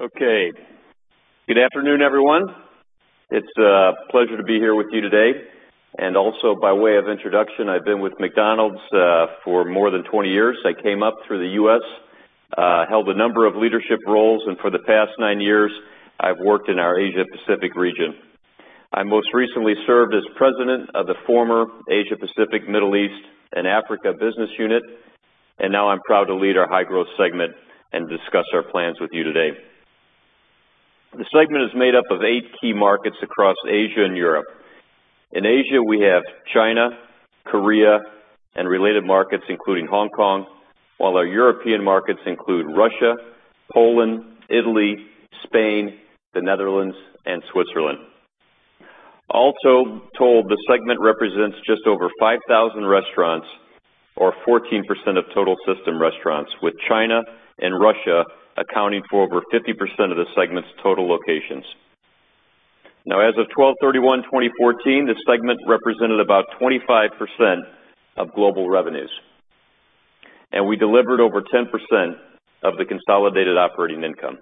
Okay. Good afternoon, everyone. It's a pleasure to be here with you today. Also, by way of introduction, I've been with McDonald's for more than 20 years. I came up through the U.S., held a number of leadership roles, and for the past nine years, I've worked in our Asia Pacific region. I most recently served as president of the former Asia Pacific, Middle East, and Africa business unit, and now I'm proud to lead our high-growth segment and discuss our plans with you today. The segment is made up of eight key markets across Asia and Europe. In Asia, we have China, Korea, and related markets, including Hong Kong, while our European markets include Russia, Poland, Italy, Spain, the Netherlands, and Switzerland. Also told the segment represents just over 5,000 restaurants or 14% of total system restaurants, with China and Russia accounting for over 50% of the segment's total locations. As of 12/31/2014, this segment represented about 25% of global revenues. We delivered over 10% of the consolidated operating income.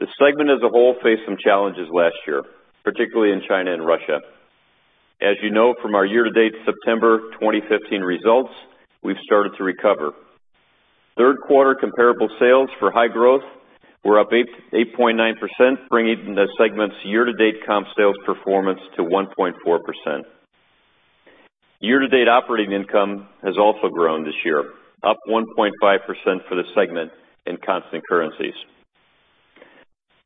The segment as a whole faced some challenges last year, particularly in China and Russia. As you know from our year-to-date September 2015 results, we've started to recover. Third quarter comparable sales for High Growth were up 8.9%, bringing the segment's year-to-date comp sales performance to 1.4%. Year-to-date operating income has also grown this year, up 1.5% for the segment in constant currencies.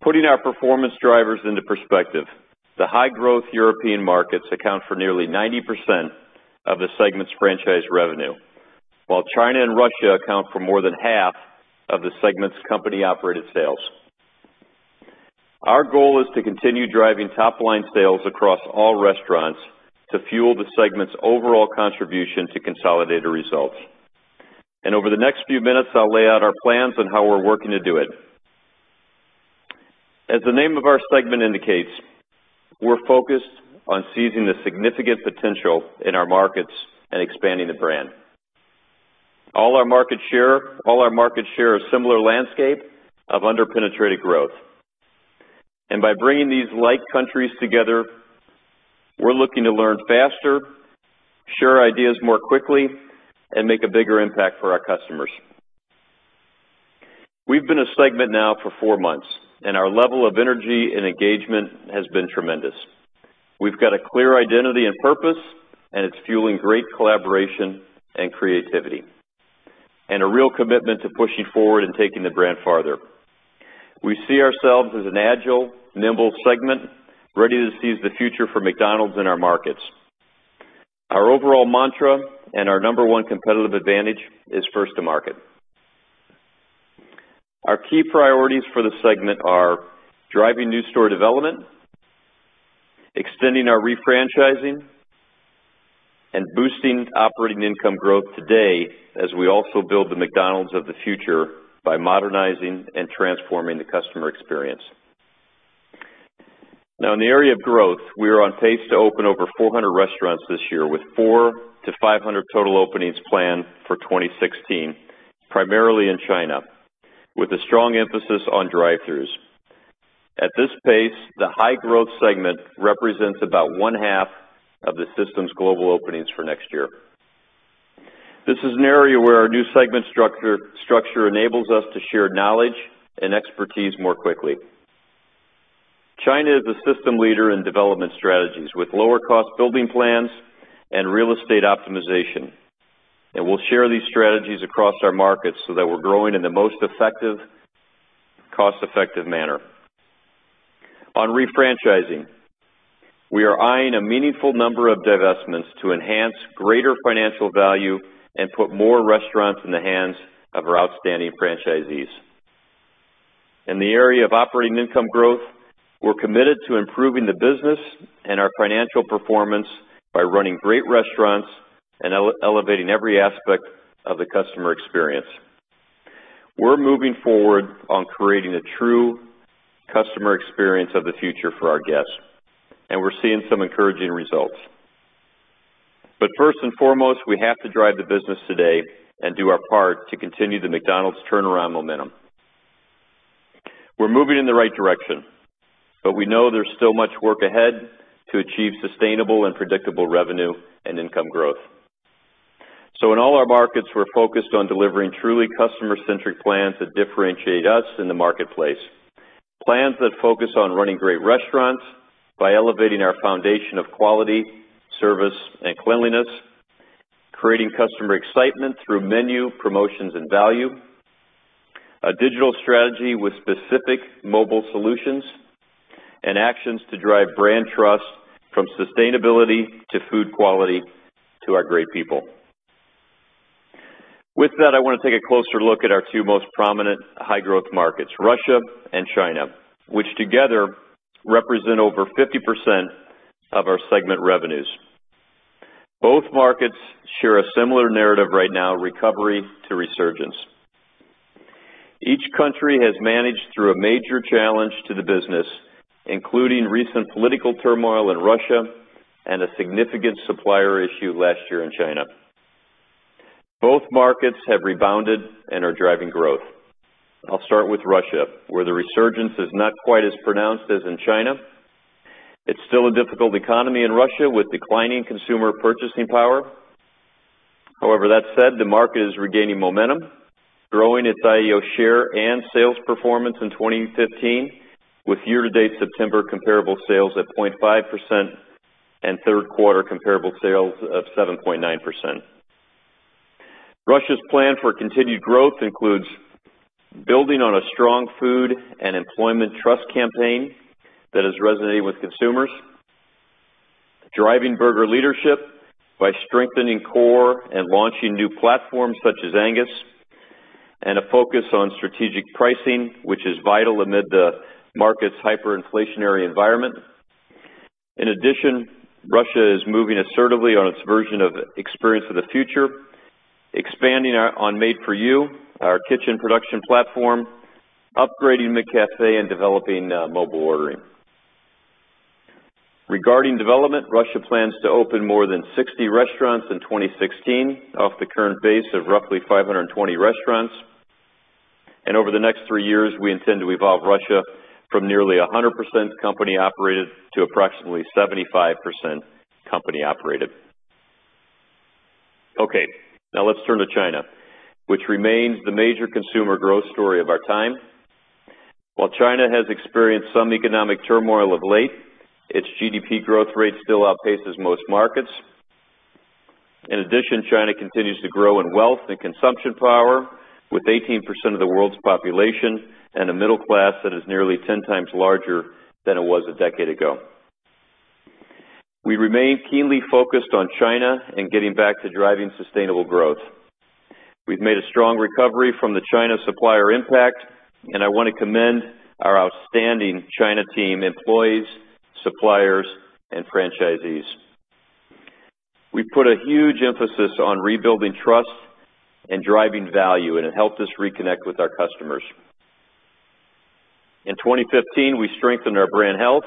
Putting our performance drivers into perspective, the High Growth European markets account for nearly 90% of the segment's franchise revenue, while China and Russia account for more than half of the segment's company-operated sales. Our goal is to continue driving top-line sales across all restaurants to fuel the segment's overall contribution to consolidated results. Over the next few minutes, I'll lay out our plans on how we're working to do it. As the name of our segment indicates, we're focused on seizing the significant potential in our markets and expanding the brand. All our markets share a similar landscape of under-penetrated growth. By bringing these like countries together, we're looking to learn faster, share ideas more quickly, and make a bigger impact for our customers. We've been a segment now for four months, and our level of energy and engagement has been tremendous. We've got a clear identity and purpose, and it's fueling great collaboration and creativity, and a real commitment to pushing forward and taking the brand farther. We see ourselves as an agile, nimble segment, ready to seize the future for McDonald's in our markets. Our overall mantra and our number one competitive advantage is first to market. Our key priorities for the segment are driving new store development, extending our re-franchising, and boosting operating income growth today as we also build the McDonald's of the future by modernizing and transforming the Customer Experience of the Future. In the area of growth, we are on pace to open over 400 restaurants this year, with 400-500 total openings planned for 2016, primarily in China, with a strong emphasis on drive-throughs. At this pace, the High Growth segment represents about one-half of the system's global openings for next year. This is an area where our new segment structure enables us to share knowledge and expertise more quickly. China is a system leader in development strategies with lower cost building plans and real estate optimization. We'll share these strategies across our markets so that we're growing in the most cost-effective manner. On re-franchising, we are eyeing a meaningful number of divestments to enhance greater financial value and put more restaurants in the hands of our outstanding franchisees. In the area of operating income growth, we're committed to improving the business and our financial performance by running great restaurants and elevating every aspect of the customer experience. We're moving forward on creating a true Customer Experience of the Future for our guests, and we're seeing some encouraging results. First and foremost, we have to drive the business today and do our part to continue the McDonald's turnaround momentum. We're moving in the right direction, but we know there's still much work ahead to achieve sustainable and predictable revenue and income growth. In all our markets, we're focused on delivering truly customer-centric plans that differentiate us in the marketplace. Plans that focus on running great restaurants by elevating our foundation of quality, service, and cleanliness, creating customer excitement through menu, promotions, and value, a digital strategy with specific mobile solutions, and actions to drive brand trust from sustainability to food quality to our great people. With that, I want to take a closer look at our two most prominent high-growth markets, Russia and China, which together represent over 50% of our segment revenues. Both markets share a similar narrative right now, recovery to resurgence. Each country has managed through a major challenge to the business, including recent political turmoil in Russia and a significant supplier issue last year in China. Both markets have rebounded and are driving growth. I'll start with Russia, where the resurgence is not quite as pronounced as in China. It's still a difficult economy in Russia, with declining consumer purchasing power. However, that said, the market is regaining momentum, growing its IEO share and sales performance in 2015, with year-to-date September comparable sales at 0.5% and third-quarter comparable sales of 7.9%. Russia's plan for continued growth includes building on a strong food and employment trust campaign that is resonating with consumers, driving burger leadership by strengthening core and launching new platforms such as Angus, and a focus on strategic pricing, which is vital amid the market's hyperinflationary environment. In addition, Russia is moving assertively on its version of Experience of the Future, expanding on Made For You, our kitchen production platform, upgrading McCafé, and developing mobile ordering. Regarding development, Russia plans to open more than 60 restaurants in 2016 off the current base of roughly 520 restaurants. Over the next three years, we intend to evolve Russia from nearly 100% company-operated to approximately 75% company-operated. Okay. Now let's turn to China, which remains the major consumer growth story of our time. While China has experienced some economic turmoil of late, its GDP growth rate still outpaces most markets. In addition, China continues to grow in wealth and consumption power, with 18% of the world's population and a middle class that is nearly 10 times larger than it was a decade ago. We remain keenly focused on China and getting back to driving sustainable growth. We've made a strong recovery from the China supplier impact, and I want to commend our outstanding China team, employees, suppliers, and franchisees. We put a huge emphasis on rebuilding trust and driving value, and it helped us reconnect with our customers. In 2015, we strengthened our brand health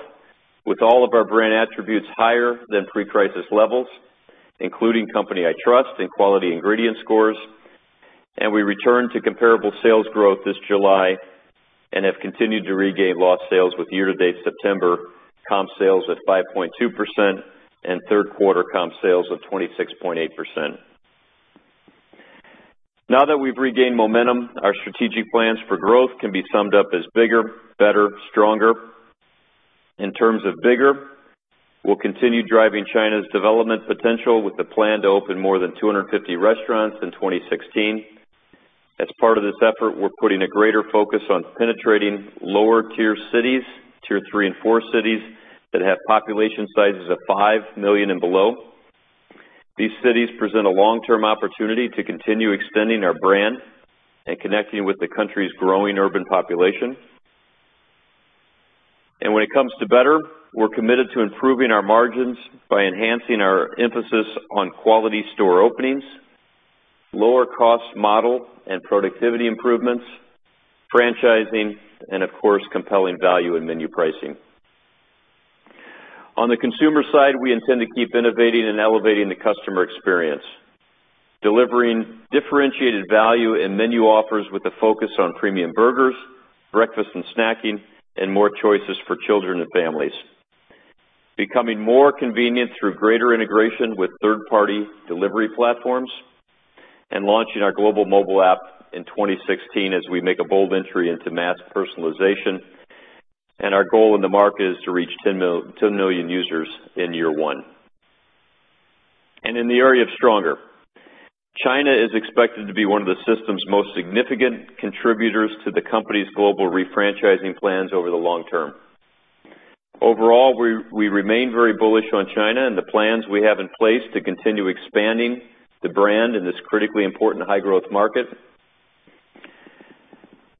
with all of our brand attributes higher than pre-crisis levels, including company I trust and quality ingredient scores. We returned to comparable sales growth this July and have continued to regain lost sales with year-to-date September comp sales at 5.2% and third quarter comp sales of 26.8%. Now that we've regained momentum, our strategic plans for growth can be summed up as bigger, better, stronger. In terms of bigger, we'll continue driving China's development potential with the plan to open more than 250 restaurants in 2016. As part of this effort, we're putting a greater focus on penetrating lower-tier cities, tier 3 and 4 cities that have population sizes of 5 million and below. These cities present a long-term opportunity to continue extending our brand and connecting with the country's growing urban population. When it comes to better, we're committed to improving our margins by enhancing our emphasis on quality store openings, lower cost model and productivity improvements, franchising, of course, compelling value and menu pricing. On the consumer side, we intend to keep innovating and elevating the customer experience, delivering differentiated value and menu offers with a focus on premium burgers, breakfast and snacking, more choices for children and families. Becoming more convenient through greater integration with third-party delivery platforms, launching our global mobile app in 2016 as we make a bold entry into mass personalization. Our goal in the market is to reach 10 million users in year one. In the area of stronger, China is expected to be one of the system's most significant contributors to the company's global refranchising plans over the long term. Overall, we remain very bullish on China and the plans we have in place to continue expanding the brand in this critically important high-growth market.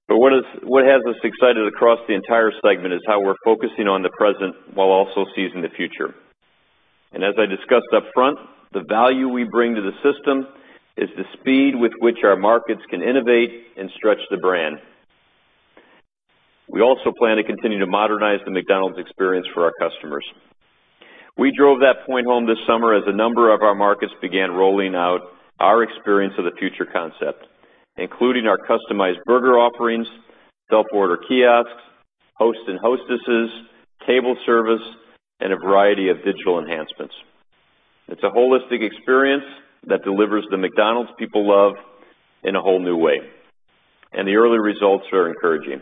What has us excited across the entire segment is how we're focusing on the present while also seizing the future. As I discussed up front, the value we bring to the system is the speed with which our markets can innovate and stretch the brand. We also plan to continue to modernize the McDonald's experience for our customers. We drove that point home this summer as a number of our markets began rolling out our Experience of the Future concept, including our customized burger offerings, self-order kiosks, host and hostesses, table service, a variety of digital enhancements. It's a holistic experience that delivers the McDonald's people love in a whole new way, the early results are encouraging.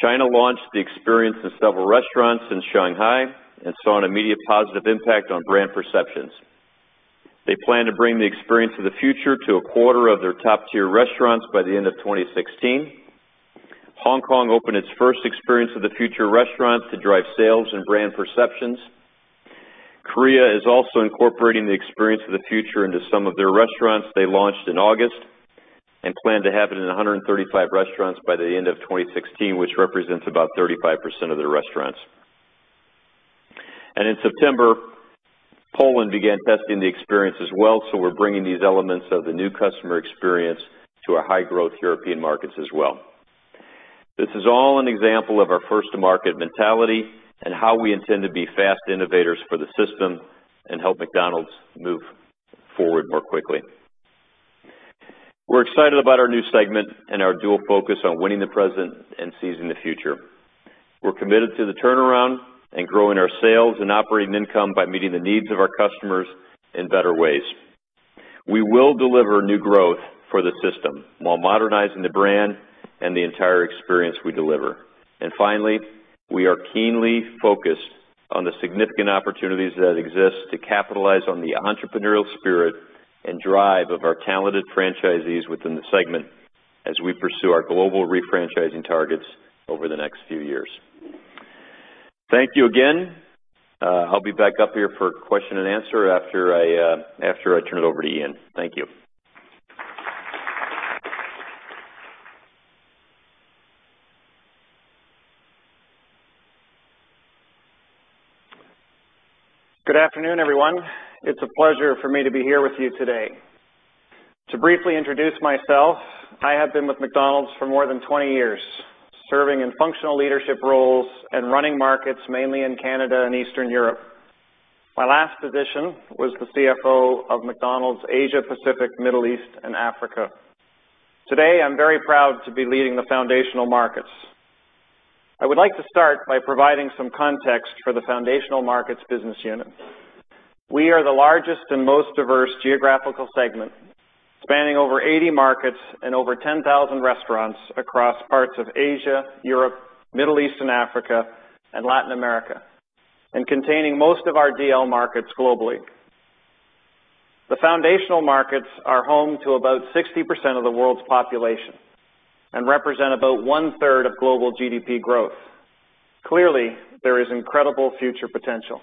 China launched the experience in several restaurants in Shanghai and saw an immediate positive impact on brand perceptions. They plan to bring the Experience of the Future to a quarter of their top-tier restaurants by the end of 2016. Hong Kong opened its first Experience of the Future restaurant to drive sales and brand perceptions. Korea is also incorporating the Experience of the Future into some of their restaurants they launched in August and plan to have it in 135 restaurants by the end of 2016, which represents about 35% of their restaurants. In September, Poland began testing the experience as well. We're bringing these elements of the new customer experience to our high-growth European markets as well. This is all an example of our first-to-market mentality and how we intend to be fast innovators for the system and help McDonald's move forward more quickly. We're excited about our new segment and our dual focus on winning the present and seizing the future. We're committed to the turnaround and growing our sales and operating income by meeting the needs of our customers in better ways. We will deliver new growth for the system while modernizing the brand and the entire experience we deliver. Finally, we are keenly focused on the significant opportunities that exist to capitalize on the entrepreneurial spirit and drive of our talented franchisees within the segment as we pursue our global refranchising targets over the next few years. Thank you again. I'll be back up here for question and answer after I turn it over to Ian. Thank you. Good afternoon, everyone. It's a pleasure for me to be here with you today. To briefly introduce myself, I have been with McDonald's for more than 20 years, serving in functional leadership roles and running markets mainly in Canada and Eastern Europe. My last position was the CFO of McDonald's Asia Pacific, Middle East and Africa. Today, I'm very proud to be leading the Foundational Markets. I would like to start by providing some context for the Foundational Markets business unit. We are the largest and most diverse geographical segment, spanning over 80 markets and over 10,000 restaurants across parts of Asia, Europe, Middle East and Africa, and Latin America, and containing most of our DL markets globally. The Foundational Markets are home to about 60% of the world's population and represent about one-third of global GDP growth. Clearly, there is incredible future potential.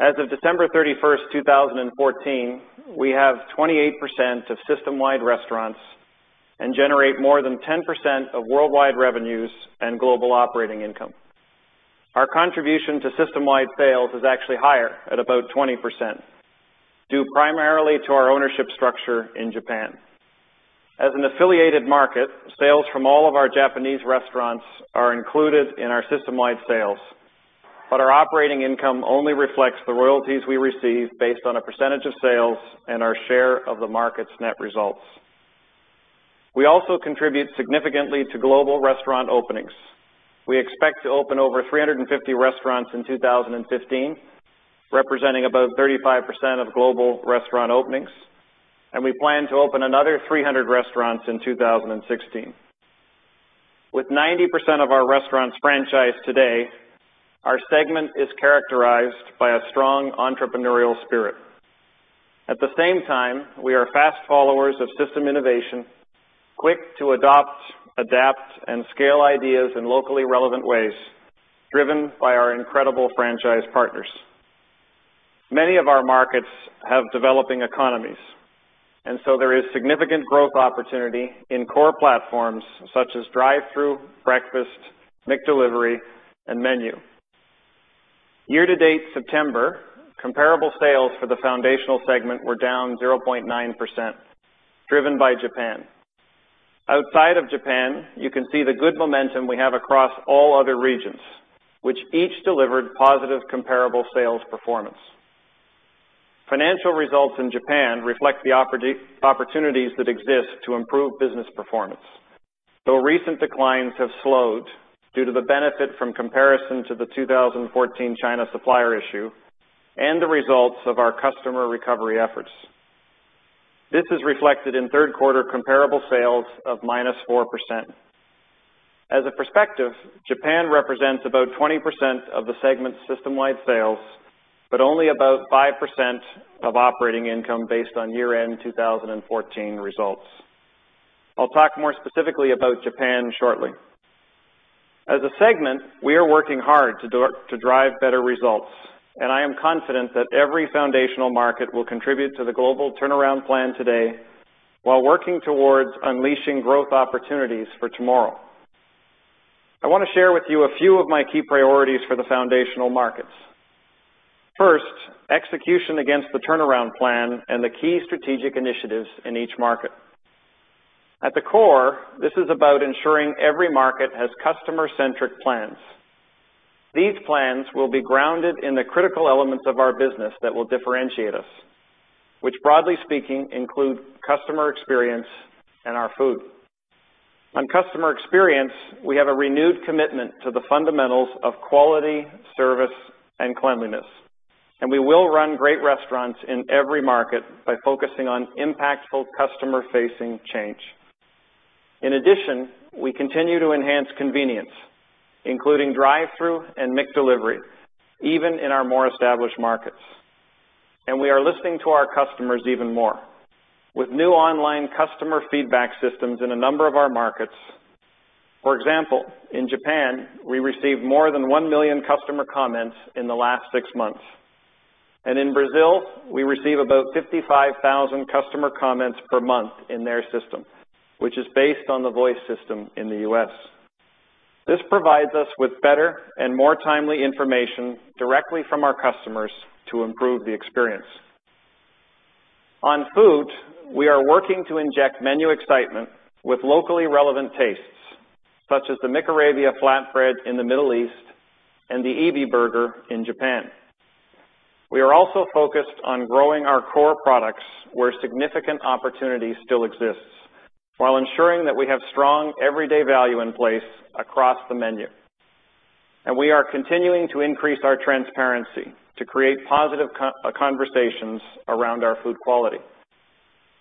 As of December 31st, 2014, we have 28% of system-wide restaurants and generate more than 10% of worldwide revenues and global operating income. Our contribution to system-wide sales is actually higher, at about 20%, due primarily to our ownership structure in Japan. As an affiliated market, sales from all of our Japanese restaurants are included in our system-wide sales. Our operating income only reflects the royalties we receive based on a percentage of sales and our share of the market's net results. We also contribute significantly to global restaurant openings. We expect to open over 350 restaurants in 2015, representing about 35% of global restaurant openings, and we plan to open another 300 restaurants in 2016. With 90% of our restaurants franchised today, our segment is characterized by a strong entrepreneurial spirit. At the same time, we are fast followers of system innovation, quick to adopt, adapt, and scale ideas in locally relevant ways, driven by our incredible franchise partners. Many of our markets have developing economies, and so there is significant growth opportunity in core platforms such as drive-thru, breakfast, McDelivery, and menu. Year-to-date September, comparable sales for the Foundational segment were down 0.9%, driven by Japan. Outside of Japan, you can see the good momentum we have across all other regions, which each delivered positive comparable sales performance. Financial results in Japan reflect the opportunities that exist to improve business performance, though recent declines have slowed due to the benefit from comparison to the 2014 China supplier issue and the results of our customer recovery efforts. This is reflected in third-quarter comparable sales of minus 4%. As a perspective, Japan represents about 20% of the segment's system-wide sales, but only about 5% of operating income based on year-end 2014 results. I will talk more specifically about Japan shortly. As a segment, we are working hard to drive better results, and I am confident that every Foundational Market will contribute to the global turnaround plan today while working towards unleashing growth opportunities for tomorrow. I want to share with you a few of my key priorities for the Foundational Markets. First, execution against the turnaround plan and the key strategic initiatives in each market. At the core, this is about ensuring every market has customer-centric plans. These plans will be grounded in the critical elements of our business that will differentiate us, which broadly speaking include customer experience and our food. On customer experience, we have a renewed commitment to the fundamentals of quality, service, and cleanliness, and we will run great restaurants in every market by focusing on impactful customer-facing change. In addition, we continue to enhance convenience, including drive-thru and McDelivery, even in our more established markets. We are listening to our customers even more with new online customer feedback systems in a number of our markets. For example, in Japan, we received more than 1 million customer comments in the last 6 months. In Brazil, we receive about 55,000 customer comments per month in their system, which is based on the Voice system in the U.S. This provides us with better and more timely information directly from our customers to improve the experience. On food, we are working to inject menu excitement with locally relevant tastes, such as the McArabia flatbread in the Middle East and the Ebi Filet-O in Japan. We are also focused on growing our core products where significant opportunity still exists while ensuring that we have strong everyday value in place across the menu. We are continuing to increase our transparency to create positive conversations around our food quality.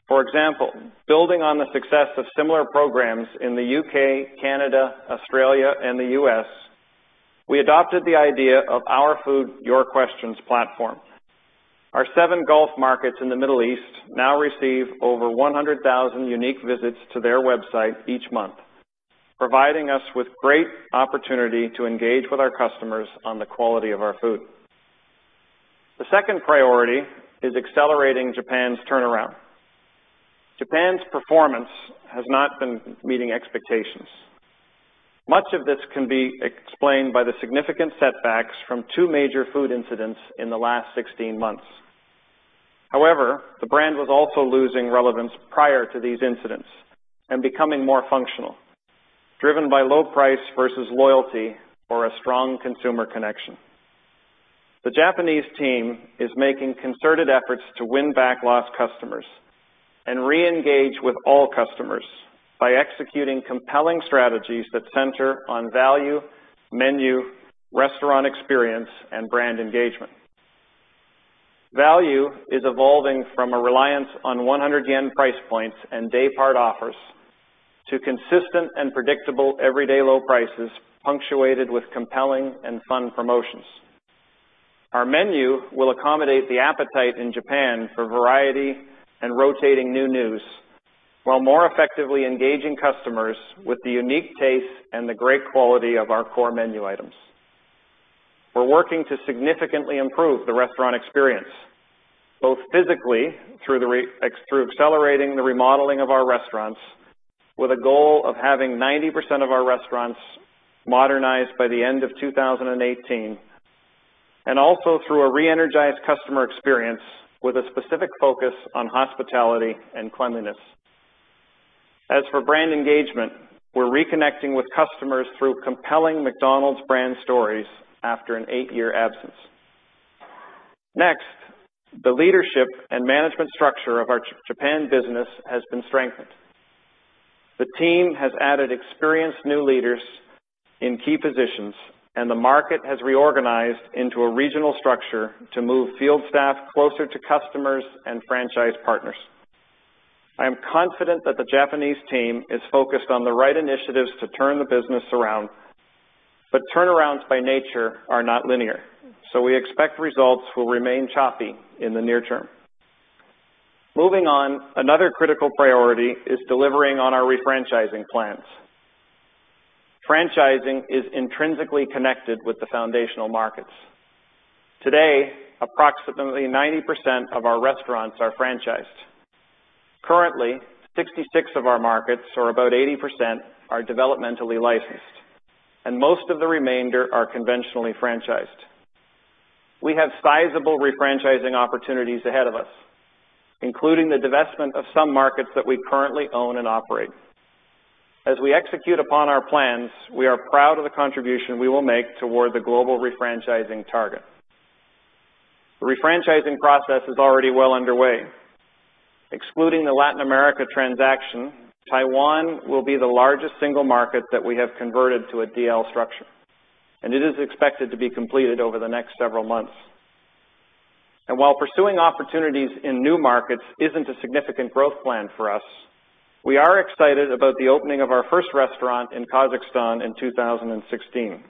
For example, building on the success of similar programs in the U.K., Canada, Australia, and the U.S., we adopted the idea of Our Food Your Questions platform. Our seven Gulf markets in the Middle East now receive over 100,000 unique visits to their website each month, providing us with great opportunity to engage with our customers on the quality of our food. The second priority is accelerating Japan's turnaround. Japan's performance has not been meeting expectations. Much of this can be explained by the significant setbacks from two major food incidents in the last 16 months. However, the brand was also losing relevance prior to these incidents and becoming more functional, driven by low price versus loyalty or a strong consumer connection. The Japanese team is making concerted efforts to win back lost customers and re-engage with all customers by executing compelling strategies that center on value, menu, restaurant experience, and brand engagement. Value is evolving from a reliance on 100 yen price points and day part offers to consistent and predictable everyday low prices, punctuated with compelling and fun promotions. Our menu will accommodate the appetite in Japan for variety and rotating new news, while more effectively engaging customers with the unique taste and the great quality of our core menu items. We're working to significantly improve the restaurant experience, both physically through accelerating the remodeling of our restaurants with a goal of having 90% of our restaurants modernized by the end of 2018, and also through a re-energized customer experience with a specific focus on hospitality and cleanliness. As for brand engagement, we're reconnecting with customers through compelling McDonald's brand stories after an eight-year absence. The leadership and management structure of our Japan business has been strengthened. The team has added experienced new leaders in key positions, and the market has reorganized into a regional structure to move field staff closer to customers and franchise partners. I am confident that the Japanese team is focused on the right initiatives to turn the business around, turnarounds by nature are not linear, we expect results will remain choppy in the near term. Moving on, another critical priority is delivering on our re-franchising plans. Franchising is intrinsically connected with the foundational markets. Today, approximately 90% of our restaurants are franchised. Currently, 66 of our markets, or about 80%, are developmentally licensed, and most of the remainder are conventionally franchised. We have sizable re-franchising opportunities ahead of us, including the divestment of some markets that we currently own and operate. As we execute upon our plans, we are proud of the contribution we will make toward the global re-franchising target. The re-franchising process is already well underway. Excluding the Latin America transaction, Taiwan will be the largest single market that we have converted to a DL structure, and it is expected to be completed over the next several months. While pursuing opportunities in new markets isn't a significant growth plan for us, we are excited about the opening of our first restaurant in Kazakhstan in 2016.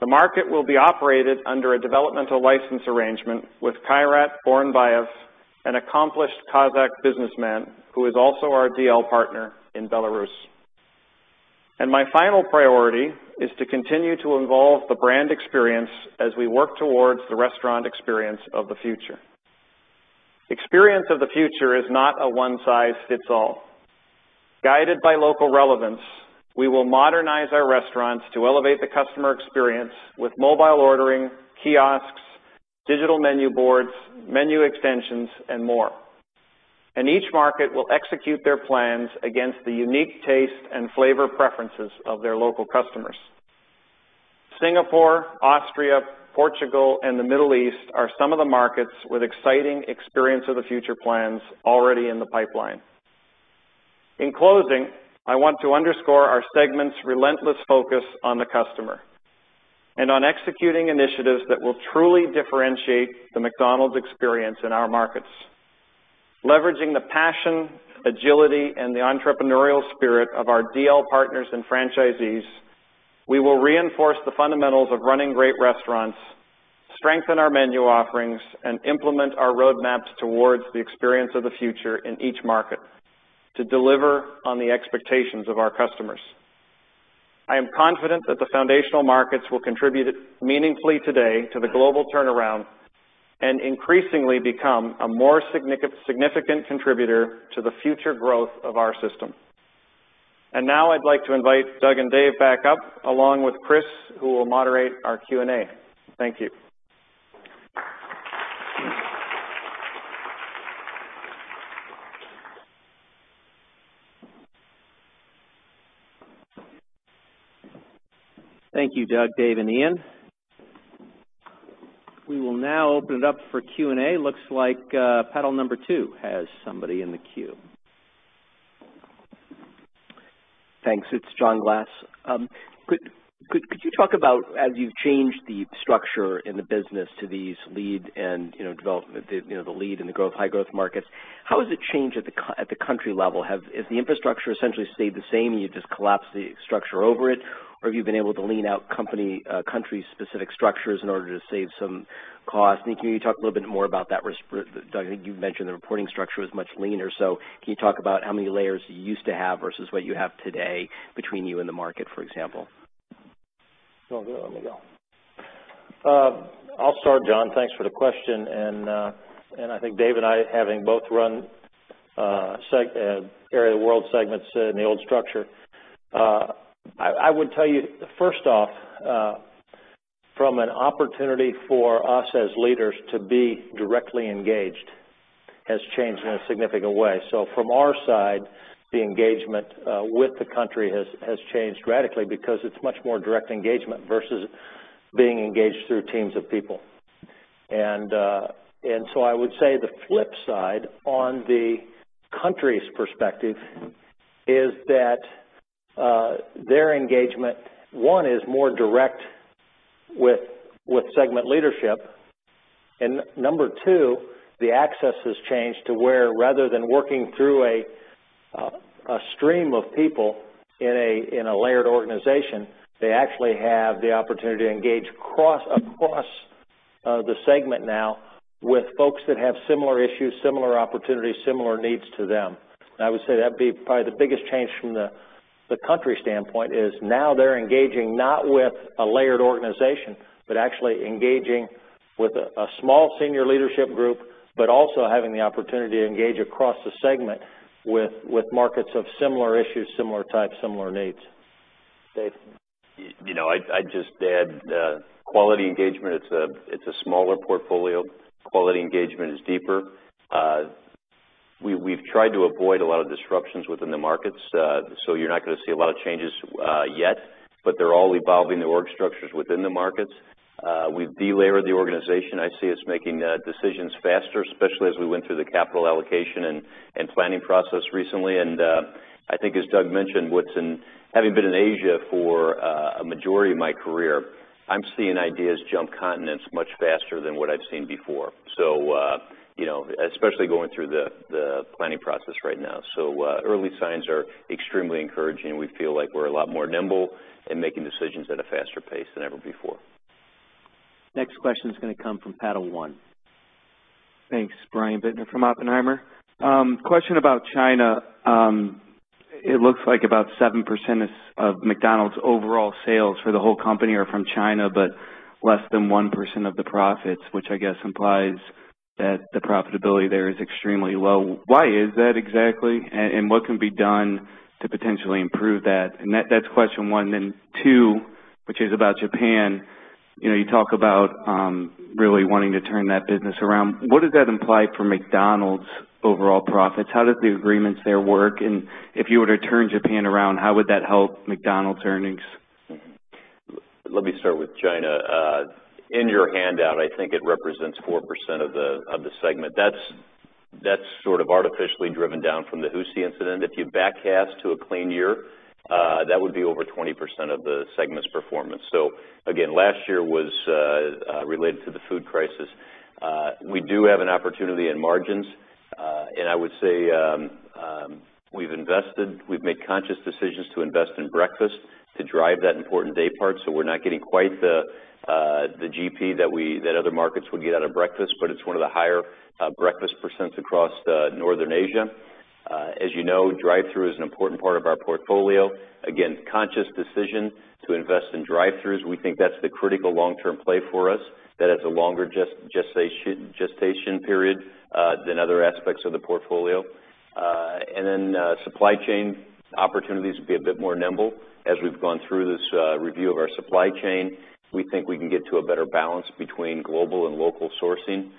The market will be operated under a developmental license arrangement with Kairat Boranbaev, an accomplished Kazakh businessman who is also our DL partner in Belarus. My final priority is to continue to evolve the brand experience as we work towards the restaurant Experience of the Future. Experience of the Future is not a one size fits all. Guided by local relevance, we will modernize our restaurants to elevate the customer experience with mobile ordering, kiosks, digital menu boards, menu extensions, and more. Each market will execute their plans against the unique taste and flavor preferences of their local customers. Singapore, Austria, Portugal, and the Middle East are some of the markets with exciting Experience of the Future plans already in the pipeline. In closing, I want to underscore our segment's relentless focus on the customer and on executing initiatives that will truly differentiate the McDonald's experience in our markets. Leveraging the passion, agility, and the entrepreneurial spirit of our DL partners and franchisees, we will reinforce the fundamentals of running great restaurants, strengthen our menu offerings, and implement our roadmaps towards the Experience of the Future in each market to deliver on the expectations of our customers. I am confident that the foundational markets will contribute meaningfully today to the global turnaround and increasingly become a more significant contributor to the future growth of our system. Now I'd like to invite Doug and Dave back up, along with Chris, who will moderate our Q&A. Thank you. Thank you, Doug, Dave, and Ian. We will now open it up for Q&A. Looks like paddle number 2 has somebody in the queue. Thanks. It's John Glass. Could you talk about, as you've changed the structure in the business to these Lead and High Growth Markets, how has it changed at the country level? Has the infrastructure essentially stayed the same, and you just collapsed the structure over it? Or have you been able to lean out country-specific structures in order to save some cost? Can you talk a little bit more about that risk? Doug, I think you've mentioned the reporting structure was much leaner. Can you talk about how many layers you used to have versus what you have today between you and the market, for example? Well, good. Let me go. I'll start, John. Thanks for the question. I think Dave and I, having both run area world segments in the old structure, I would tell you, first off, from an opportunity for us as leaders to be directly engaged has changed in a significant way. From our side, the engagement with the country has changed radically because it's much more direct engagement versus being engaged through teams of people. I would say the flip side on the country's perspective is that their engagement, one, is more direct with segment leadership. Number 2, the access has changed to where rather than working through a stream of people in a layered organization, they actually have the opportunity to engage across the segment now with folks that have similar issues, similar opportunities, similar needs to them. I would say that'd be probably the biggest change from the country standpoint is now they're engaging not with a layered organization, but actually engaging with a small senior leadership group, but also having the opportunity to engage across the segment with markets of similar issues, similar types, similar needs. Dave. I'd just add quality engagement, it's a smaller portfolio. Quality engagement is deeper. We've tried to avoid a lot of disruptions within the markets, so you're not going to see a lot of changes yet, but they're all evolving the org structures within the markets. We've de-layered the organization. I see us making decisions faster, especially as we went through the capital allocation and planning process recently. I think as Doug mentioned, having been in Asia for a majority of my career, I'm seeing ideas jump continents much faster than what I've seen before. Especially going through the planning process right now. Early signs are extremely encouraging, and we feel like we're a lot more nimble in making decisions at a faster pace than ever before. Next question is going to come from Panel One. Thanks. Brian Bittner from Oppenheimer. Question about China. It looks like about 7% of McDonald's overall sales for the whole company are from China, but less than 1% of the profits, which I guess implies that the profitability there is extremely low. Why is that exactly? What can be done to potentially improve that? That's question one. Two, which is about Japan. You talk about really wanting to turn that business around. What does that imply for McDonald's overall profits? How does the agreements there work? If you were to turn Japan around, how would that help McDonald's earnings? Let me start with China. In your handout, I think it represents 4% of the segment. That's sort of artificially driven down from the Husi incident. If you back cast to a clean year, that would be over 20% of the segment's performance. Again, last year was related to the food crisis. We do have an opportunity in margins. I would say we've invested, we've made conscious decisions to invest in breakfast to drive that important day part. We're not getting quite the GP that other markets would get out of breakfast, but it's one of the higher breakfast % across Northern Asia. As you know, drive-thru is an important part of our portfolio. Again, conscious decision to invest in drive-thrus. We think that's the critical long-term play for us that has a longer gestation period than other aspects of the portfolio. Supply chain opportunities will be a bit more nimble as we've gone through this review of our supply chain. We think we can get to a better balance between global and local sourcing,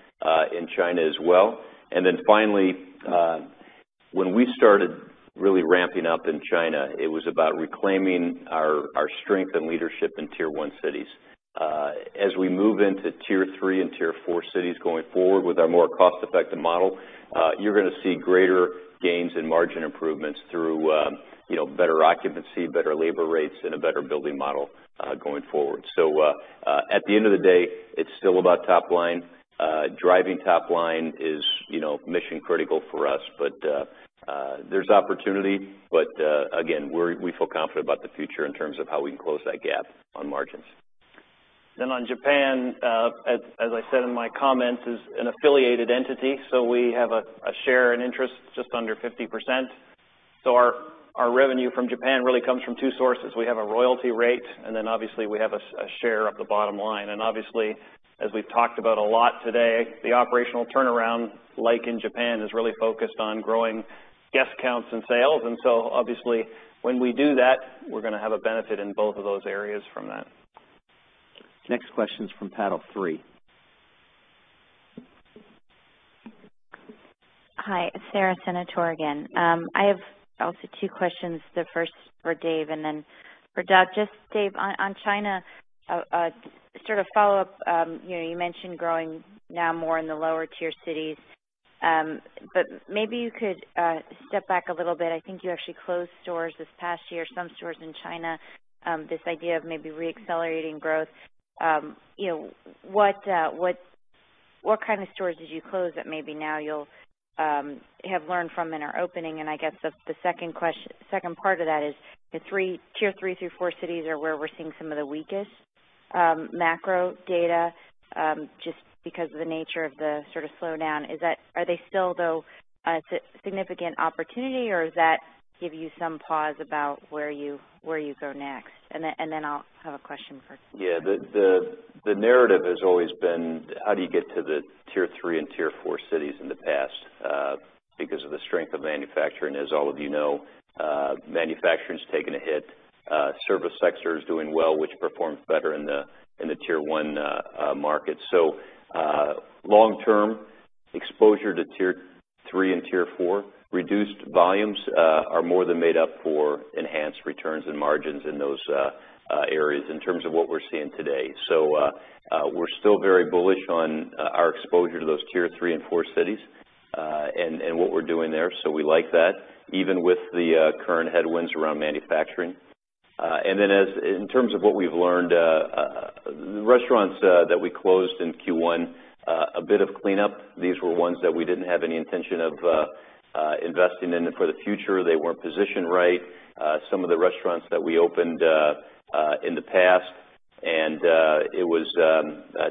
in China as well. When we started really ramping up in China, it was about reclaiming our strength and leadership in Tier 1 cities. As we move into Tier 3 and Tier 4 cities going forward with our more cost-effective model, you're going to see greater gains in margin improvements through better occupancy, better labor rates, and a better building model going forward. At the end of the day, it's still about top line. Driving top line is mission critical for us, but there's opportunity. Again, we feel confident about the future in terms of how we can close that gap on margins. On Japan, as I said in my comments, is an affiliated entity, so we have a share and interest just under 50%. Our revenue from Japan really comes from two sources. We have a royalty rate, and then obviously we have a share of the bottom line. As we've talked about a lot today, the operational turnaround, like in Japan, is really focused on growing guest counts and sales. When we do that, we're going to have a benefit in both of those areas from that. Next question is from Panel 3. Hi, it's Sara Senatore again. I have also two questions, the first for Dave and then for Doug. Just Dave, on China, sort of follow up, you mentioned growing now more in the lower tier cities. Maybe you could step back a little bit. I think you actually closed stores this past year, some stores in China. This idea of maybe re-accelerating growth. What kind of stores did you close that maybe now you'll have learned from and are opening? I guess the second part of that is Tier 3 through 4 cities are where we're seeing some of the weakest? macro data, just because of the nature of the sort of slowdown. Are they still though, a significant opportunity or does that give you some pause about where you go next? Then I'll have a question for- Yeah. The narrative has always been how do you get to the tier 3 and tier 4 cities in the past? Because of the strength of manufacturing, as all of you know, manufacturing's taken a hit. Service sector is doing well, which performs better in the tier 1 markets. Long-term exposure to tier 3 and tier 4 reduced volumes are more than made up for enhanced returns and margins in those areas in terms of what we're seeing today. We're still very bullish on our exposure to those tier 3 and 4 cities, and what we're doing there. We like that even with the current headwinds around manufacturing. Then in terms of what we've learned, the restaurants that we closed in Q1, a bit of cleanup. These were ones that we didn't have any intention of investing in for the future. They weren't positioned right. Some of the restaurants that we opened in the past, and it was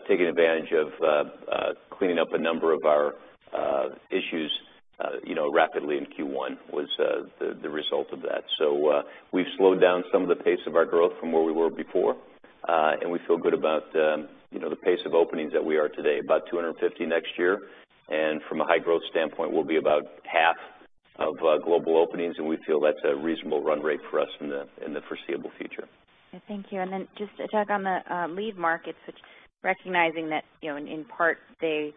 taking advantage of cleaning up a number of our issues rapidly in Q1 was the result of that. We've slowed down some of the pace of our growth from where we were before. We feel good about the pace of openings that we are today, about 250 next year. From a high growth standpoint, we'll be about half of global openings, and we feel that's a reasonable run rate for us in the foreseeable future. Okay, thank you. Then just to check on the lead markets, which recognizing that, in part, they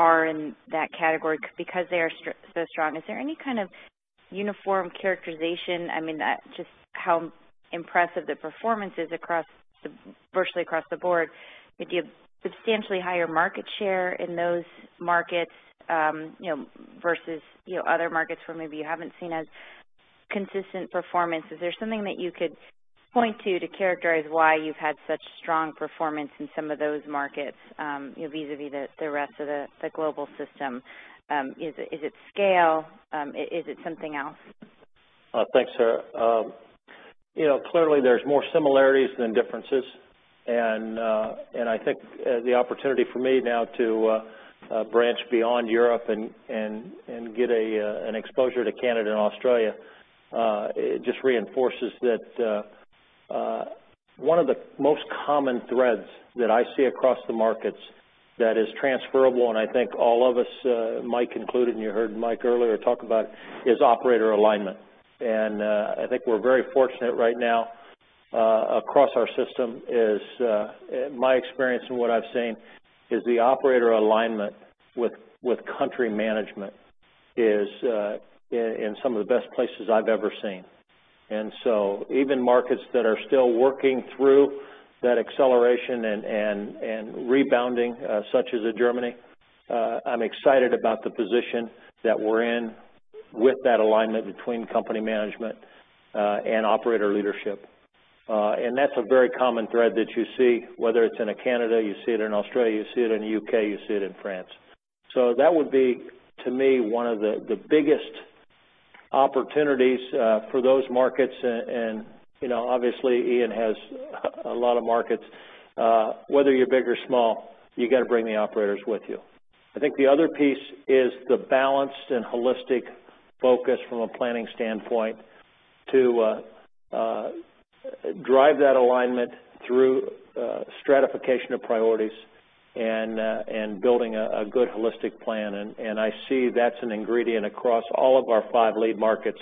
are in that category because they are so strong. Is there any kind of uniform characterization? I mean, just how impressive the performance is virtually across the board. Do you have substantially higher market share in those markets, versus other markets where maybe you haven't seen as consistent performance? Is there something that you could point to to characterize why you've had such strong performance in some of those markets, vis-a-vis the rest of the global system? Is it scale? Is it something else? Thanks, Sara. Clearly there's more similarities than differences and I think the opportunity for me now to branch beyond Europe and get an exposure to Canada and Australia, just reinforces that one of the most common threads that I see across the markets that is transferable, and I think all of us, Mike included, and you heard Mike earlier talk about, is operator alignment. I think we're very fortunate right now across our system is, my experience and what I've seen is the operator alignment with country management is in some of the best places I've ever seen. Even markets that are still working through that acceleration and rebounding, such as in Germany, I'm excited about the position that we're in with that alignment between company management, and operator leadership. That's a very common thread that you see whether it's in a Canada, you see it in Australia, you see it in the U.K., you see it in France. That would be, to me, one of the biggest opportunities for those markets and obviously Ian has a lot of markets. Whether you're big or small, you got to bring the operators with you. I think the other piece is the balanced and holistic focus from a planning standpoint to drive that alignment through stratification of priorities and building a good holistic plan. I see that's an ingredient across all of our five lead markets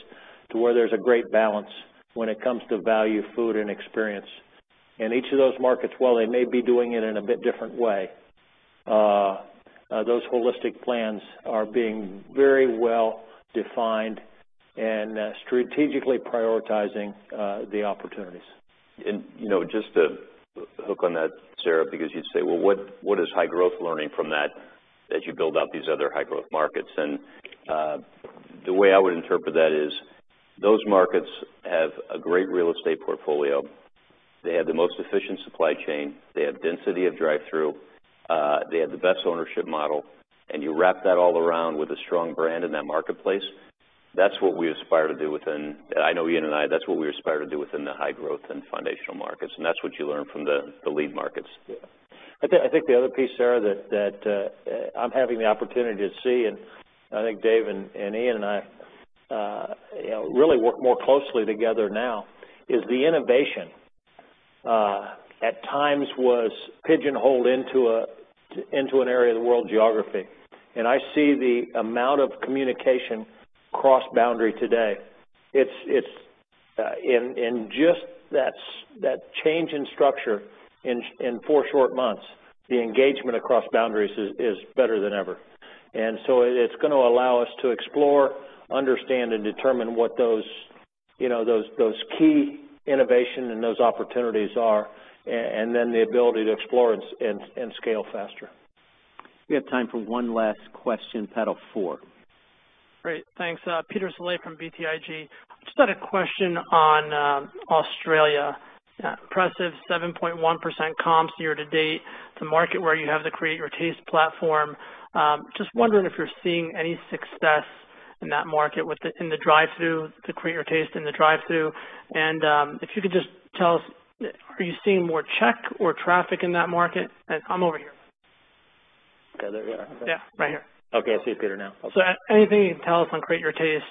to where there's a great balance when it comes to value, food, and experience. Each of those markets, while they may be doing it in a bit different way, those holistic plans are being very well defined and strategically prioritizing the opportunities. Just to hook on that, Sara, because you'd say, "Well, what is high growth learning from that as you build out these other high growth markets?" The way I would interpret that is those markets have a great real estate portfolio. They have the most efficient supply chain, they have density of drive-through, they have the best ownership model, and you wrap that all around with a strong brand in that marketplace. That's what we aspire to do within I know Ian and I, that's what we aspire to do within the high growth and foundational markets. That's what you learn from the lead markets. Yeah. I think the other piece, Sara, that I'm having the opportunity to see, and I think Dave and Ian and I really work more closely together now, is the innovation, at times was pigeonholed into an area of the world geography. I see the amount of communication cross-boundary today. In just that change in structure in four short months, the engagement across boundaries is better than ever. It's going to allow us to explore, understand, and determine what those key innovation and those opportunities are, and then the ability to explore and scale faster. We have time for one last question, Panel One. Great. Thanks. Peter Saleh from BTIG. Had a question on Australia. Impressive 7.1% comps year to date. It's a market where you have the Create Your Taste platform. Wondering if you're seeing any success In that market in the drive-thru, the Create Your Taste in the drive-thru. If you could just tell us, are you seeing more check or traffic in that market? I'm over here. There we are. Okay. Yeah. Right here. Okay, I see you, Peter, now. Anything you can tell us on Create Your Taste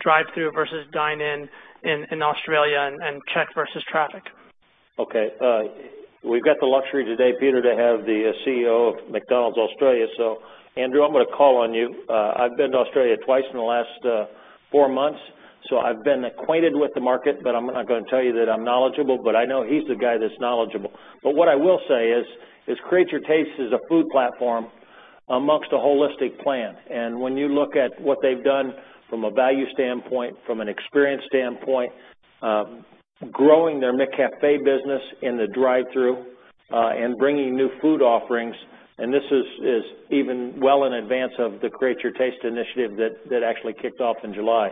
drive-thru versus dine-in Australia, and check versus traffic. Okay. We've got the luxury today, Peter, to have the CEO of McDonald's Australia. Andrew, I'm going to call on you. I've been to Australia twice in the last four months, so I've been acquainted with the market, but I'm not going to tell you that I'm knowledgeable. I know he's the guy that's knowledgeable. What I will say is, Create Your Taste is a food platform amongst a holistic plan. When you look at what they've done from a value standpoint, from an experience standpoint, growing their McCafé business in the drive-thru, and bringing new food offerings, and this is even well in advance of the Create Your Taste initiative that actually kicked off in July.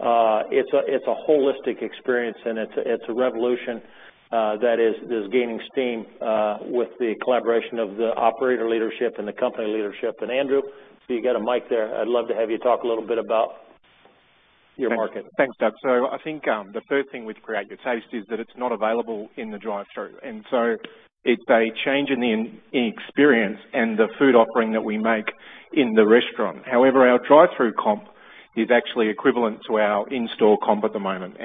It's a holistic experience, and it's a revolution that is gaining steam with the collaboration of the operator leadership and the company leadership. Andrew, you got a mic there. I'd love to have you talk a little bit about your market. Thanks, Doug. I think the first thing with Create Your Taste is that it's not available in the drive-thru. It's a change in experience and the food offering that we make in the restaurant. However, our drive-thru comp is actually equivalent to our in-store comp at the moment.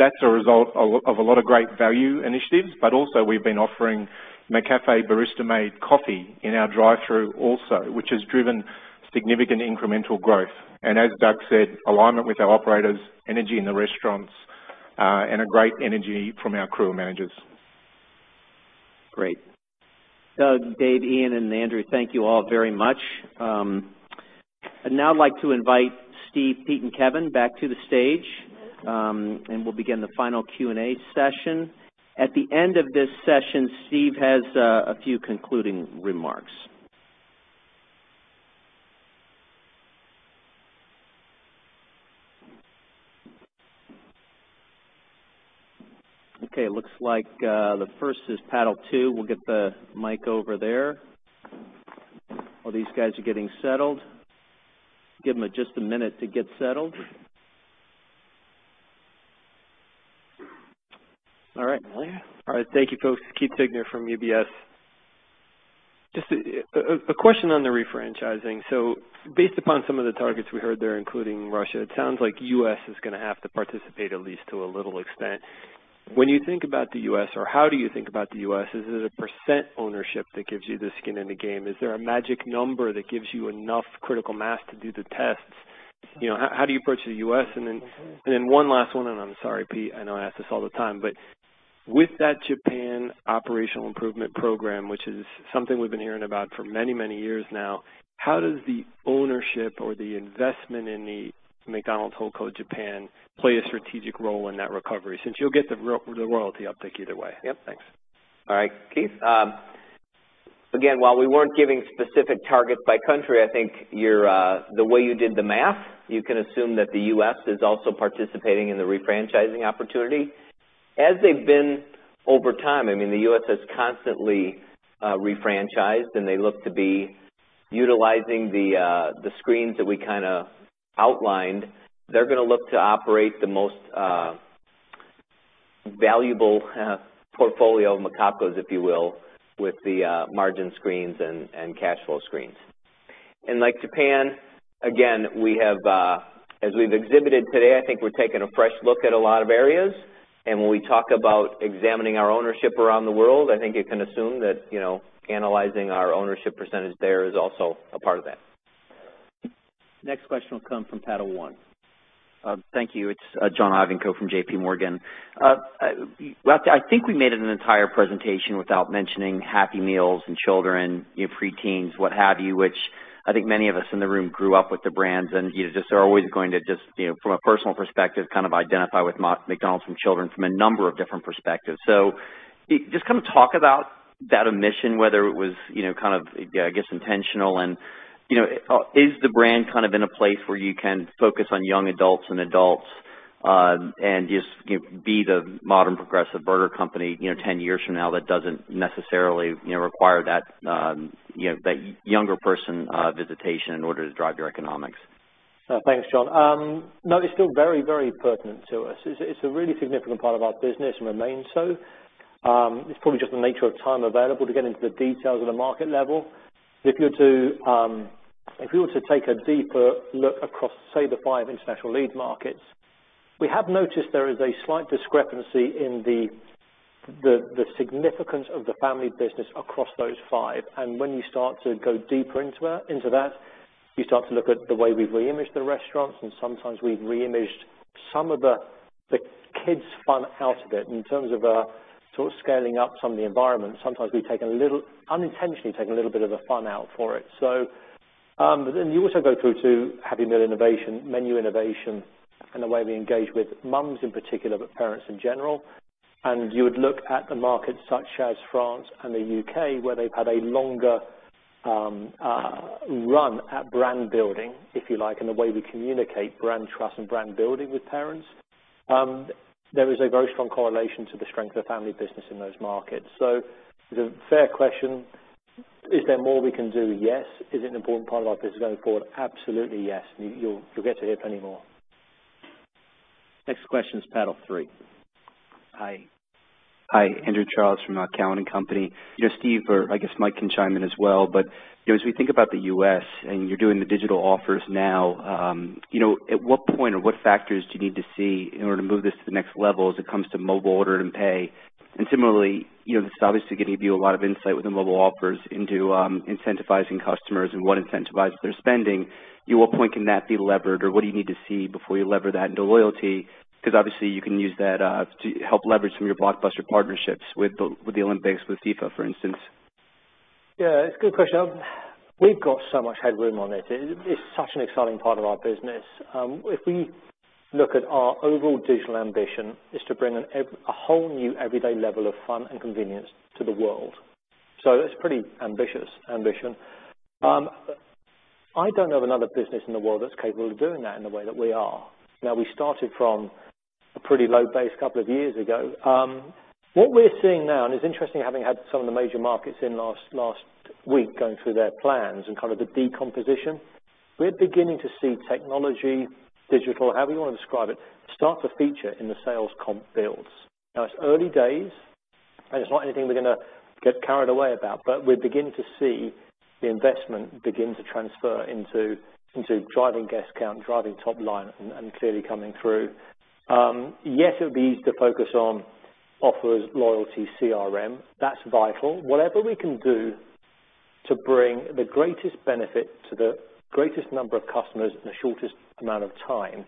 That's a result of a lot of great value initiatives, but also we've been offering McCafé barista-made coffee in our drive-thru also, which has driven significant incremental growth. As Doug said, alignment with our operators, energy in the restaurants, and a great energy from our crew managers. Great. Doug, Dave, Ian, and Andrew, thank you all very much. I'd now like to invite Steve, Pete, and Kevin back to the stage, and we'll begin the final Q&A session. At the end of this session, Steve has a few concluding remarks. Okay, looks like the first is paddle 2. We'll get the mic over there while these guys are getting settled. Give them just a minute to get settled. All right. All right. Thank you, folks. It's Keith Siegner from UBS. Just a question on the refranchising. Based upon some of the targets we heard there, including Russia, it sounds like U.S. is going to have to participate at least to a little extent. When you think about the U.S., or how do you think about the U.S., is it a percent ownership that gives you the skin in the game? Is there a magic number that gives you enough critical mass to do the tests? How do you approach the U.S.? Then one last one, and I'm sorry, Pete, I know I ask this all the time, but with that Japan operational improvement program, which is something we've been hearing about for many, many years now. How does the ownership or the investment in the McDonald's Holdco Japan play a strategic role in that recovery, since you'll get the royalty uptick either way? Yep. Thanks. All right, Keith. Again, while we weren't giving specific targets by country, I think the way you did the math, you can assume that the U.S. is also participating in the refranchising opportunity, as they've been over time. I mean, the U.S. has constantly refranchised, and they look to be utilizing the screens that we kind of outlined. They're going to look to operate the most valuable portfolio of McOpCo, if you will, with the margin screens and cash flow screens. Like Japan, again, as we've exhibited today, I think we're taking a fresh look at a lot of areas, and when we talk about examining our ownership around the world, I think you can assume that analyzing our ownership percentage there is also a part of that. Next question will come from Panel One. Thank you. It's John Ivankoe from JPMorgan. I think we made it an entire presentation without mentioning Happy Meals and children, preteens, what have you, which I think many of us in the room grew up with the brands and just are always going to just, from a personal perspective, kind of identify with McDonald's from children from a number of different perspectives. Just kind of talk about that omission, whether it was intentional, and is the brand in a place where you can focus on young adults and adults, and just be the modern progressive burger company 10 years from now that doesn't necessarily require that younger person visitation in order to drive your economics? Thanks, John. It's still very pertinent to us. It's a really significant part of our business and remains so. It's probably just the nature of time available to get into the details of the market level. If we were to take a deeper look across, say, the 5 international lead markets, we have noticed there is a slight discrepancy in the significance of the family business across those 5. When you start to go deeper into that, you start to look at the way we've re-imaged the restaurants, and sometimes we've re-imaged some of the kids' fun out of it in terms of our sort of scaling up some of the environment. Sometimes we unintentionally take a little bit of the fun out for it. Then you also go through to Happy Meal innovation, menu innovation, and the way we engage with moms in particular, but parents in general. You would look at the markets such as France and the U.K., where they've had a longer run at brand building, if you like, and the way we communicate brand trust and brand building with parents. There is a very strong correlation to the strength of the family business in those markets. It's a fair question. Is there more we can do? Yes. Is it an important part of our business going forward? Absolutely, yes. You'll get to hear plenty more. Next question is panel 3. Hi, Andrew Charles from Cowen and Company. Steve, or I guess Mike can chime in as well. As we think about the U.S. and you're doing the digital offers now, at what point or what factors do you need to see in order to move this to the next level as it comes to mobile order and pay? Similarly, this is obviously giving you a lot of insight within mobile offers into incentivizing customers and what incentivizes their spending. At what point can that be levered, or what do you need to see before you lever that into loyalty? Obviously you can use that to help leverage some of your blockbuster partnerships with the Olympics, with FIFA, for instance. It's a good question. We've got so much headroom on it. It's such an exciting part of our business. If we look at our overall digital ambition, is to bring a whole new everyday level of fun and convenience to the world. That's pretty ambitious ambition. I don't know of another business in the world that's capable of doing that in the way that we are. We started from a pretty low base a couple of years ago. What we're seeing now, and it's interesting having had some of the major markets in last week going through their plans and kind of the decomposition, we're beginning to see technology, digital, however you want to describe it, start to feature in the sales comp builds. It's early days, and it's not anything we're going to get carried away about, but we're beginning to see the investment begin to transfer into driving guest count, driving top line, and clearly coming through. Yes, it would be easy to focus on offers, loyalty, CRM. That's vital. Whatever we can do to bring the greatest benefit to the greatest number of customers in the shortest amount of time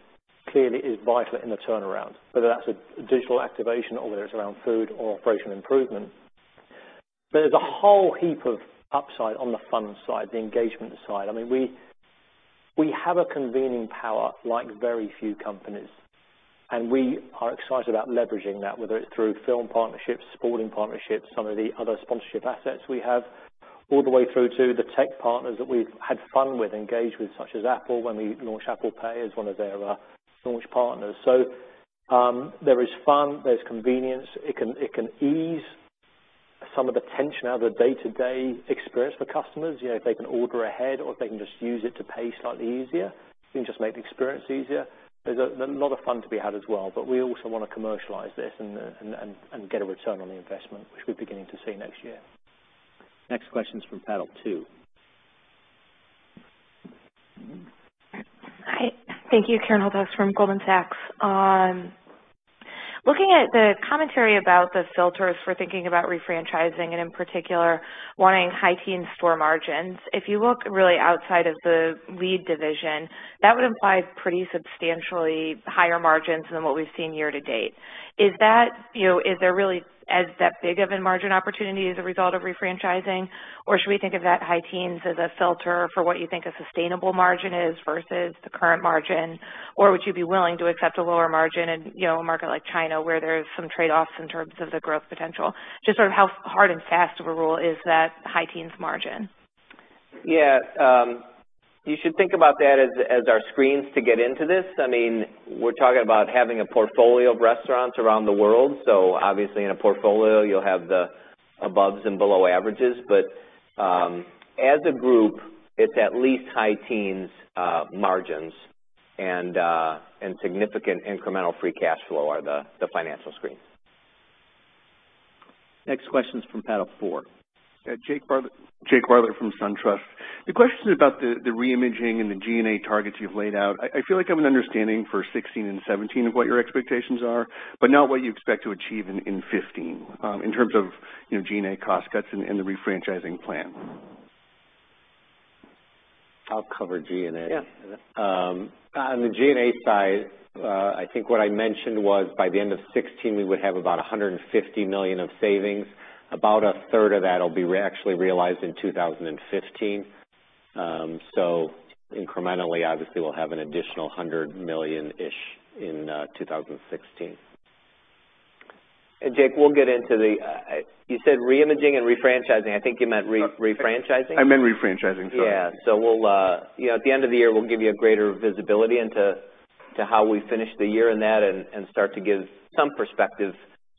clearly is vital in the turnaround, whether that's a digital activation or whether it's around food or operational improvement. There's a whole heap of upside on the fun side, the engagement side. I mean, we have a convening power like very few companies, and we are excited about leveraging that, whether it's through film partnerships, sporting partnerships, some of the other sponsorship assets we have, all the way through to the tech partners that we've had fun with, engaged with, such as Apple when we launched Apple Pay as one of their launch partners. There is fun, there's convenience. It can ease some of the tension out of the day-to-day experience for customers. If they can order ahead or if they can just use it to pay slightly easier, it can just make the experience easier. There's a lot of fun to be had as well, but we also want to commercialize this and get a return on the investment, which we're beginning to see next year. Next question's from Panel 2. Hi. Thank you. Karen Holthouse from Goldman Sachs. Looking at the commentary about the filters for thinking about re-franchising and in particular wanting high teen store margins, if you look really outside of the lead division, that would imply pretty substantially higher margins than what we've seen year to date. Is there really as that big of a margin opportunity as a result of re-franchising? Should we think of that high teens as a filter for what you think a sustainable margin is versus the current margin? Would you be willing to accept a lower margin in a market like China where there's some trade-offs in terms of the growth potential? Just sort of how hard and fast of a rule is that high teens margin? Yeah. You should think about that as our screens to get into this. I mean, we're talking about having a portfolio of restaurants around the world, obviously in a portfolio you'll have the above and below averages. As a group, it's at least high teens margins, and significant incremental free cash flow are the financial screen. Next question's from panel four. Jake Bartlett from SunTrust. The question about the re-imaging and the G&A targets you've laid out, I feel like I have an understanding for 2016 and 2017 of what your expectations are, but not what you expect to achieve in 2015, in terms of G&A cost cuts and the re-franchising plan. I'll cover G&A. Yeah. On the G&A side, I think what I mentioned was by the end of 2016, we would have about $150 million of savings. About a third of that will be actually realized in 2015. Incrementally, obviously, we'll have an additional $100 million-ish in 2016. Jake, you said re-imaging and re-franchising. I think you meant re-franchising. I meant re-franchising. Sorry. Yeah. At the end of the year, we'll give you a greater visibility into how we finish the year in that and start to give some perspective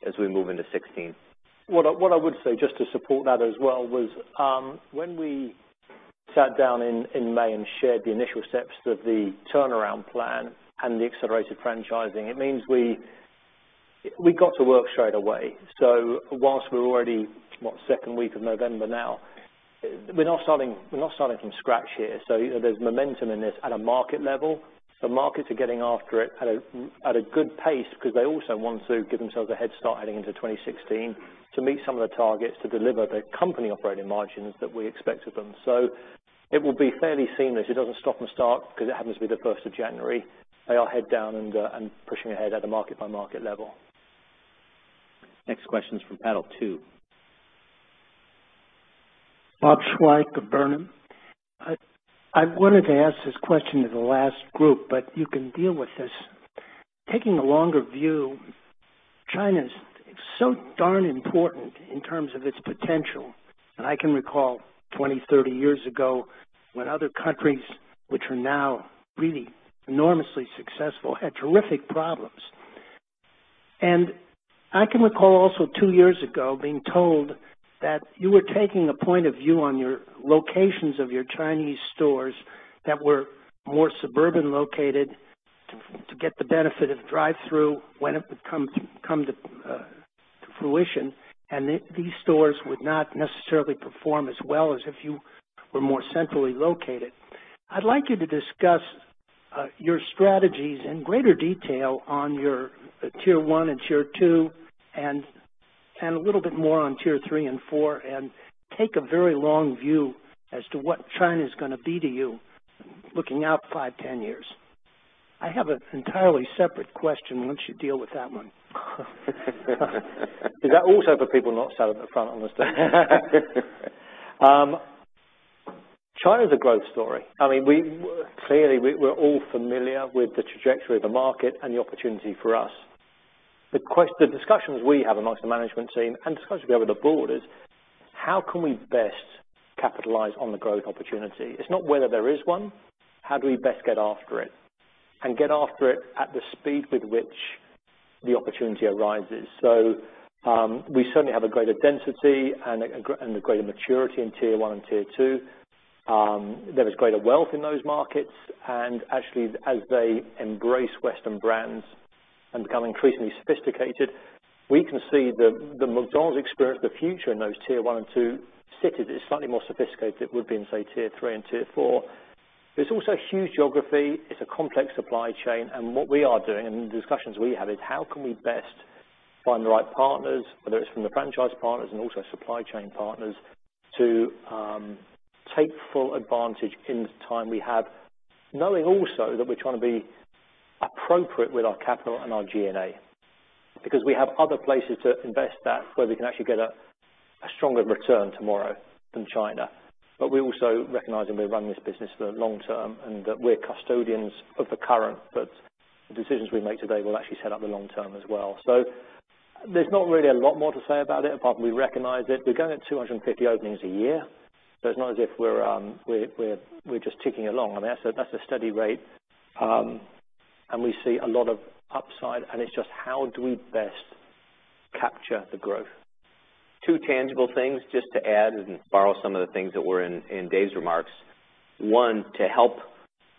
as we move into 2016. What I would say, just to support that as well, was when we sat down in May and shared the initial steps of the turnaround plan and the accelerated franchising, it means we got to work straight away. Whilst we're already, what, 2nd week of November now, we're not starting from scratch here. There's momentum in this at a market level. The markets are getting after it at a good pace because they also want to give themselves a head start heading into 2016 to meet some of the targets to deliver the company operating margins that we expect of them. It will be fairly seamless. It doesn't stop and start because it happens to be the 1st of January. They are head down and pushing ahead at a market-by-market level. Next question's from Panel 2. Bob Schweich of Burnham. I wanted to ask this question to the last group, but you can deal with this. Taking a longer view China's so darn important in terms of its potential, and I can recall 20, 30 years ago when other countries, which are now really enormously successful, had terrific problems. I can recall also two years ago being told that you were taking a point of view on your locations of your Chinese stores that were more suburban-located to get the benefit of drive-through when it would come to fruition, and these stores would not necessarily perform as well as if you were more centrally located. I'd like you to discuss your strategies in greater detail on your tier 1 and tier 2 and a little bit more on tier 3 and 4, and take a very long view as to what China's going to be to you looking out five, 10 years. I have an entirely separate question once you deal with that one. Is that also for people not sat at the front, I must say. China's a growth story. Clearly, we're all familiar with the trajectory of the market and the opportunity for us. The discussions we have amongst the management team and discussions we have with the board is how can we best capitalize on the growth opportunity? It's not whether there is one, how do we best get after it? Get after it at the speed with which the opportunity arises. We certainly have a greater density and a greater maturity in tier 1 and tier 2. There is greater wealth in those markets. As they embrace Western brands and become increasingly sophisticated, we can see the McDonald's Experience of the Future in those tier 1 and 2 cities. It's slightly more sophisticated than it would be in, say, tier 3 and tier 4. There's also huge geography. It's a complex supply chain, and what we are doing and the discussions we have is how can we best find the right partners, whether it's from the franchise partners and also supply chain partners, to take full advantage in the time we have, knowing also that we're trying to be appropriate with our capital and our G&A because we have other places to invest that where we can actually get a stronger return tomorrow than China. We also recognize that we run this business for the long term and that we're custodians of the current, but the decisions we make today will actually set up the long term as well. There's not really a lot more to say about it, apart from we recognize it. We're going at 250 openings a year. It's not as if we're just ticking along. That's a steady rate. We see a lot of upside, and it's just how do we best capture the growth. Two tangible things just to add and borrow some of the things that were in Dave Hoffmann's remarks. One, to help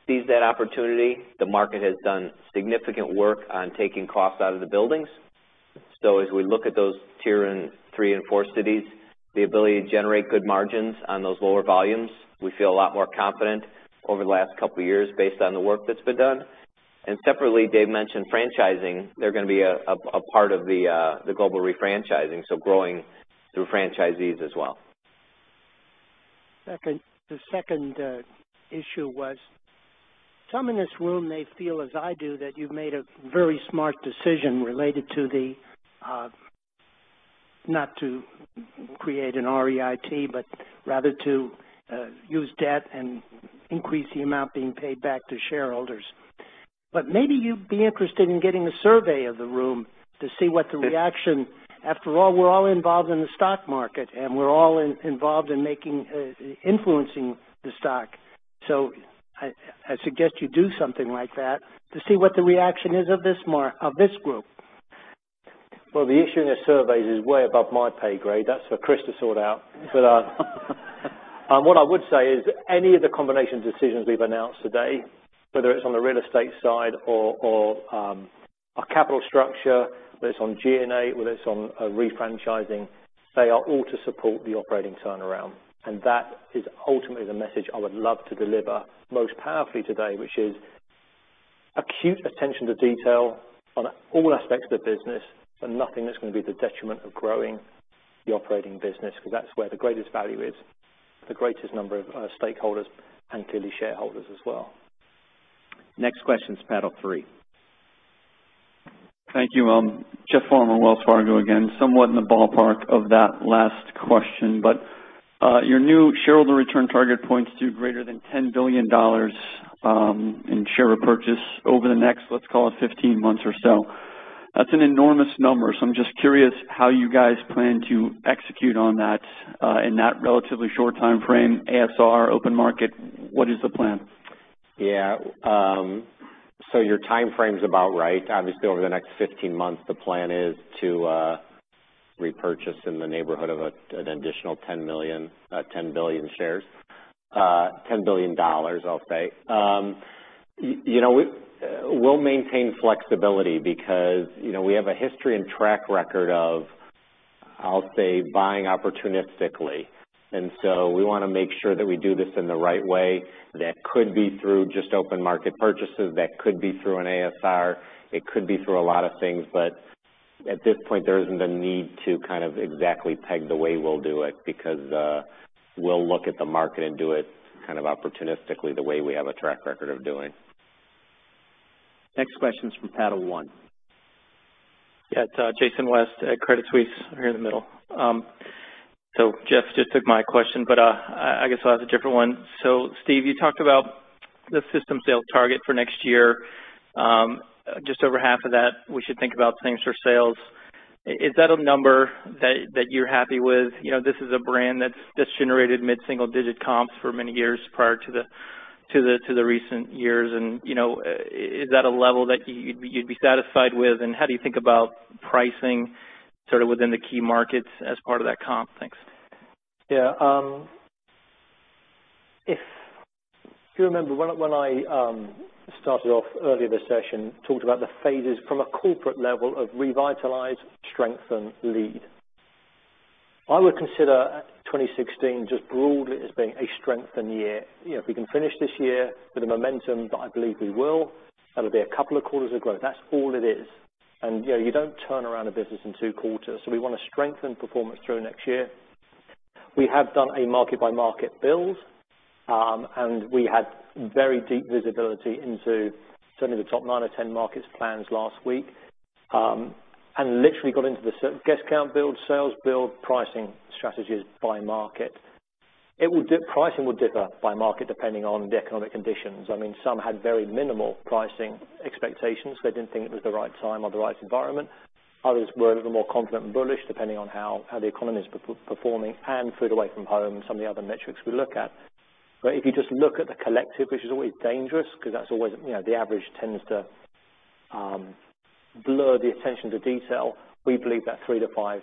seize that opportunity, the market has done significant work on taking costs out of the buildings. As we look at those tier 3 and 4 cities, the ability to generate good margins on those lower volumes, we feel a lot more confident over the last couple of years based on the work that's been done. Separately, Dave Hoffmann mentioned franchising. They're going to be a part of the global refranchising, growing through franchisees as well. The second issue was, some in this room may feel as I do, that you've made a very smart decision related to not to create an REIT, but rather to use debt and increase the amount being paid back to shareholders. Maybe you'd be interested in getting a survey of the room to see what the reaction is. After all, we're all involved in the stock market, and we're all involved in influencing the stock. I suggest you do something like that to see what the reaction is of this group. Well, the issue in the surveys is way above my pay grade. That's for Chris to sort out. What I would say is any of the combination decisions we've announced today, whether it's on the real estate side or our capital structure, whether it's on G&A, whether it's on refranchising, they are all to support the operating turnaround. That is ultimately the message I would love to deliver most powerfully today, which is acute attention to detail on all aspects of the business, and nothing that's going to be the detriment of growing the operating business. That's where the greatest value is, the greatest number of stakeholders, and clearly shareholders as well. Next question is panel three. Thank you. Jeff Farmer, Wells Fargo again. Somewhat in the ballpark of that last question, your new shareholder return target points to greater than $10 billion in share repurchase over the next, let's call it 15 months or so. That's an enormous number. I'm just curious how you guys plan to execute on that in that relatively short timeframe. ASR, open market, what is the plan? Your timeframe's about right. Obviously, over the next 15 months, the plan is to repurchase in the neighborhood of an additional 10 million, $10 billion shares. $10 billion, I'll say. We'll maintain flexibility because we have a history and track record of, I'll say, buying opportunistically. We want to make sure that we do this in the right way. That could be through just open market purchases. That could be through an ASR. It could be through a lot of things. At this point, there isn't a need to exactly peg the way we'll do it because we'll look at the market and do it opportunistically the way we have a track record of doing. Next question's from Panel One. Jason West at Credit Suisse right in the middle. Jeff just took my question, but I guess I'll have a different one. Steve, you talked about the system sales target for next year. Just over half of that, we should think about same-store sales. Is that a number that you're happy with? This is a brand that's generated mid-single-digit comps for many years prior to the recent years. Is that a level that you'd be satisfied with? How do you think about pricing sort of within the key markets as part of that comp? Thanks. If you remember when I started off earlier this session, talked about the phases from a corporate level of revitalize, strengthen, lead. I would consider 2016 just broadly as being a strengthen year. If we can finish this year with the momentum that I believe we will, that'll be a couple of quarters of growth. That's all it is. You don't turn around a business in two quarters. We want to strengthen performance through next year. We have done a market-by-market build, and we had very deep visibility into certainly the top 9 or 10 markets plans last week. Literally got into the guest count build, sales build, pricing strategies by market. Pricing would differ by market depending on the economic conditions. I mean, some had very minimal pricing expectations. They didn't think it was the right time or the right environment. Others were a little more confident and bullish, depending on how the economy is performing and food away from home, some of the other metrics we look at. If you just look at the collective, which is always dangerous, because the average tends to blur the attention to detail, we believe that 3%-5%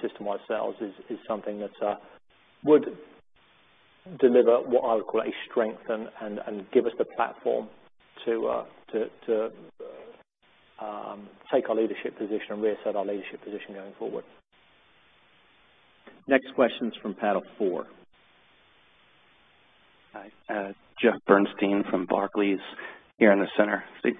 system-wide sales is something that would deliver what I would call a strength and give us the platform to take our leadership position and reset our leadership position going forward. Next question's from panel four. Hi. Jeffrey Bernstein from Barclays, here in the center, Steve.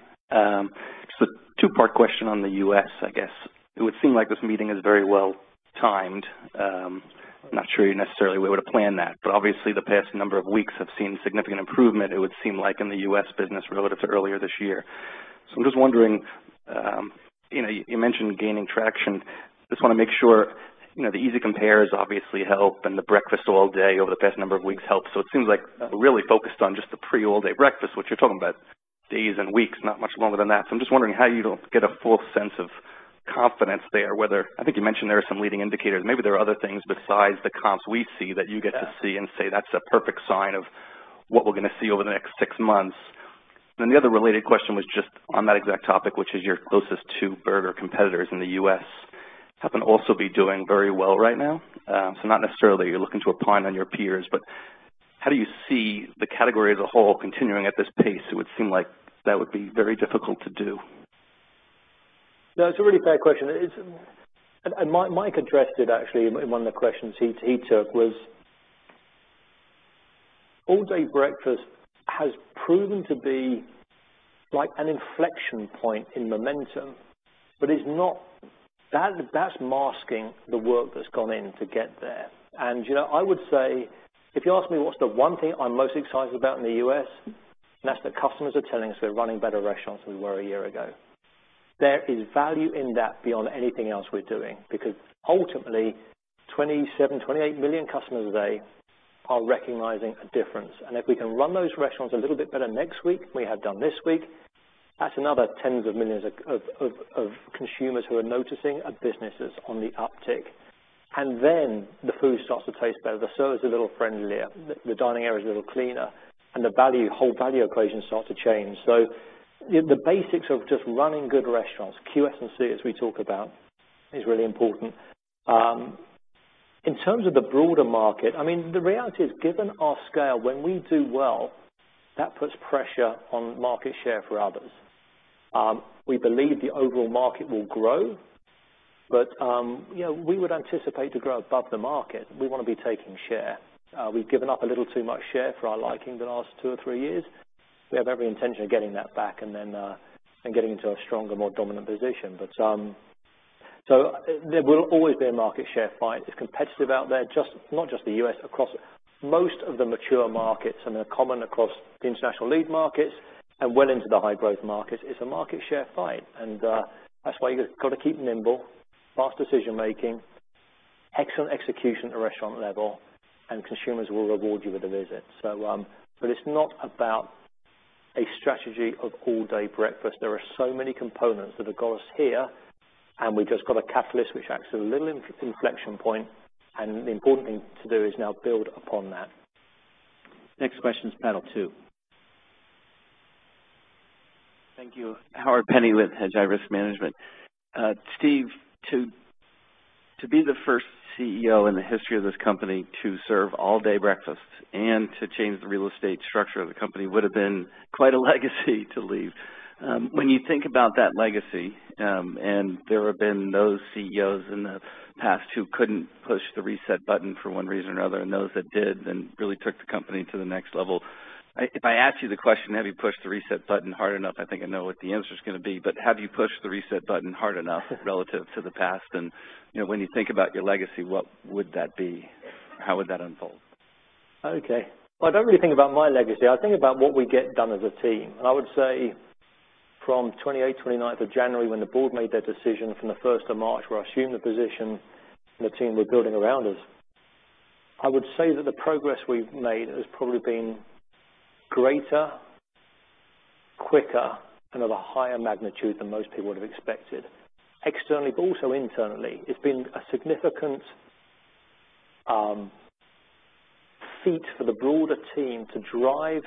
Two-part question on the U.S., I guess. It would seem like this meeting is very well timed. I'm not sure you necessarily would've planned that, obviously the past number of weeks have seen significant improvement, it would seem like, in the U.S. business relative to earlier this year. I'm just wondering, you mentioned gaining traction. Just want to make sure, the easy compares obviously help and the Breakfast All Day over the past number of weeks helps. It seems like really focused on just the pre Breakfast All Day, which you're talking about days and weeks, not much longer than that. I'm just wondering how you get a full sense of confidence there. I think you mentioned there are some leading indicators. Maybe there are other things besides the comps we see that you get to see and say, "That's a perfect sign of what we're going to see over the next six months." The other related question was just on that exact topic, which is your closest two burger competitors in the U.S. happen to also be doing very well right now. Not necessarily that you're looking to opine on your peers, how do you see the category as a whole continuing at this pace? It would seem like that would be very difficult to do. No, it's a really fair question. Mike addressed it actually in one of the questions he took was, All Day Breakfast has proven to be like an inflection point in momentum. That's masking the work that's gone in to get there. I would say, if you ask me what's the one thing I'm most excited about in the U.S., and that's that customers are telling us we're running better restaurants than we were a year ago. There is value in that beyond anything else we're doing, because ultimately, 27, 28 million customers a day are recognizing a difference. If we can run those restaurants a little bit better next week than we have done this week, that's another tens of millions of consumers who are noticing a business that's on the uptick. The food starts to taste better, the server's a little friendlier, the dining area's a little cleaner, and the whole value equation starts to change. The basics of just running good restaurants, QS&C as we talk about, is really important. In terms of the broader market, the reality is, given our scale, when we do well, that puts pressure on market share for others. We believe the overall market will grow, but we would anticipate to grow above the market. We want to be taking share. We've given up a little too much share for our liking the last two or three years. We have every intention of getting that back and then getting into a stronger, more dominant position. There will always be a market share fight. It's competitive out there, not just the U.S., across most of the mature markets and they're common across the international lead markets and well into the high-growth markets. It's a market share fight. That's why you've got to keep nimble, fast decision-making, excellent execution at a restaurant level, and consumers will reward you with a visit. It's not about a strategy of All Day Breakfast. There are so many components that have got us here, and we've just got a catalyst which acts as a little inflection point, and the important thing to do is now build upon that. Next question is panel 2. Thank you. Howard Penney with Hedgeye Risk Management. Steve, to be the first CEO in the history of this company to serve All Day Breakfast and to change the real estate structure of the company would've been quite a legacy to leave. When you think about that legacy, and there have been those CEOs in the past who couldn't push the reset button for one reason or another, and those that did, then really took the company to the next level. If I ask you the question, have you pushed the reset button hard enough? I think I know what the answer's going to be, but have you pushed the reset button hard enough relative to the past? When you think about your legacy, what would that be? How would that unfold? I don't really think about my legacy. I think about what we get done as a team. I would say- From the 28th, 29th of January, when the board made their decision, from the 1st of March, where I assumed the position and the team were building around us, I would say that the progress we've made has probably been greater, quicker, and of a higher magnitude than most people would have expected. Externally, but also internally, it's been a significant feat for the broader team to drive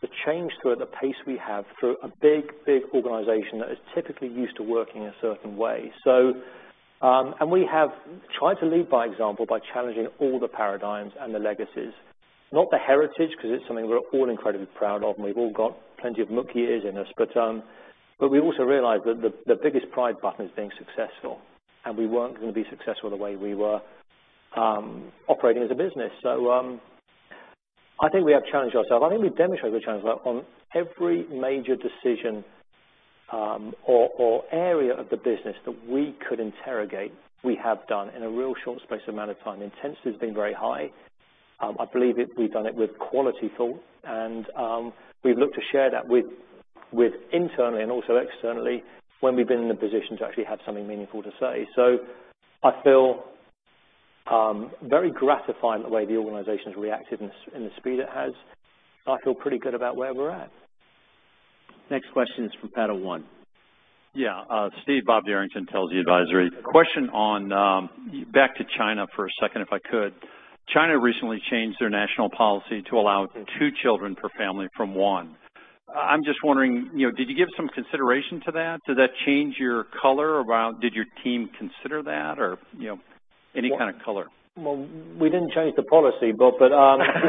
the change to at the pace we have through a big organization that is typically used to working a certain way. We have tried to lead by example by challenging all the paradigms and the legacies. Not the heritage, because it's something we're all incredibly proud of, and we've all got plenty of Mickey D's years in us. We also realize that the biggest pride button is being successful, and we weren't going to be successful the way we were operating as a business. I think we have challenged ourselves. I think we've demonstrated we challenged ourselves on every major decision or area of the business that we could interrogate, we have done in a real short space amount of time. Intensity's been very high. I believe we've done it with quality thought. We've looked to share that internally, and also externally, when we've been in the position to actually have something meaningful to say. I feel very gratified in the way the organization's reacted and the speed it has. I feel pretty good about where we're at. Next question is from Panel One. Yeah. Steve, Bob Derrington, Telsey Advisory. Back to China for a second, if I could. China recently changed their national policy to allow two children per family from one. I'm just wondering, did you give some consideration to that? Did your team consider that or any kind of color? Well, we didn't change the policy, Bob. I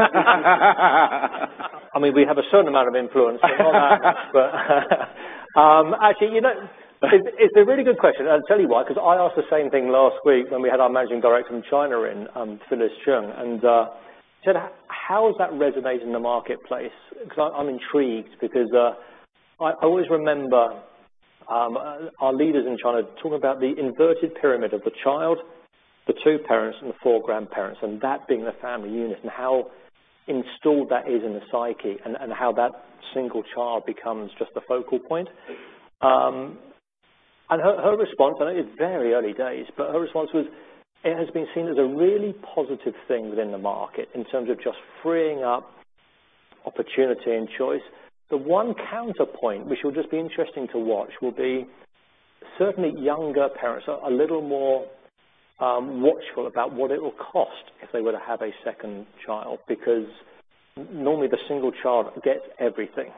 mean, we have a certain amount of influence, but not that much. Actually, it's a really good question, and I'll tell you why, because I asked the same thing last week when we had our managing director from China in, Phyllis Cheung. She said, "How is that resonating in the marketplace?" Because I'm intrigued because I always remember our leaders in China talk about the inverted pyramid of the child, the two parents, and the four grandparents, and that being the family unit, and how installed that is in the psyche, and how that single child becomes just the focal point. Her response, and it's very early days, but her response was, it has been seen as a really positive thing within the market in terms of just freeing up opportunity and choice. The one counterpoint, which will just be interesting to watch, will be certainly younger parents are a little more watchful about what it will cost if they were to have a second child, because normally the single child gets everything.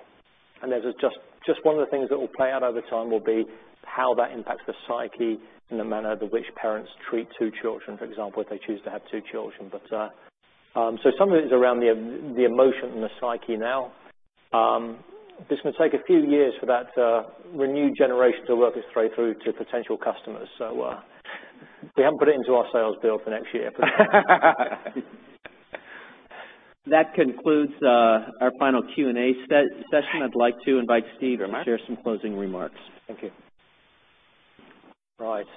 Just one of the things that will play out over time will be how that impacts the psyche and the manner to which parents treat two children, for example, if they choose to have two children. Some of it is around the emotion and the psyche now. It's going to take a few years for that renewed generation to work its way through to potential customers. We haven't put it into our sales bill for next year. That concludes our final Q&A session. I'd like to invite Steve to share some closing remarks. Thank you. Right.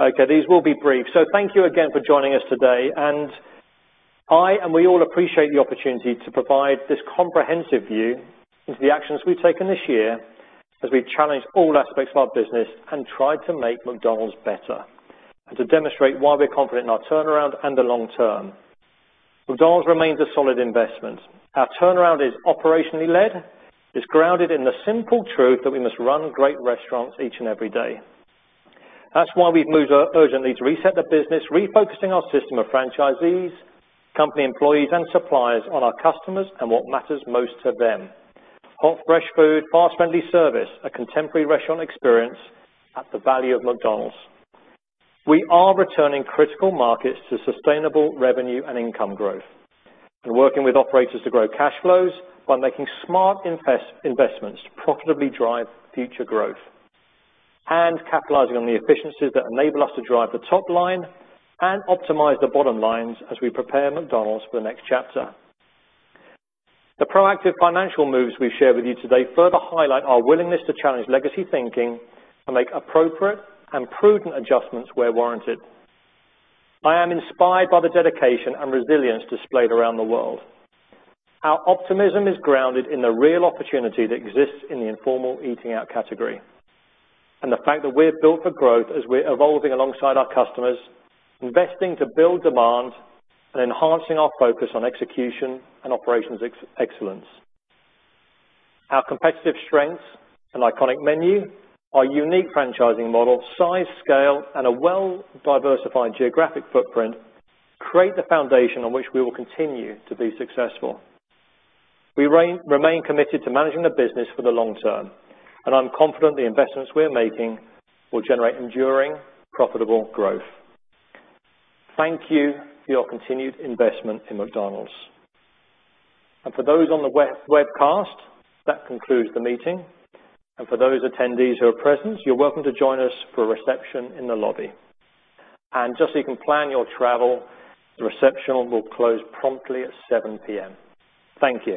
Okay, these will be brief. Thank you again for joining us today. We all appreciate the opportunity to provide this comprehensive view into the actions we've taken this year as we've challenged all aspects of our business and tried to make McDonald's better, and to demonstrate why we're confident in our turnaround and the long term. McDonald's remains a solid investment. Our turnaround is operationally led. It's grounded in the simple truth that we must run great restaurants each and every day. That's why we've moved urgently to reset the business, refocusing our system of franchisees, company employees, and suppliers on our customers and what matters most to them. Hot, fresh food, fast, friendly service, a contemporary restaurant experience at the value of McDonald's. We are returning critical markets to sustainable revenue and income growth. We're working with operators to grow cash flows by making smart investments to profitably drive future growth, and capitalizing on the efficiencies that enable us to drive the top line and optimize the bottom lines as we prepare McDonald's for the next chapter. The proactive financial moves we've shared with you today further highlight our willingness to challenge legacy thinking and make appropriate and prudent adjustments where warranted. I am inspired by the dedication and resilience displayed around the world. Our optimism is grounded in the real opportunity that exists in the informal eating out category, and the fact that we're built for growth as we're evolving alongside our customers, investing to build demand, and enhancing our focus on execution and operations excellence. Our competitive strengths, an iconic menu, our unique franchising model, size, scale, and a well-diversified geographic footprint create the foundation on which we will continue to be successful. We remain committed to managing the business for the long term, and I'm confident the investments we're making will generate enduring, profitable growth. Thank you for your continued investment in McDonald's. For those on the webcast, that concludes the meeting. For those attendees who are present, you're welcome to join us for a reception in the lobby. Just so you can plan your travel, the reception will close promptly at 7:00 P.M. Thank you.